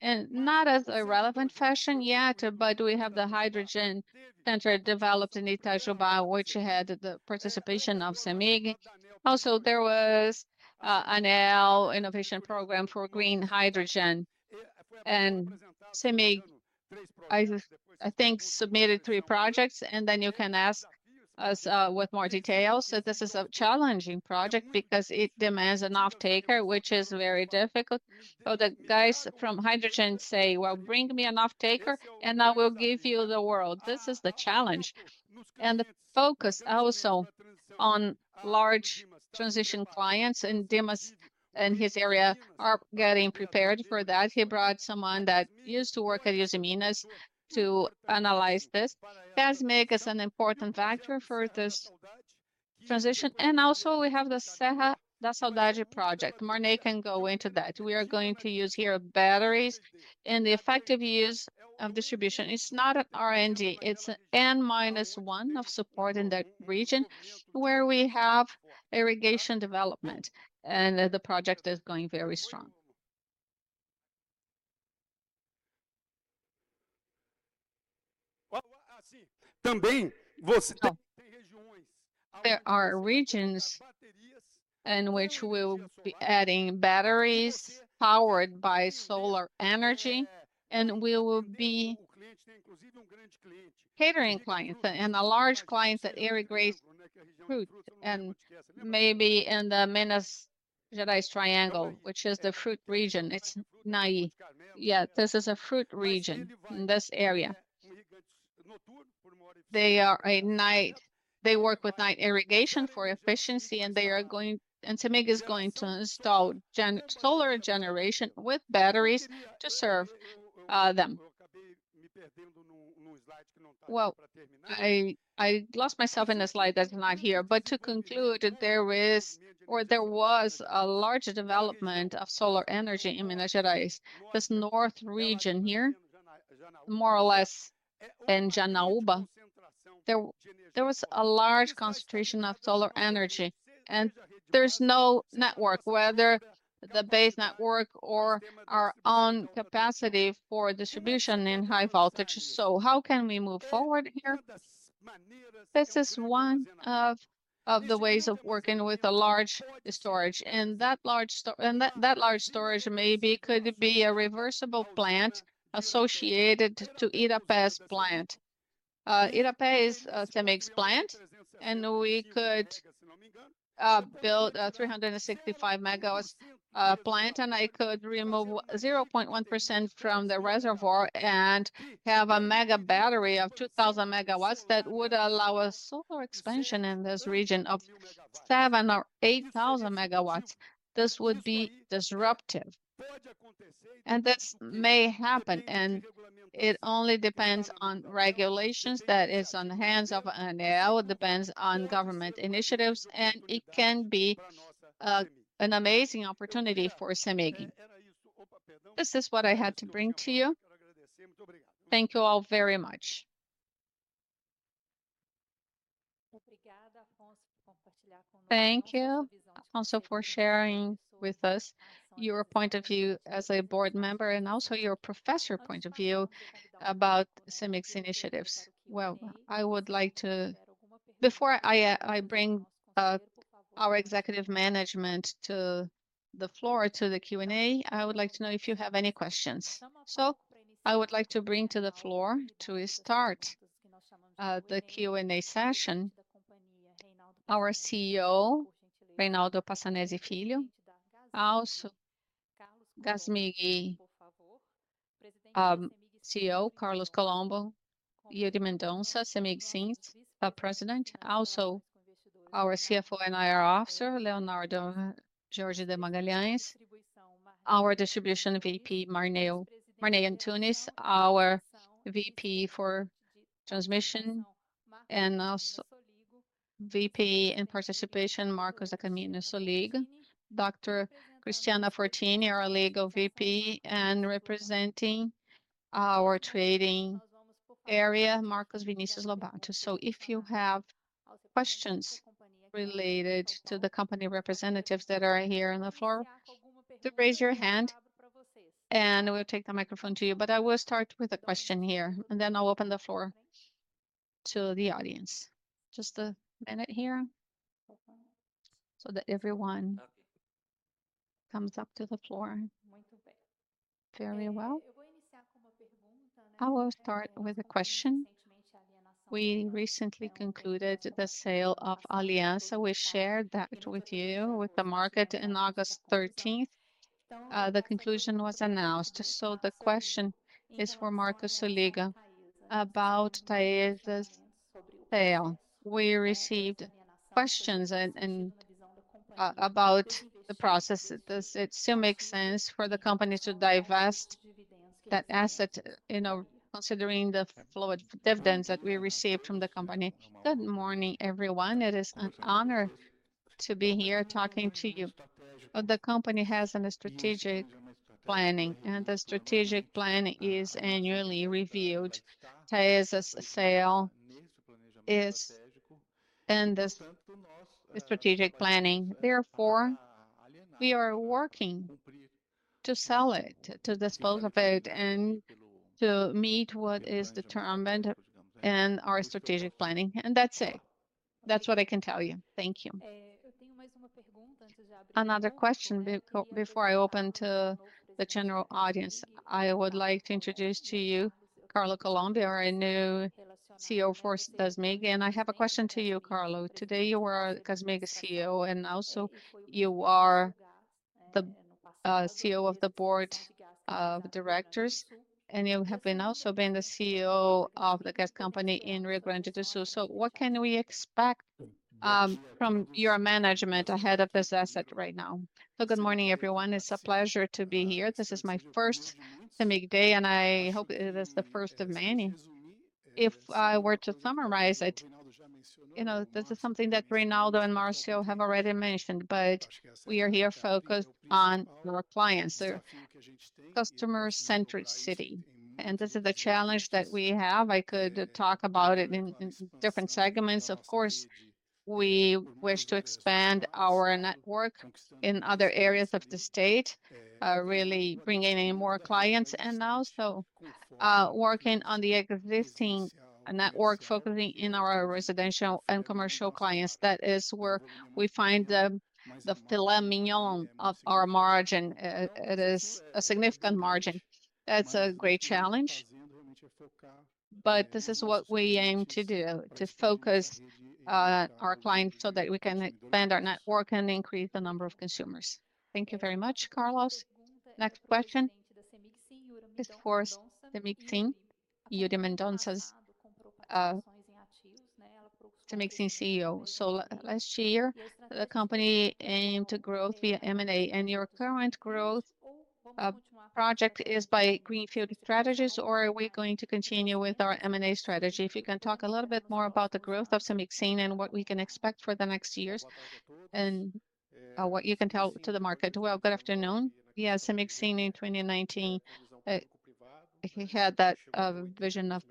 and not as a relevant fashion yet, but we have the hydrogen center developed in Itajubá, which had the participation of CEMIG. Also, there was an innovation program for green hydrogen, and CEMIG, I think, submitted three projects, and then you can ask us with more details. So this is a challenging project because it demands an off-taker, which is very difficult. So the guys from hydrogen say, "Well, bring me an off-taker, and I will give you the world." This is the challenge and the focus also on large transition clients, and Dimas and his area are getting prepared for that. He brought someone that used to work at Usiminas to analyze this. CEMIG is an important factor for this transition, and also we have the Serra da Saudade project. Marney can go into that. We are going to use here batteries, and the effective use of distribution. It's not an R&D, it's an N - 1 of support in that region, where we have irrigation development, and the project is going very strong. There are regions in which we'll be adding batteries powered by solar energy, and we will be catering clients and the large clients that irrigate fruit, and maybe in the Minas Gerais triangle, which is the fruit region. It's Janaúba. Yeah, this is a fruit region, this area. They work with night irrigation for efficiency, and CEMIG is going to install solar generation with batteries to serve them. Well, I lost myself in the slide that's not here. But to conclude, there is or there was a large development of solar energy in Minas Gerais. This north region here, more or less in Janaúba, there was a large concentration of solar energy, and there's no network, whether the base network or our own capacity for distribution in high voltage. So how can we move forward here? This is one of the ways of working with a large storage, and that large storage may be, could be a reversible plant associated to Itapebi plant. Itapebi, CEMIG's plant, and we could build a 365-MW plant, and I could remove 0.1% from the reservoir and have a mega battery of 2,000 MW that would allow a solar expansion in this region of 7,000 MW or 8,000 MW. This would be disruptive, and this may happen, and it only depends on regulations that is on the hands of ANEEL, depends on government initiatives, and it can be an amazing opportunity for CEMIG. This is what I had to bring to you. Thank you all very much. Thank you also for sharing with us your point of view as a board member, and also your professor point of view about CEMIG's initiatives. Well, I would like to. Before I, I bring our executive management to the floor to the Q&A, I would like to know if you have any questions. So I would like to bring to the floor to start the Q&A session, our CEO, Reynaldo Passanezi Filho. Also, Gasmig CEO, Carlos Colombo, Iuri Mendonça, CEMIG SIM president. Also, our CFO and IR officer, Leonardo George de Magalhães, our Distribution VP, Marney Antunes, our VP for Transmission, and also VP in Participation, Marco Soligo, Dr. Cristiana Fortini, our Legal VP, and representing our trading area, Marcos Vinícius Lobato. If you have questions related to the company representatives that are here on the floor, do raise your hand, and we'll take the microphone to you. I will start with a question here, and then I'll open the floor to the audience. Just a minute here, so that everyone comes up to the floor. Very well. I will start with a question. We recently concluded the sale of Aliança. We shared that with you, with the market, in August thirteenth. The conclusion was announced. The question is for Marco Soligo about Taesa's sale. We received questions and about the process. Does it still make sense for the company to divest that asset, you know, considering the flow of dividends that we received from the company? Good morning, everyone. It is an honor to be here talking to you. The company has a strategic planning, and the strategic plan is annually reviewed. Taesa's sale is in this strategic planning. Therefore, we are working to sell it, to dispose of it, and to meet what is determined in our strategic planning. And that's it. That's what I can tell you. Thank you. Another question before I open to the general audience, I would like to introduce to you Carlos Colombo, our new CEO for CEMIG, and I have a question to you, Carlos. Today, you are CEMIG CEO, and also you are the CEO of the board of directors, and you have been the CEO of the gas company in Rio Grande do Sul. So what can we expect from your management ahead of this asset right now? Good morning, everyone. It's a pleasure to be here. This is my first CEMIG Day, and I hope it is the first of many. If I were to summarize it, you know, this is something that Reynaldo and Márcio have already mentioned, but we are here focused on our clients, our customer-centric strategy, and this is the challenge that we have. I could talk about it in different segments. Of course, we wish to expand our network in other areas of the state, really bringing in more clients and also, working on the existing network, focusing in our residential and commercial clients. That is where we find the, the filet mignon of our margin. It is a significant margin. That's a great challenge, but this is what we aim to do, to focus, our clients so that we can expand our network and increase the number of consumers. Thank you very much, Carlos. Next question is for CEMIG SIM, Iuri de Mendonça, CEMIG SIM CEO. So last year, the company aimed to grow via M&A, and your current growth, project is by greenfield strategies, or are we going to continue with our M&A strategy? If you can talk a little bit more about the growth of CEMIG SIM and what we can expect for the next years, and what you can tell to the market. Good afternoon. Yes, CEMIG SIM in 2019, we had that vision of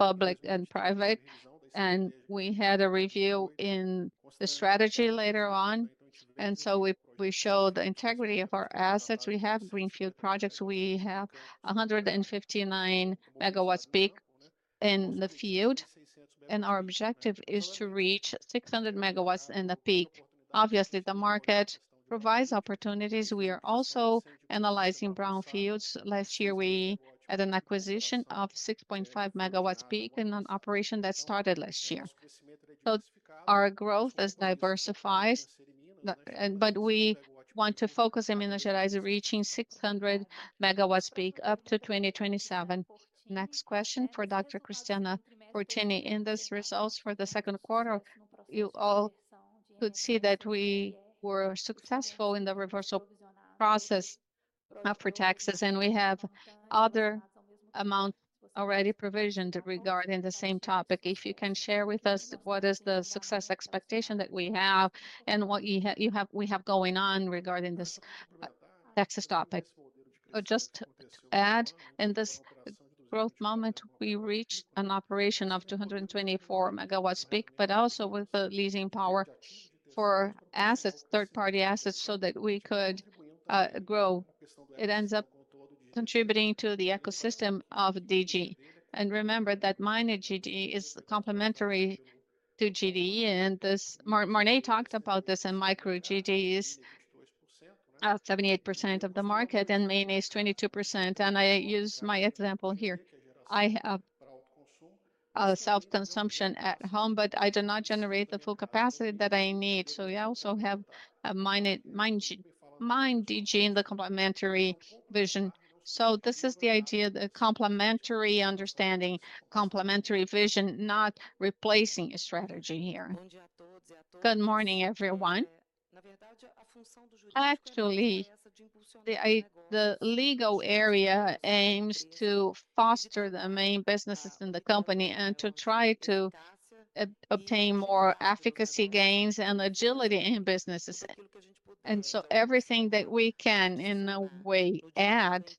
public and private, and we had a review in the strategy later on, and so we show the integrity of our assets. We have greenfield projects. We have 159 MW peak in the field, and our objective is to reach 600 MW peak. Obviously, the market provides opportunities. We are also analyzing brownfields. Last year, we had an acquisition of 6.5 MW peak in an operation that started last year. So our growth is diversified, but we want to focus in Minas Gerais, reaching 600 MW peak up to 2027. Next question for Dr. Cristiana Fortini. In these results for the second quarter, you all could see that we were successful in the reversal process for taxes, and we have other amount already provisioned regarding the same topic. If you can share with us what is the success expectation that we have and what we have going on regarding this taxes topic. Just to add, in this growth moment, we reached an operation of 224 MW peak, but also with the leasing power for assets, third-party assets, so that we could grow. It ends up contributing to the ecosystem of DG. And remember that mini DG is complementary to GD, and this Marney talked about this, and micro DG is 78% of the market, and mini is 22%. And I use my example here. I have self-consumption at home, but I do not generate the full capacity that I need, so I also have a mini DG in the complementary vision. So this is the idea, the complementary understanding, complementary vision, not replacing a strategy here. Good morning, everyone. Actually, the legal area aims to foster the main businesses in the company and to try to obtain more efficiency gains and agility in businesses. And so everything that we can, in a way, add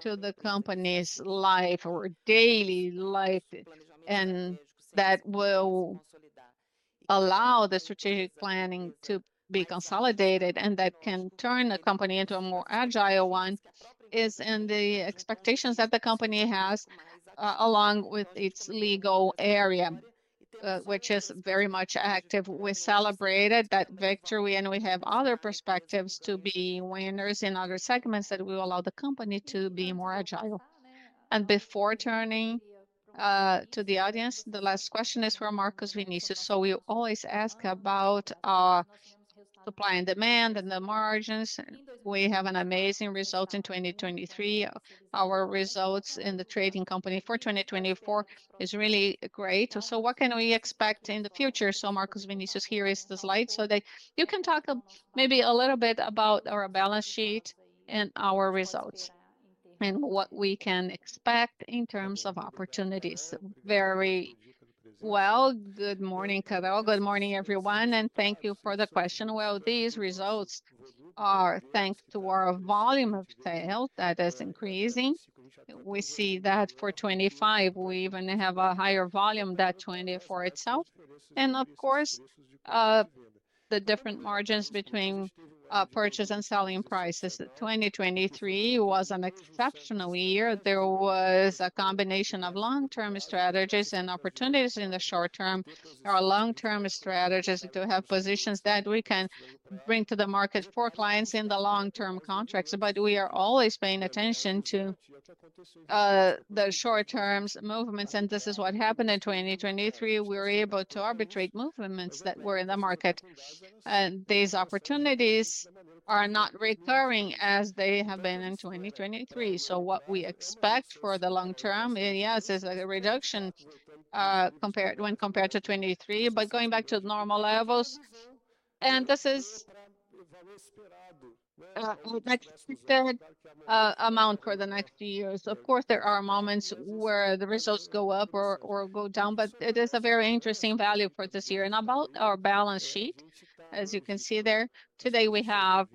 to the company's life or daily life, and that will allow the strategic planning to be consolidated and that can turn the company into a more agile one, is in the expectations that the company has along with its legal area, which is very much active. We celebrated that victory, and we have other perspectives to be winners in other segments that will allow the company to be more agile. And before turning to the audience, the last question is for Marcos Vinícius. So we always ask about supply and demand and the margins. We have an amazing result in 2023. Our results in the trading company for 2024 is really great. So what can we expect in the future? So, Marcos Vinícius, here is the slide, so that you can talk maybe a little bit about our balance sheet and our results, and what we can expect in terms of opportunities. Very well. Good morning, Carol. Good morning, everyone, and thank you for the question. Well, these results are thanks to our volume of sale that is increasing. We see that for 2025, we even have a higher volume than 2024 itself. And of course, the-... the different margins between purchase and selling prices. 2023 was an exceptional year. There was a combination of long-term strategies and opportunities in the short term. Our long-term strategy is to have positions that we can bring to the market for clients in the long-term contracts, but we are always paying attention to the short-term movements, and this is what happened in 2023. We were able to arbitrate movements that were in the market, and these opportunities are not recurring as they have been in 2023. So what we expect for the long term, yes, is, like, a reduction compared to 2023, but going back to the normal levels. And this is an expected amount for the next few years. Of course, there are moments where the results go up or go down, but it is a very interesting value for this year. And about our balance sheet, as you can see there, today, we have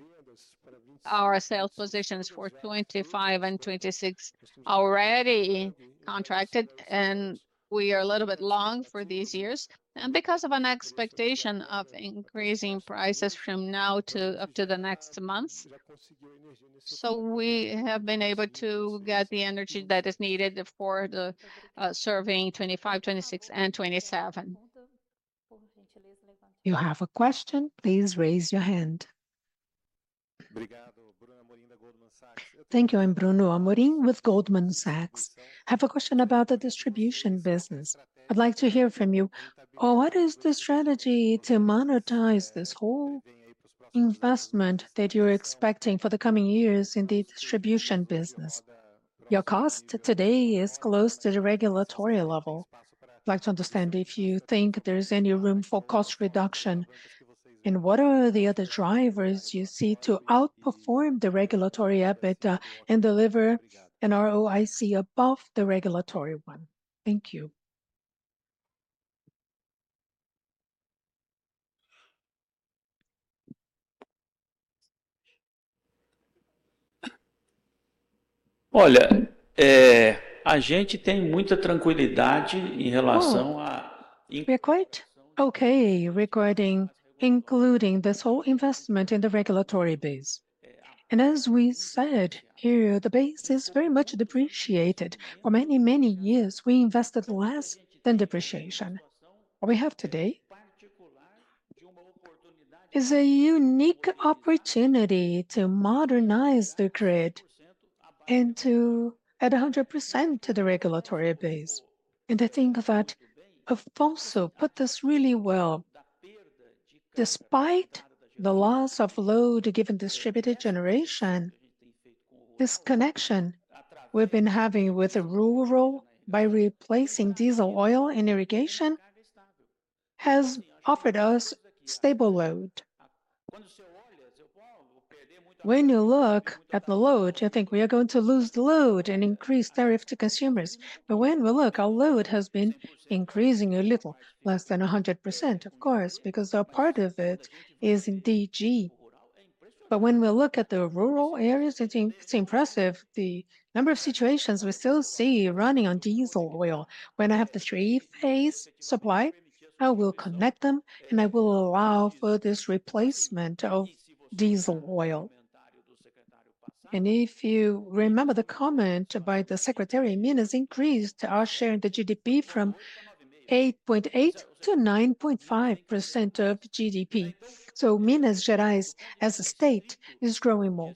our sales positions for 2025 and 2026 already contracted, and we are a little bit long for these years, and because of an expectation of increasing prices from now to up to the next months. So we have been able to get the energy that is needed for the serving 2025, 2026, and 2027. You have a question, please raise your hand. Thank you. I'm Bruno Amorim with Goldman Sachs. I have a question about the distribution business. I'd like to hear from you, what is the strategy to monetize this whole investment that you're expecting for the coming years in the distribution business? Your cost today is close to the regulatory level. I'd like to understand if you think there is any room for cost reduction, and what are the other drivers you see to outperform the regulatory EBITDA and deliver an ROIC above the regulatory one? Thank you. We are quite okay regarding including this whole investment in the regulatory base. And as we said here, the base is very much depreciated. For many, many years, we invested less than depreciation. What we have today is a unique opportunity to modernize the grid and to add 100% to the regulatory base. I think that Afonso put this really well. Despite the loss of load given distributed generation, this connection we've been having with the rural by replacing diesel oil in irrigation has offered us stable load. When you look at the load, you think we are going to lose the load and increase tariff to consumers. But when we look, our load has been increasing a little, less than 100%, of course, because a part of it is in DG. But when we look at the rural areas, I think it's impressive, the number of situations we still see running on diesel oil. When I have the three-phase supply, I will connect them, and I will allow for this replacement of diesel oil. If you remember the comment by the Secretary, Minas Gerais increased our share in the GDP from 8.8%-9.5% of GDP. Minas Gerais, as a state, is growing more.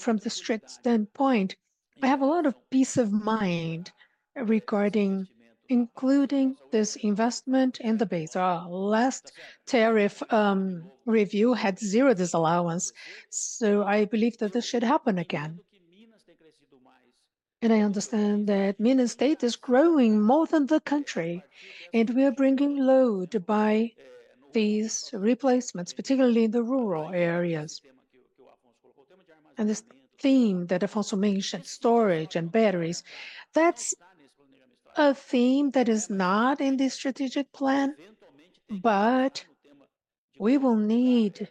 From the strict standpoint, I have a lot of peace of mind regarding including this investment in the base. Our last tariff review had zero disallowance, so I believe that this should happen again. I understand that Minas Gerais is growing more than the country, and we are bringing load by these replacements, particularly in the rural areas. This theme that Afonso mentioned, storage and batteries, that's a theme that is not in the strategic plan, but we will need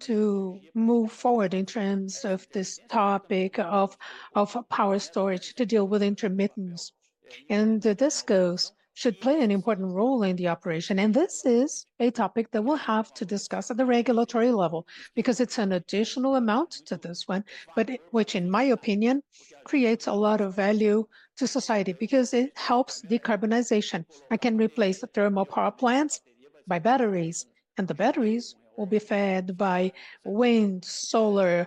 to move forward in terms of this topic of power storage to deal with intermittency. And the discos should play an important role in the operation, and this is a topic that we'll have to discuss at the regulatory level because it's an additional amount to this one, but which, in my opinion, creates a lot of value to society because it helps decarbonization. I can replace the thermal power plants by batteries, and the batteries will be fed by wind, solar,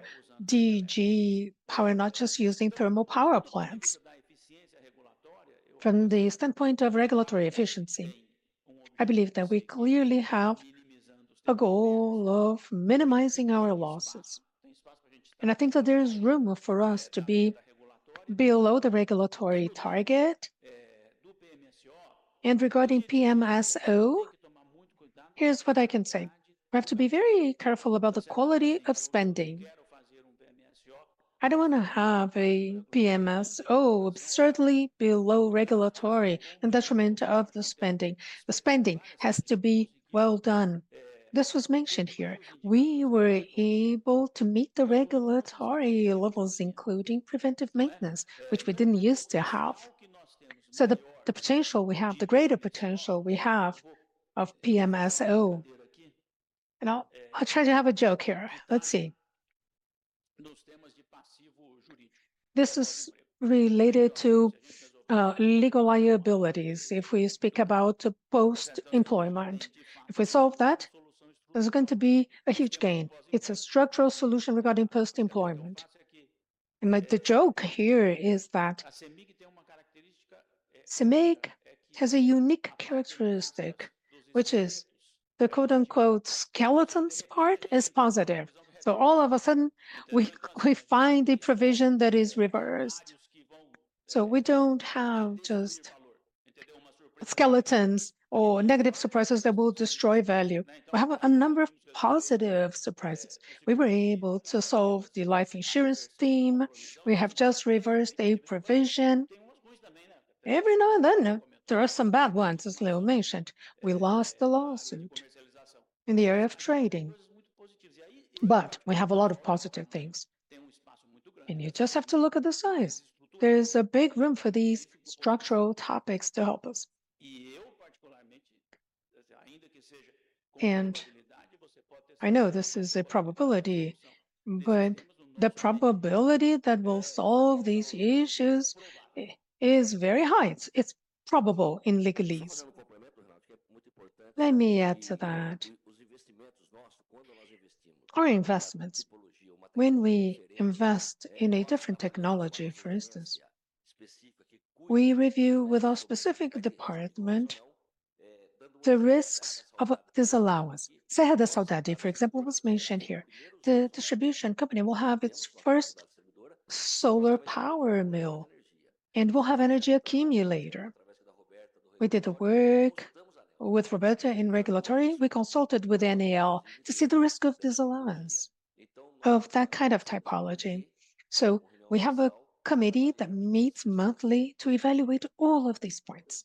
DG power, not just using thermal power plants. From the standpoint of regulatory efficiency, I believe that we clearly have a goal of minimizing our losses, and I think that there is room for us to be below the regulatory target. And regarding PMSO, here's what I can say: We have to be very careful about the quality of spending. I don't want to have a PMSO absurdly below regulatory in detriment of the spending. The spending has to be well done. This was mentioned here. We were able to meet the regulatory levels, including preventive maintenance, which we didn't use to have. So the potential we have, the greater potential we have of PMSO. And I'll try to have a joke here. Let's see. This is related to legal liabilities if we speak about post-employment. If we solve that, there's going to be a huge gain. It's a structural solution regarding post-employment. And the joke here is that CEMIG has a unique characteristic, which is the quote, unquote, "skeletons part" is positive. So all of a sudden, we find a provision that is reversed. So we don't have just skeletons or negative surprises that will destroy value. We have a number of positive surprises. We were able to solve the life insurance theme. We have just reversed a provision. Every now and then, there are some bad ones, as Leo mentioned. We lost the lawsuit in the area of trading. But we have a lot of positive things, and you just have to look at the size. There is a big room for these structural topics to help us. And I know this is a probability, but the probability that will solve these issues is very high. It's, it's probable in legalese. Let me add to that. Our investments, when we invest in a different technology, for instance, we review with our specific department the risks of disallowance. Serra da Saudade, for example, was mentioned here. The distribution company will have its first solar power plant, and we'll have energy accumulator. We did the work with Roberta in regulatory. We consulted with ANEEL to see the risk of disallowance of that kind of typology. We have a committee that meets monthly to evaluate all of these points.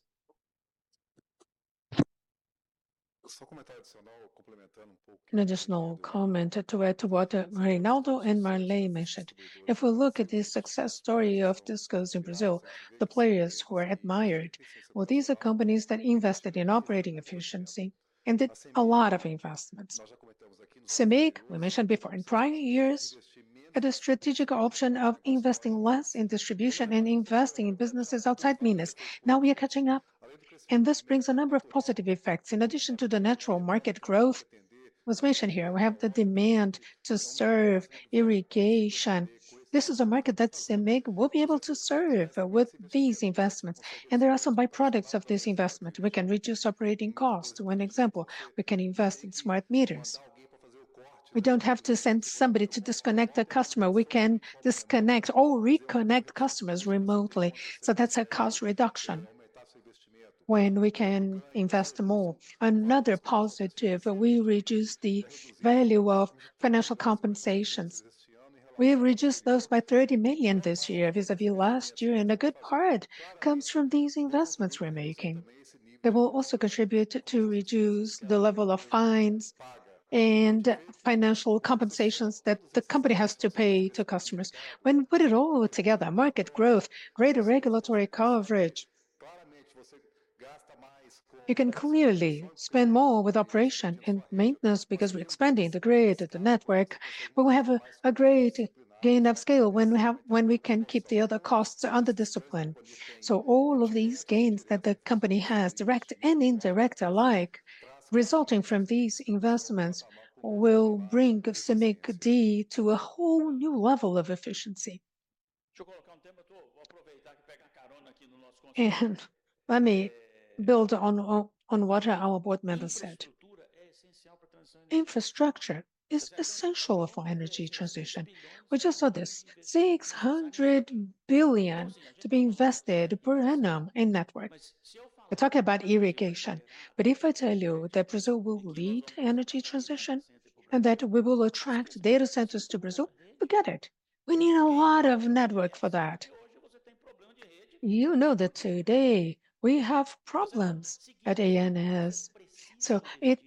An additional comment to add to what Reynaldo and Marney mentioned. If we look at the success story of discos in Brazil, the players who are admired, well, these are companies that invested in operating efficiency and did a lot of investments. CEMIG, we mentioned before, in prior years, had a strategic option of investing less in distribution and investing in businesses outside Minas. Now we are catching up, and this brings a number of positive effects. In addition to the natural market growth, was mentioned here, we have the demand to serve irrigation. This is a market that CEMIG will be able to serve with these investments, and there are some byproducts of this investment. We can reduce operating costs. One example, we can invest in smart meters. We don't have to send somebody to disconnect a customer, we can disconnect or reconnect customers remotely, so that's a cost reduction when we can invest more. Another positive, we reduce the value of financial compensations. We reduced those by 30 million this year, vis-à-vis last year, and a good part comes from these investments we're making. They will also contribute to reduce the level of fines and financial compensations that the company has to pay to customers. When we put it all together, market growth, greater regulatory coverage, you can clearly spend more with operation and maintenance because we're expanding the grid and the network, but we have a great gain of scale when we can keep the other costs under discipline. So all of these gains that the company has, direct and indirect alike, resulting from these investments, will bring CEMIG D to a whole new level of efficiency. And let me build on what our board member said. Infrastructure is essential for energy transition. We just saw this: 600 billion to be invested per annum in networks. We talk about irrigation, but if I tell you that Brazil will lead energy transition and that we will attract data centers to Brazil, we get it. We need a lot of network for that. You know that today we have problems at ANEEL, so it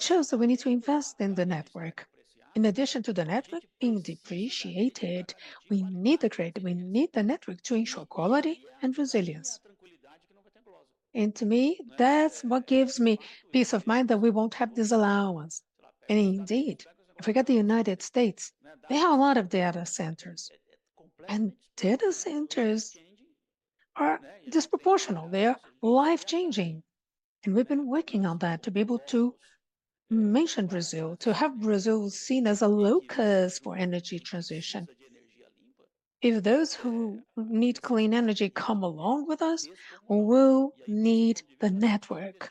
shows that we need to invest in the network. In addition to the network is depreciated, we need the grid, we need the network to ensure quality and resilience. And to me, that's what gives me peace of mind that we won't have disallowance. And indeed, if we look at the United States, they have a lot of data centers, and data centers are disproportional. They are life-changing, and we've been working on that to be able to mention Brazil, to have Brazil seen as a locus for energy transition. If those who need clean energy come along with us, we'll need the network,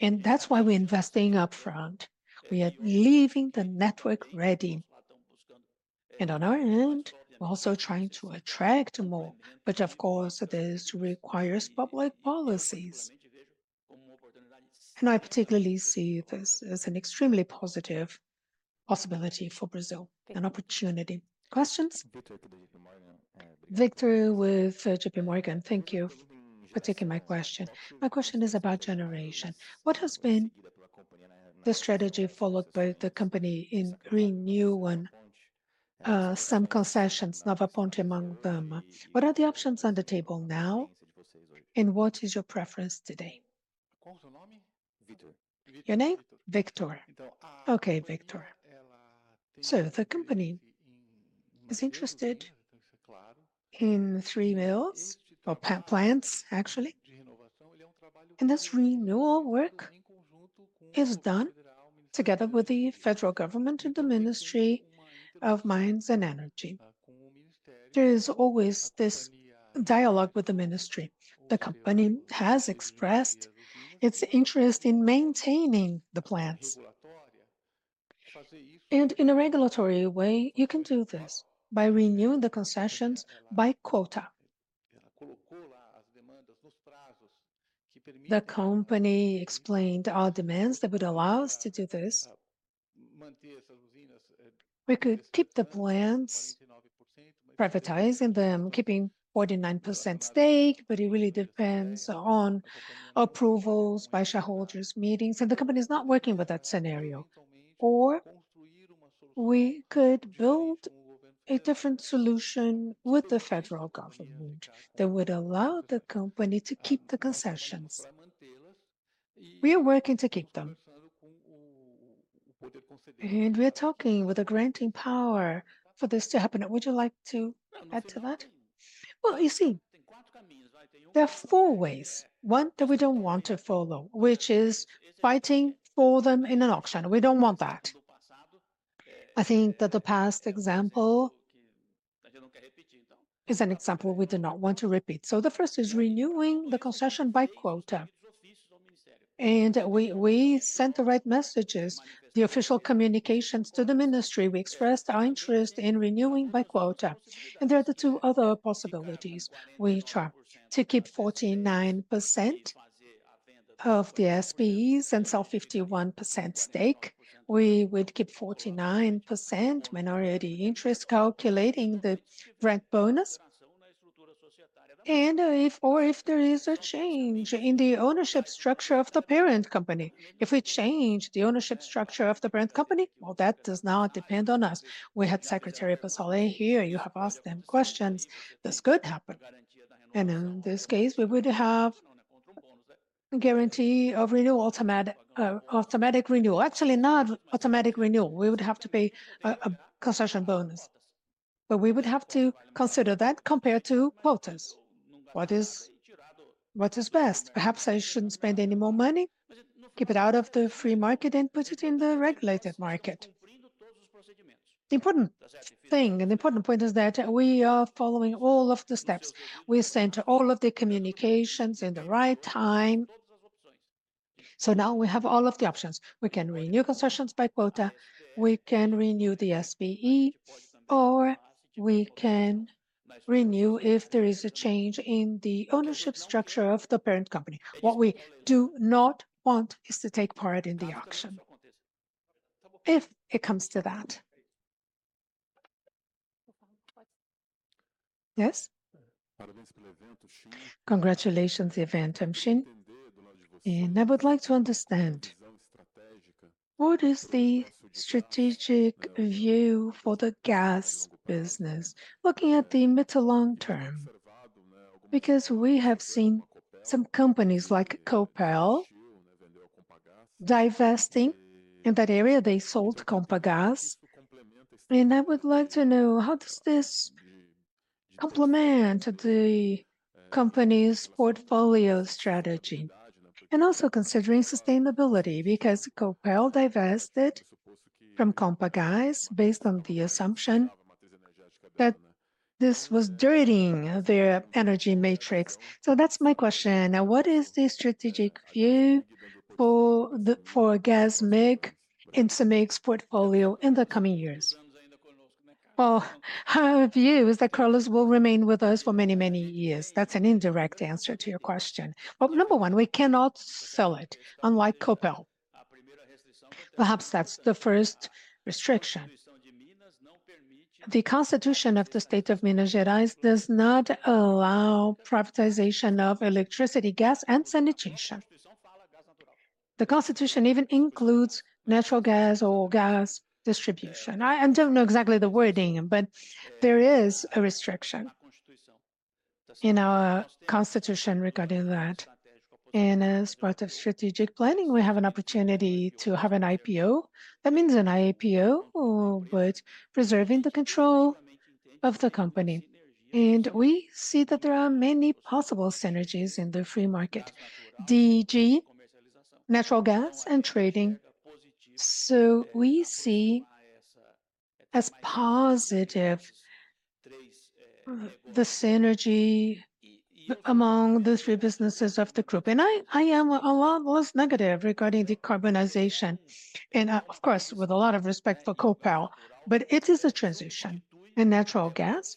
and that's why we're investing up front. We are leaving the network ready. And on our end, we're also trying to attract more, which, of course, this requires public policies. And I particularly see this as an extremely positive possibility for Brazil, an opportunity. Questions? Victor with JPMorgan. Thank you for taking my question. My question is about generation. What has been-... the strategy followed by the company in renewing, some concessions, Nova Ponte among them. What are the options on the table now, and what is your preference today? What's your name? Victor. Your name? Victor. Victor. Okay, Victor, so the company is interested in three mills or power plants, actually, and this renewal work is done together with the federal government and the Ministry of Mines and Energy. There is always this dialogue with the ministry. The company has expressed its interest in maintaining the plants, and in a regulatory way, you can do this by renewing the concessions by quota. The company explained our demands that would allow us to do this. We could keep the plants, privatizing them, keeping 49% stake, but it really depends on approvals by shareholders' meetings, and the company is not working with that scenario, or we could build a different solution with the federal government that would allow the company to keep the concessions. We are working to keep them, and we're talking with the granting power for this to happen. Would you like to add to that? Well, you see, there are four ways. One, that we don't want to follow, which is fighting for them in an auction. We don't want that. I think that the past example is an example we do not want to repeat. So the first is renewing the concession by quota. And we sent the right messages, the official communications to the ministry. We expressed our interest in renewing by quota, and there are the two other possibilities. We try to keep 49% of the SPEs and sell 51% stake. We would keep 49% minority interest, calculating the entry bonus. And if or if there is a change in the ownership structure of the parent company, if we change the ownership structure of the parent company, well, that does not depend on us. We had Secretary Passalio here. You have asked them questions. This could happen, and in this case, we would have guarantee of renewal, automatic renewal. Actually, not automatic renewal. We would have to pay a concession bonus. But we would have to consider that compared to quotas. What is best? Perhaps I shouldn't spend any more money, keep it out of the free market and put it in the regulated market. The important thing and the important point is that we are following all of the steps. We sent all of the communications in the right time, so now we have all of the options. We can renew concessions by quota, we can renew the SPE, or we can renew if there is a change in the ownership structure of the parent company. What we do not want is to take part in the auction, if it comes to that. Yes? Congratulations on the event. And I would like to understand, what is the strategic view for the gas business, looking at the mid to long term? Because we have seen some companies like Copel divesting in that area. They sold Compagas, and I would like to know, how does this complement the company's portfolio strategy? And also considering sustainability, because Copel divested from Compagas based on the assumption that this was dirtying their energy matrix. So that's my question. Now, what is the strategic view for Gasmig in CEMIG's portfolio in the coming years? Our view is that Carlos will remain with us for many, many years. That's an indirect answer to your question. Number one, we cannot sell it, unlike Copel. Perhaps that's the first restriction. The Constitution of the state of Minas Gerais does not allow privatization of electricity, gas, and sanitation. The Constitution even includes natural gas or gas distribution. I don't know exactly the wording, but there is a restriction in our constitution regarding that. And as part of strategic planning, we have an opportunity to have an IPO. That means an IPO, but preserving the control of the company. And we see that there are many possible synergies in the free market: DG, natural gas, and trading. So we see as positive the synergy among the three businesses of the group. And I am a lot less negative regarding decarbonization, and, of course, with a lot of respect for Copel, but it is a transition, and natural gas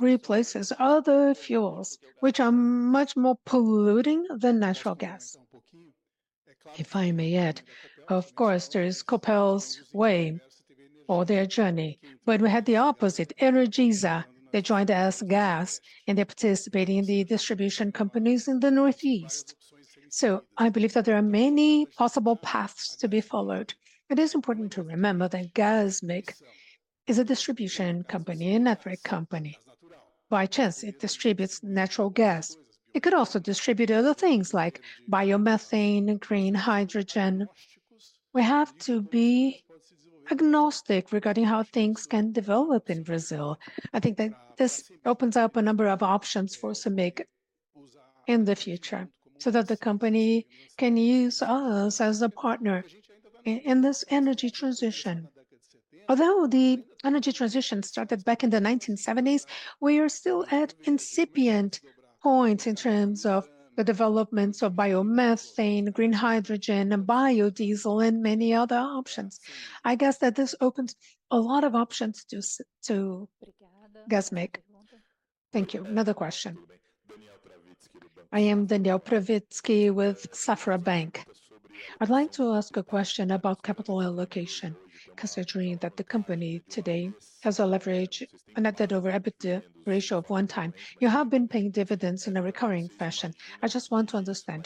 replaces other fuels, which are much more polluting than natural gas. If I may add, of course, there is Copel's way or their journey. But we had the opposite, Energisa, they joined gas, and they're participating in the distribution companies in the Northeast. So I believe that there are many possible paths to be followed. It is important to remember that Gasmig is a distribution company, a network company. By chance, it distributes natural gas. It could also distribute other things like biomethane and green hydrogen. We have to be agnostic regarding how things can develop in Brazil. I think that this opens up a number of options for CEMIG in the future, so that the company can use us as a partner in this energy transition. Although the energy transition started back in the 1970s, we are still at incipient point in terms of the developments of biomethane, green hydrogen, and biodiesel, and many other options. I guess that this opens a lot of options to Gasmig. Thank you. Another question. Daniel Travitzky. I am Daniel Travitzky with Banco Safra. I'd like to ask a question about capital allocation, considering that the company today has a leverage, a net debt over EBITDA ratio of one time. You have been paying dividends in a recurring fashion. I just want to understand,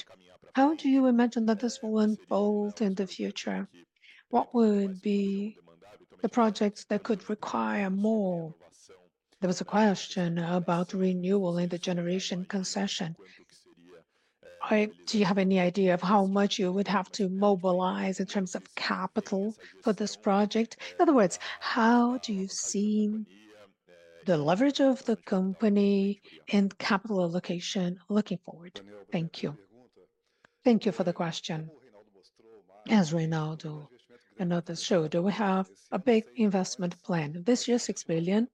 how do you imagine that this will unfold in the future? What would be the projects that could require more? There was a question about renewal in the generation concession. Do you have any idea of how much you would have to mobilize in terms of capital for this project? In other words, how do you see the leverage of the company and capital allocation looking forward? Thank you. Thank you for the question. As Reynaldo and others showed, that we have a big investment plan. This year, 6 billion,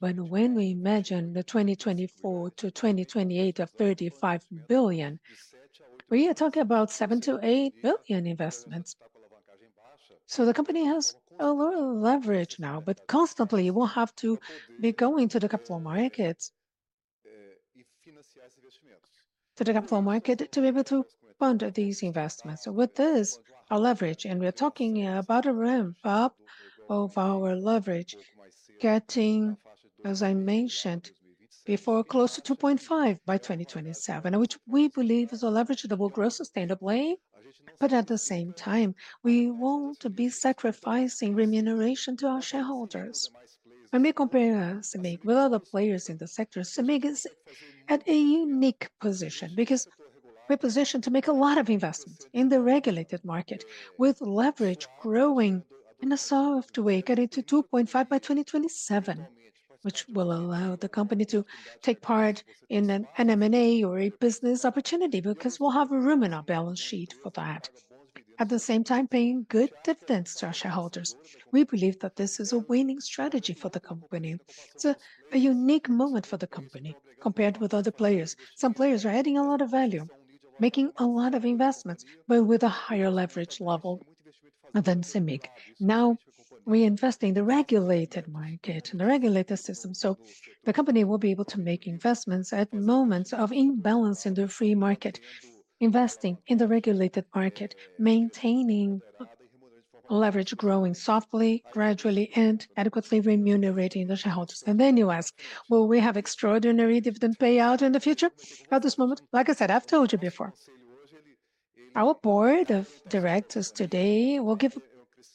but when we imagine the 2024-2028 of 35 billion, we are talking about 7 billion-8 billion investments. So the company has a lower leverage now, but constantly we'll have to be going to the capital markets, to the capital market to be able to fund these investments. So with this, our leverage, and we are talking about a ramp up of our leverage, getting, as I mentioned before, close to 2.5 by 2027, which we believe is a leverage that will grow sustainably, but at the same time, we won't be sacrificing remuneration to our shareholders. When we compare CEMIG with other players in the sector, CEMIG is at a unique position because we're positioned to make a lot of investments in the regulated market, with leverage growing in a soft way, getting to 2.5 by 2027, which will allow the company to take part in an M&A or a business opportunity, because we'll have room in our balance sheet for that. At the same time, paying good dividends to our shareholders. We believe that this is a winning strategy for the company. It's a unique moment for the company compared with other players. Some players are adding a lot of value, making a lot of investments, but with a higher leverage level than CEMIG. Now, we invest in the regulated market, in the regulated system, so the company will be able to make investments at moments of imbalance in the free market, investing in the regulated market, maintaining leverage, growing softly, gradually, and adequately remunerating the shareholders. And then you ask, will we have extraordinary dividend payout in the future? At this moment, like I said, I've told you before, our board of directors today will give...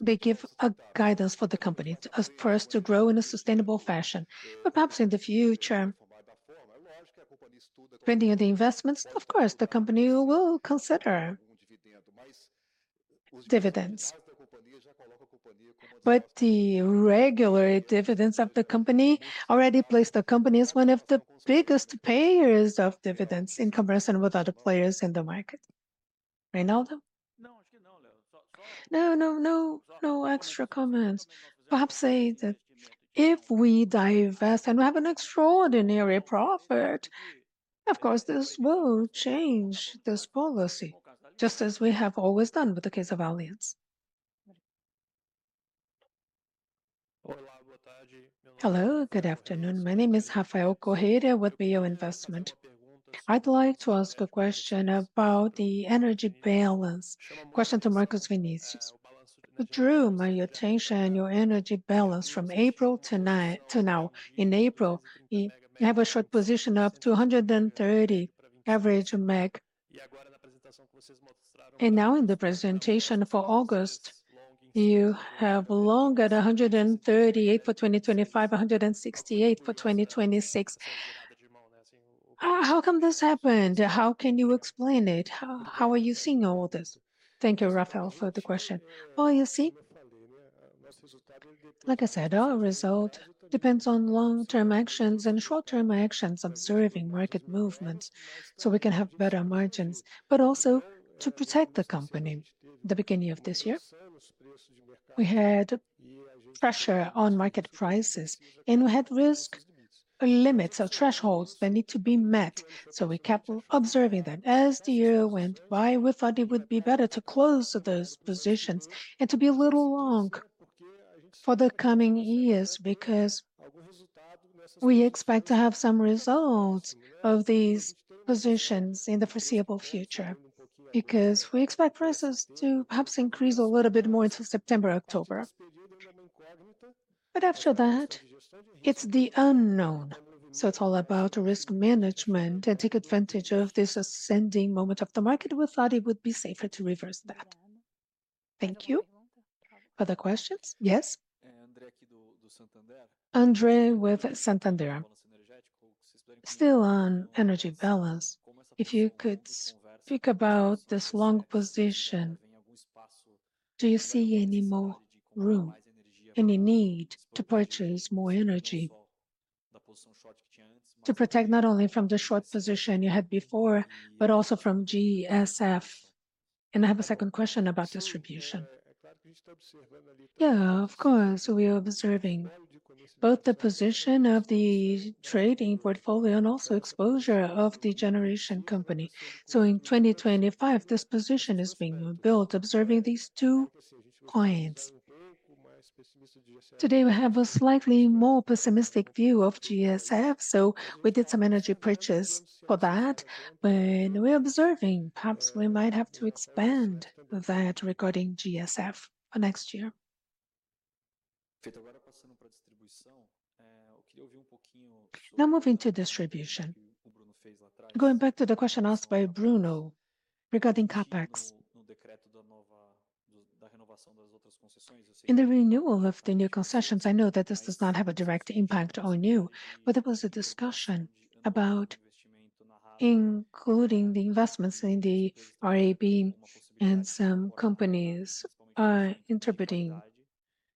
They give a guidance for the company to for us to grow in a sustainable fashion. But perhaps in the future, depending on the investments, of course, the company will consider dividends. But the regular dividends of the company already place the company as one of the biggest payers of dividends in comparison with other players in the market. Reynaldo? No, no, no, no extra comments. Perhaps say that if we divest and we have an extraordinary profit, of course, this will change this policy, just as we have always done with the case of Aliança. Hello, good afternoon. My name is Rafael Correia with Ibiuna Investimentos. I'd like to ask a question about the energy balance. Question to Marcos Vinícius. What drew my attention, your energy balance from April 29 to now. In April, you have a short position of 230 average MW. And now in the presentation for August, you have long at 138 MW for 2025, 168 MW for 2026. How come this happened? How can you explain it? How are you seeing all this? Thank you, Rafael, for the question. Well, you see, like I said, our result depends on long-term actions and short-term actions, observing market movements, so we can have better margins, but also to protect the company. The beginning of this year, we had pressure on market prices, and we had risk limits or thresholds that need to be met, so we kept observing them. As the year went by, we thought it would be better to close those positions and to be a little long for the coming years, because we expect to have some results of these positions in the foreseeable future, because we expect prices to perhaps increase a little bit more into September, October. But after that, it's the unknown, so it's all about risk management and take advantage of this ascending moment of the market. We thought it would be safer to reverse that. Thank you. Other questions? Yes. André with Santander. Still on energy balance, if you could speak about this long position, do you see any more room, any need to purchase more energy to protect not only from the short position you had before, but also from GSF? And I have a second question about distribution. Yeah, of course, we are observing both the position of the trading portfolio and also exposure of the generation company. In 2025, this position is being built observing these two points. Today, we have a slightly more pessimistic view of GSF, so we did some energy purchase for that, but we are observing; perhaps we might have to expand that regarding GSF for next year. Now moving to distribution. Going back to the question asked by Bruno regarding CapEx. In the renewal of the new concessions, I know that this does not have a direct impact on you, but there was a discussion about including the investments in the RAB, and some companies are interpreting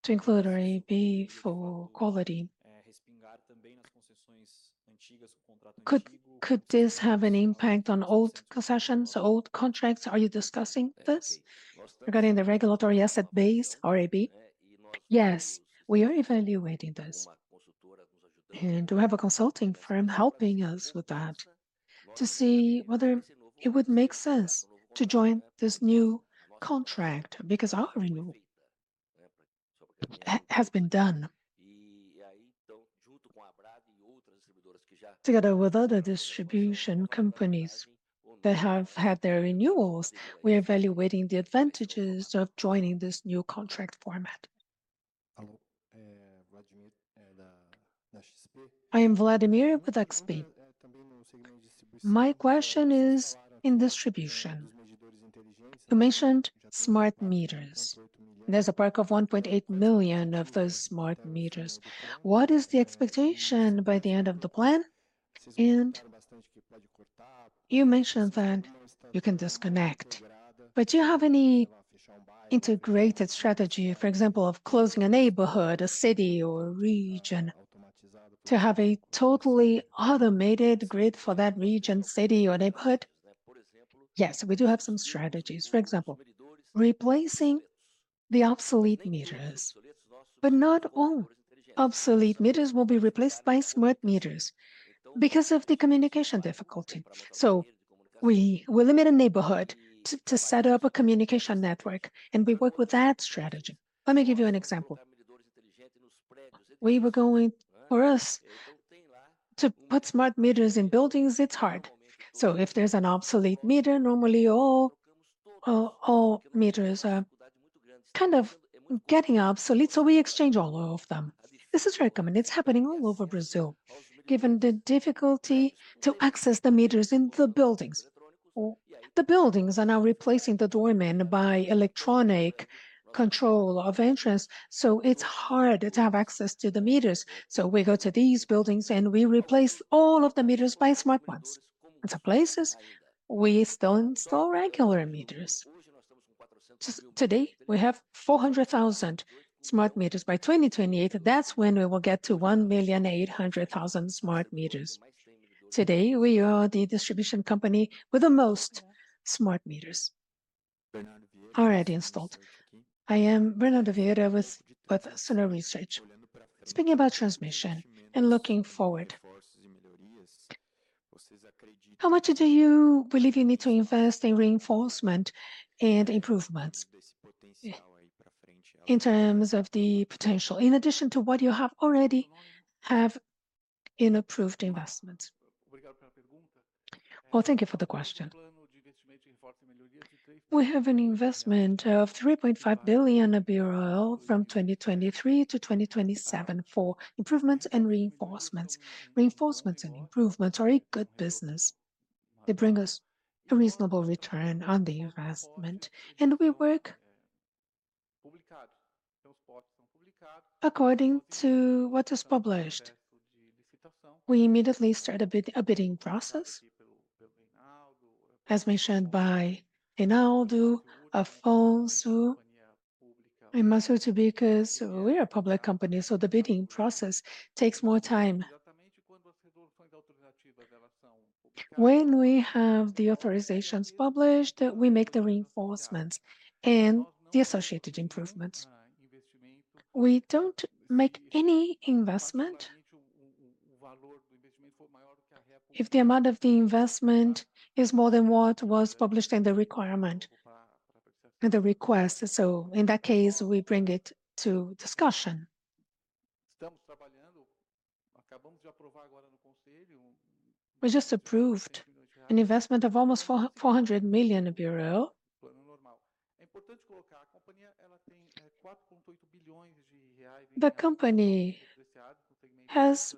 to include RAB for quality. Could this have an impact on old concessions or old contracts? Are you discussing this regarding the regulatory asset base, RAB? Yes, we are evaluating this, and we have a consulting firm helping us with that to see whether it would make sense to join this new contract, because our renewal has been done. Together with other distribution companies that have had their renewals, we're evaluating the advantages of joining this new contract format. I am Vladimir with XP. My question is in distribution. You mentioned smart meters. There's a pack of 1.8 million of those smart meters. What is the expectation by the end of the plan? And you mentioned that you can disconnect, but do you have any integrated strategy, for example, of closing a neighborhood, a city, or a region to have a totally automated grid for that region, city, or neighborhood? Yes, we do have some strategies. For example, replacing the obsolete meters, but not all obsolete meters will be replaced by smart meters because of the communication difficulty. So we will limit a neighborhood to set up a communication network, and we work with that strategy. Let me give you an example. For us, to put smart meters in buildings, it's hard. So if there's an obsolete meter, normally all meters are kind of getting obsolete, so we exchange all of them. This is very common. It's happening all over Brazil, given the difficulty to access the meters in the buildings. The buildings are now replacing the doormen by electronic control of entrance, so it's harder to have access to the meters. So we go to these buildings, and we replace all of the meters by smart ones. In some places, we still install regular meters. Today, we have 400,000 smart meters. By 2028, that's when we will get to 1.8 million smart meters. Today, we are the distribution company with the most smart meters already installed. I am Bernardo Viero with Suno Research. Speaking about transmission and looking forward, how much do you believe you need to invest in reinforcement and improvements in terms of the potential, in addition to what you already have in approved investments? Well, thank you for the question. We have an investment of BRL 3.5 billion from 2023-2027 for improvements and reinforcements. Reinforcements and improvements are a good business. They bring us a reasonable return on the investment, and we work according to what is published. We immediately start a bidding process, as mentioned by Reynaldo, also. We must do it because we are a public company, so the bidding process takes more time. When we have the authorizations published, we make the reinforcements and the associated improvements. We don't make any investment if the amount of the investment is more than what was published in the requirement, in the request. So in that case, we bring it to discussion. We just approved an investment of almost BRL 400 million. The company has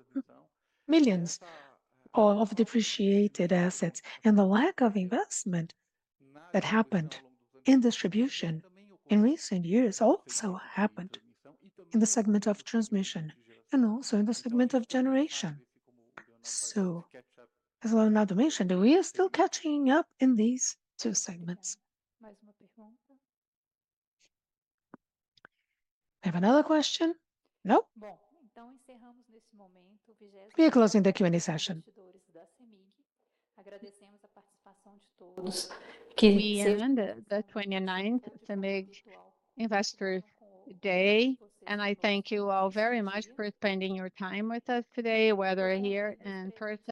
millions of depreciated assets, and the lack of investment that happened in distribution in recent years also happened in the segment of transmission and also in the segment of generation. So as well, as Reynaldo mentioned, we are still catching up in these two segments. Have another question? Nope. We are closing the Q&A session. We end the 29th CEMIG Investor Day, and I thank you all very much for spending your time with us today, whether here in person.